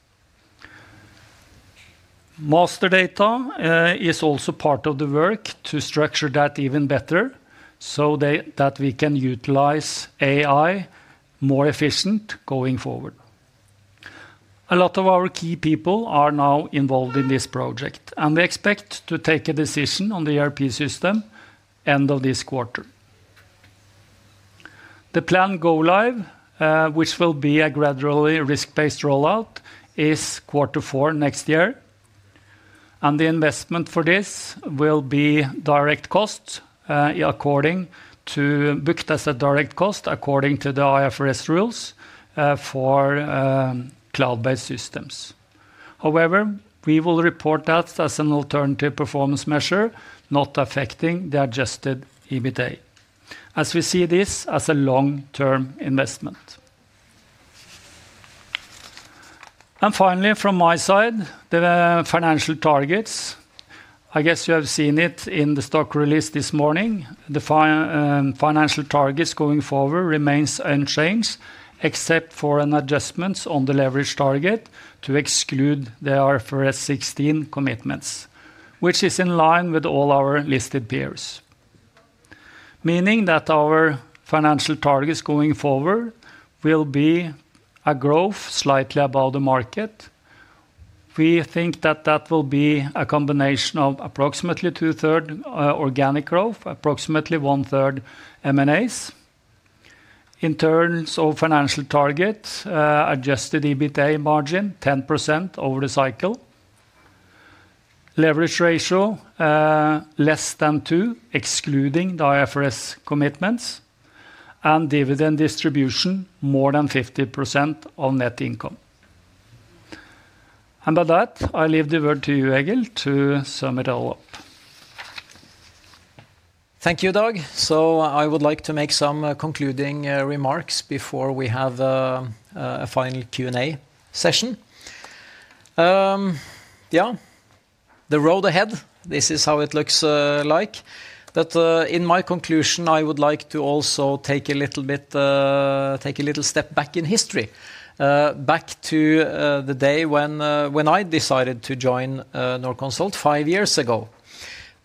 Master data is also part of the work to structure that even better so that we can utilize AI more efficiently going forward. A lot of our key people are now involved in this project, and we expect to take a decision on the ERP system at the end of this quarter. The planned go-live, which will be a gradually risk-based rollout, is quarter four next year. The investment for this will be booked as a direct cost according to the IFRS rules for cloud-based systems. However, we will report that as an alternative performance measure, not affecting the adjusted EBITDA, as we see this as a long-term investment. Finally, from my side, the financial targets. I guess you have seen it in the stock release this morning. The financial targets going forward remain unchanged, except for an adjustment on the leverage target to exclude the IFRS 16 commitments, which is in line with all our listed peers, meaning that our financial targets going forward will be a growth slightly above the market. We think that that will be a combination of approximately two-thirds organic growth, approximately one-third M&As. In terms of financial targets, adjusted EBITDA margin is 10% over the cycle. Leverage ratio is less than 2, excluding the IFRS commitments. Dividend distribution is more than 50% of net income. With that, I leave the word to you, Egil, to sum it all up. Thank you, Dag. I would like to make some concluding remarks before we have a final Q&A session. Yeah, the road ahead, this is how it looks like. In my conclusion, I would like to also take a little step back in history, back to the day when I decided to join Norconsult five years ago.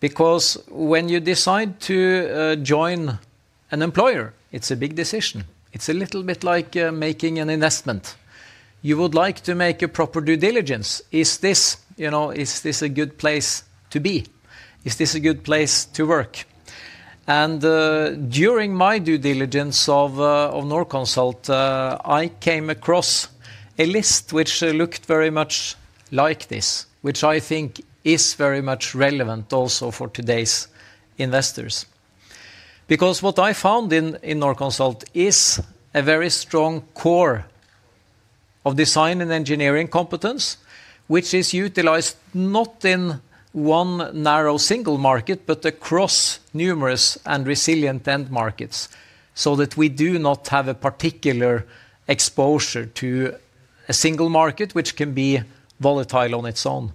Because when you decide to join an employer, it's a big decision. It's a little bit like making an investment. You would like to make a proper due diligence. Is this a good place to be? Is this a good place to work? During my due diligence of Norconsult, I came across a list which looked very much like this, which I think is very much relevant also for today's investors. Because what I found in Norconsult is a very strong core of design and engineering competence, which is utilized not in one narrow single market, but across numerous and resilient end markets, so that we do not have a particular exposure to a single market, which can be volatile on its own.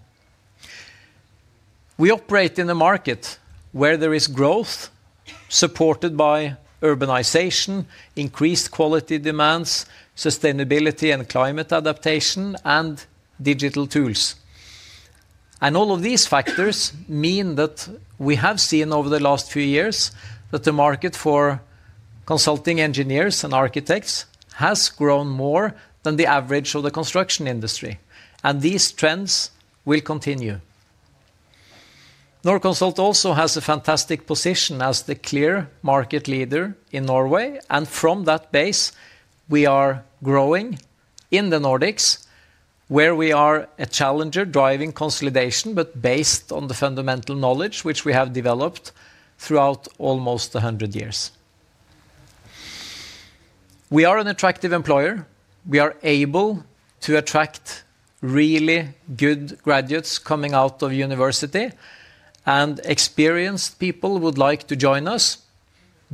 We operate in a market where there is growth supported by urbanization, increased quality demands, sustainability and climate adaptation, and digital tools. All of these factors mean that we have seen over the last few years that the market for consulting engineers and architects has grown more than the average of the construction industry. These trends will continue. Norconsult also has a fantastic position as the clear market leader in Norway. From that base, we are growing in the Nordics, where we are a challenger driving consolidation, but based on the fundamental knowledge which we have developed throughout almost 100 years. We are an attractive employer. We are able to attract really good graduates coming out of university. Experienced people would like to join us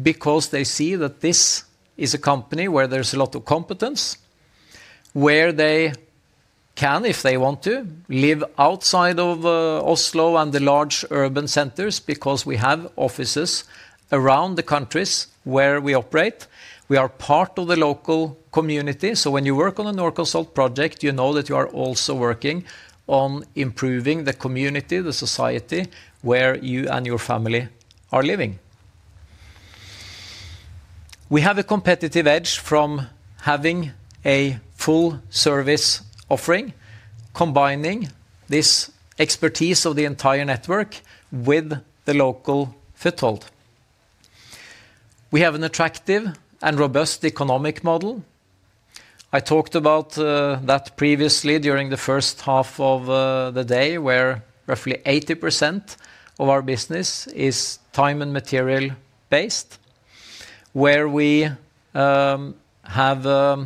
because they see that this is a company where there is a lot of competence, where they can, if they want to, live outside of Oslo and the large urban centers because we have offices around the countries where we operate. We are part of the local community. When you work on a Norconsult project, you know that you are also working on improving the community, the society where you and your family are living. We have a competitive edge from having a full-service offering, combining this expertise of the entire network with the local foothold. We have an attractive and robust economic model. I talked about that previously during the first half of the day, where roughly 80% of our business is time and material-based, where we have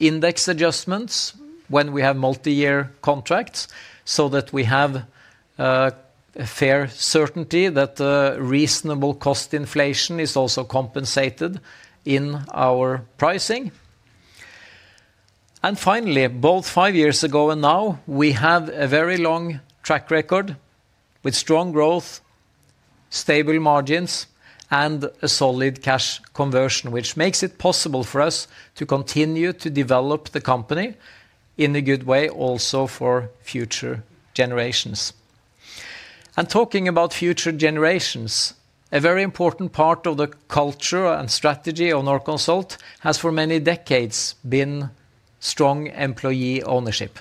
index adjustments when we have multi-year contracts so that we have a fair certainty that reasonable cost inflation is also compensated in our pricing. Finally, both five years ago and now, we have a very long track record with strong growth, stable margins, and a solid cash conversion, which makes it possible for us to continue to develop the company in a good way also for future generations. Talking about future generations, a very important part of the culture and strategy of Norconsult has for many decades been strong employee ownership.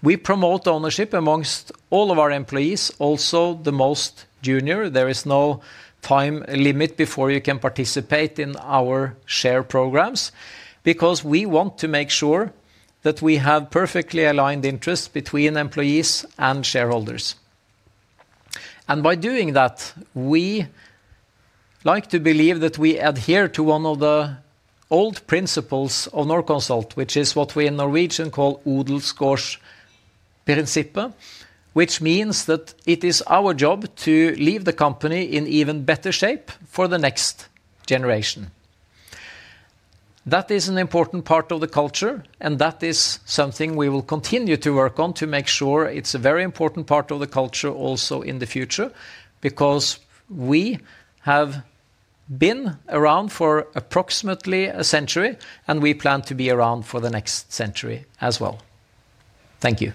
We promote ownership amongst all of our employees, also the most junior. There is no time limit before you can participate in our share programs because we want to make sure that we have perfectly aligned interests between employees and shareholders. By doing that, we like to believe that we adhere to one of the old principles of Norconsult, which is what we in Norwegian call Odel's Gårdsprinsippet, which means that it is our job to leave the company in even better shape for the next generation. That is an important part of the culture, and that is something we will continue to work on to make sure it's a very important part of the culture also in the future because we have been around for approximately a century, and we plan to be around for the next century as well. Thank you.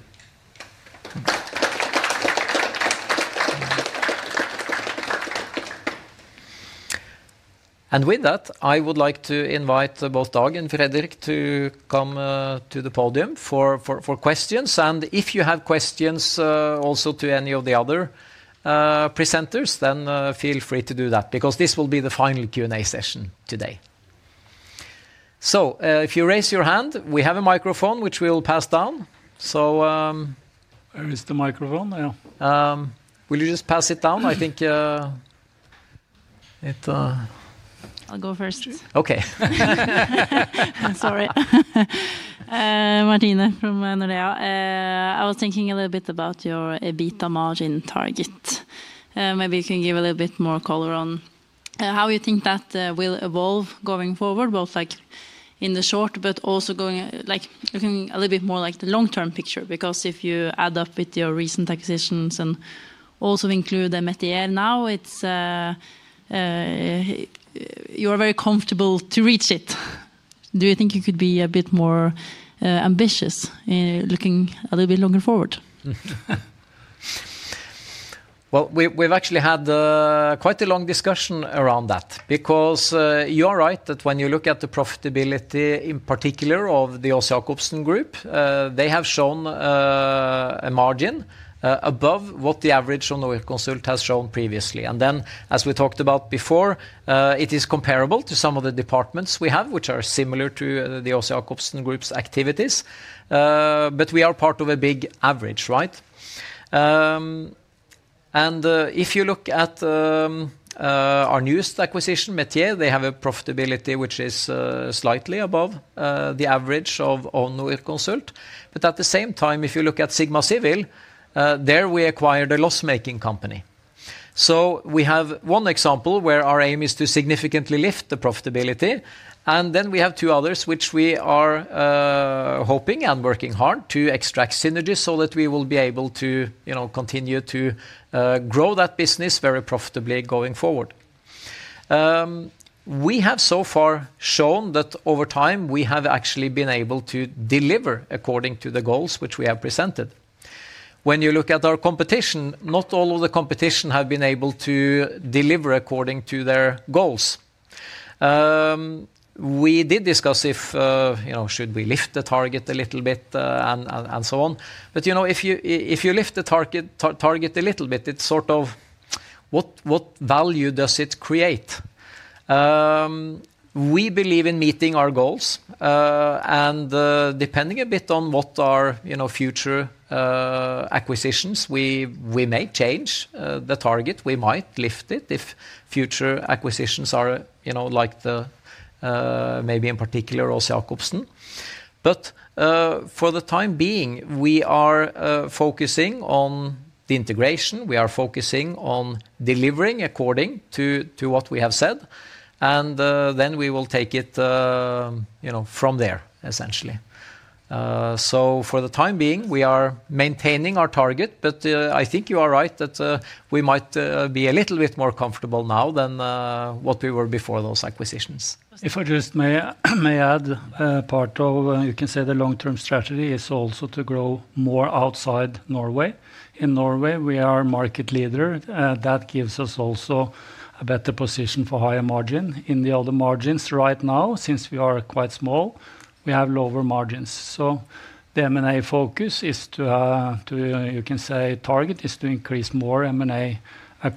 With that, I would like to invite both Dag and Fredrik to come to the podium for questions. If you have questions also to any of the other presenters, feel free to do that because this will be the final Q&A session today. If you raise your hand, we have a microphone which we will pass down. Where is the microphone? Yeah. Will you just pass it down? I think it. I'll go first. Okay. Sorry. Martine from Nordea. I was thinking a little bit about your EBITDA margin target. Maybe you can give a little bit more color on how you think that will evolve going forward, both in the short, but also going a little bit more like the long-term picture. Because if you add up with your recent acquisitions and also include the Metier now, you are very comfortable to reach it. Do you think you could be a bit more ambitious looking a little bit longer forward? We have actually had quite a long discussion around that because you are right that when you look at the profitability in particular of the Aas-Jakobsen Group, they have shown a margin above what the average on Norconsult has shown previously. Then, as we talked about before, it is comparable to some of the departments we have, which are similar to the Aas-Jakobsen Group's activities. We are part of a big average, right? If you look at our newest acquisition, Metier, they have a profitability which is slightly above the average of Norconsult. At the same time, if you look at Sigma Civil, there we acquired a loss-making company. We have one example where our aim is to significantly lift the profitability. We have two others which we are hoping and working hard to extract synergies so that we will be able to continue to grow that business very profitably going forward. We have so far shown that over time we have actually been able to deliver according to the goals which we have presented. When you look at our competition, not all of the competition have been able to deliver according to their goals. We did discuss if we should lift the target a little bit and so on. If you lift the target a little bit, it is sort of what value does it create? We believe in meeting our goals. Depending a bit on what our future acquisitions are, we may change the target. We might lift it if future acquisitions are like maybe in particular Aas-Jakobsen. For the time being, we are focusing on the integration. We are focusing on delivering according to what we have said. Then we will take it from there, essentially. For the time being, we are maintaining our target. I think you are right that we might be a little bit more comfortable now than what we were before those acquisitions. If I may add, part of, you can say, the long-term strategy is also to grow more outside Norway. In Norway, we are a market leader. That gives us also a better position for higher margin. In the other margins right now, since we are quite small, we have lower margins. The M&A focus is to, you can say, target is to increase more M&A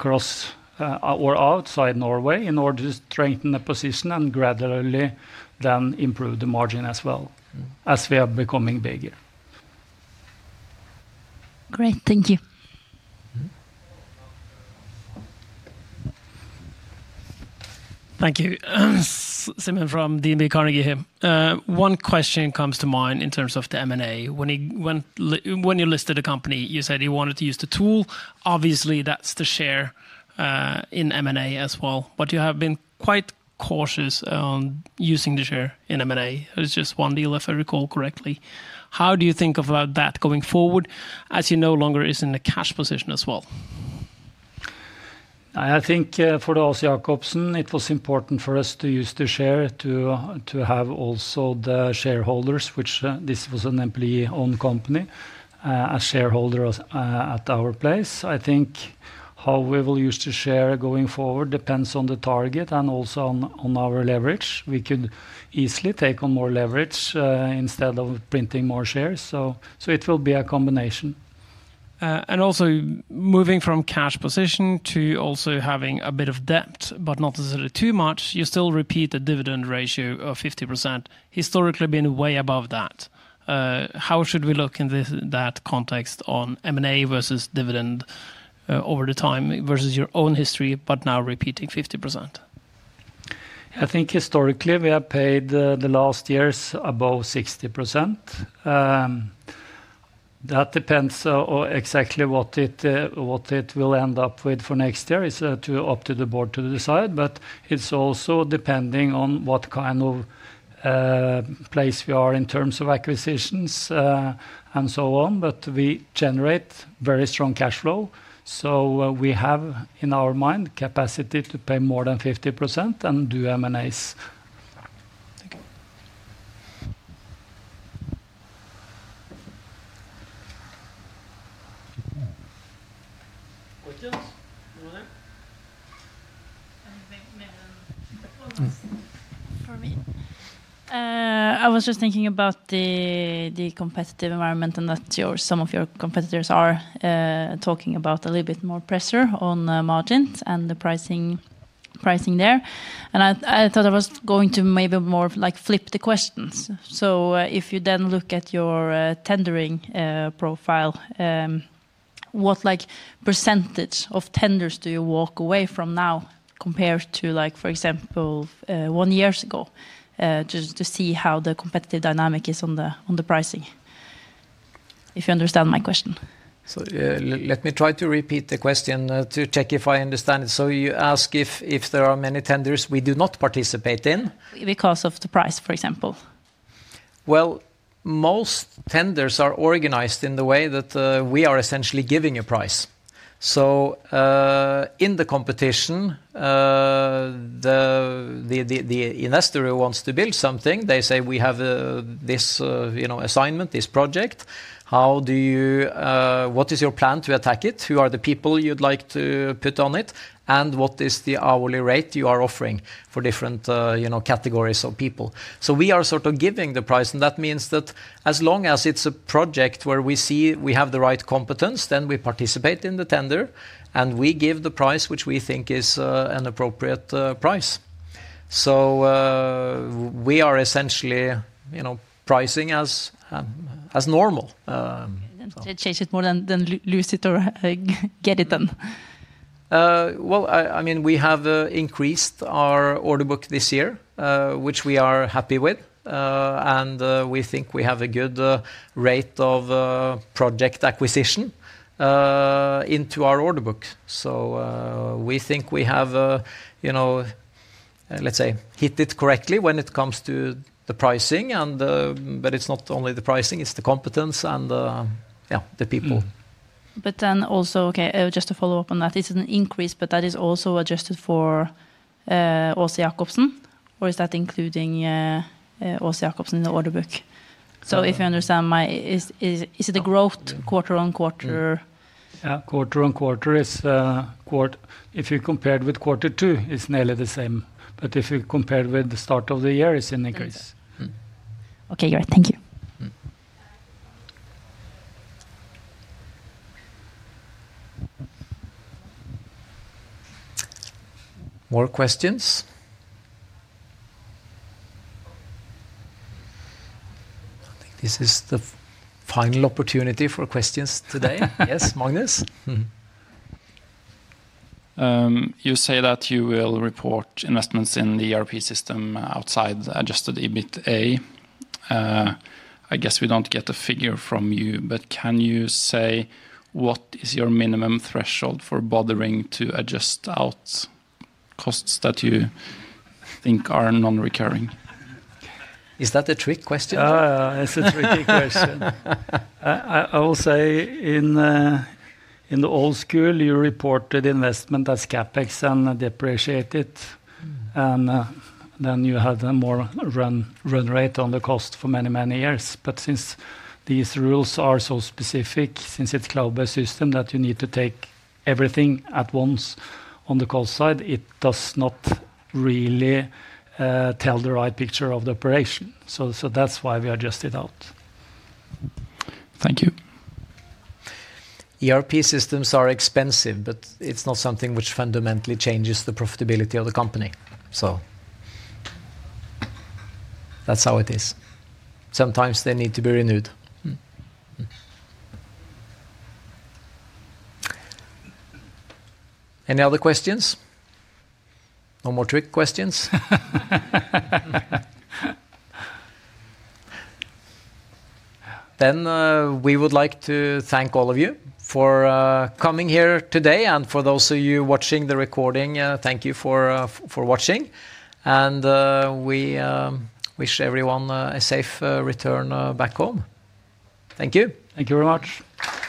or outside Norway in order to strengthen the position and gradually then improve the margin as well as we are becoming bigger. Great. Thank you. Thank you. Simon from DNB Carnegie here. One question comes to mind in terms of the M&A. When you listed a company, you said you wanted to use the tool. Obviously, that's the share in M&A as well. You have been quite cautious on using the share in M&A. It's just one deal, if I recall correctly. How do you think about that going forward as you no longer are in a cash position as well? I think for the Aas-Jakobsen, it was important for us to use the share to have also the shareholders, which this was an employee-owned company as shareholders at our place. I think how we will use the share going forward depends on the target and also on our leverage. We could easily take on more leverage instead of printing more shares. It will be a combination. Also, moving from cash position to also having a bit of debt, but not necessarily too much, you still repeat the dividend ratio of 50%. Historically, been way above that. How should we look in that context on M&A versus dividend over the time versus your own history, but now repeating 50%? I think historically, we have paid the last years above 60%. That depends exactly what it will end up with for next year. It's up to the board to decide. It's also depending on what kind of place we are in terms of acquisitions and so on. We generate very strong cash flow. We have in our mind capacity to pay more than 50% and do M&As. I was just thinking about the competitive environment and that some of your competitors are talking about a little bit more pressure on margins and the pricing there. I thought I was going to maybe more flip the questions. If you then look at your tendering profile, what percentage of tenders do you walk away from now compared to, for example, one year ago just to see how the competitive dynamic is on the pricing? If you understand my question. Let me try to repeat the question to check if I understand it. You ask if there are many tenders we do not participate in because of the price, for example. Most tenders are organized in the way that we are essentially giving a price. In the competition, the investor who wants to build something, they say, "We have this assignment, this project. What is your plan to attack it? Who are the people you'd like to put on it? And what is the hourly rate you are offering for different categories of people?" We are sort of giving the price. That means that as long as it's a project where we see we have the right competence, then we participate in the tender and we give the price which we think is an appropriate price. We are essentially pricing as normal. Change it more than lose it or get it then? I mean, we have increased our order book this year, which we are happy with. We think we have a good rate of project acquisition into our order book. We think we have, let's say, hit it correctly when it comes to the pricing. It is not only the pricing, it is the competence and the people. Also, just to follow up on that, it is an increase, but that is also adjusted for Aas-Jakobsen? Or is that including Aas-Jakobsen in the order book? If you understand, is it a growth quarter on quarter? Yeah, quarter on quarter is quarter. If you compare it with quarter two, it is nearly the same. If you compare it with the start of the year, it is an increase. Great. Thank you. More questions? I think this is the final opportunity for questions today. Yes, Magnus? You say that you will report investments in the ERP system outside Adjusted EBITDA. I guess we don't get a figure from you, but can you say what is your minimum threshold for bothering to adjust out costs that you think are non-recurring? Is that a trick question? It's a tricky question. I will say in the old school, you reported investment as CapEx and depreciated. And then you had a more run rate on the cost for many, many years. But since these rules are so specific, since it's a cloud-based system that you need to take everything at once on the cost side, it does not really tell the right picture of the operation. That's why we adjust it out. Thank you. ERP systems are expensive, but it's not something which fundamentally changes the profitability of the company. That's how it is. Sometimes they need to be renewed. Any other questions? No more trick questions? We would like to thank all of you for coming here today. For those of you watching the recording, thank you for watching. We wish everyone a safe return back home. Thank you. Thank you very much.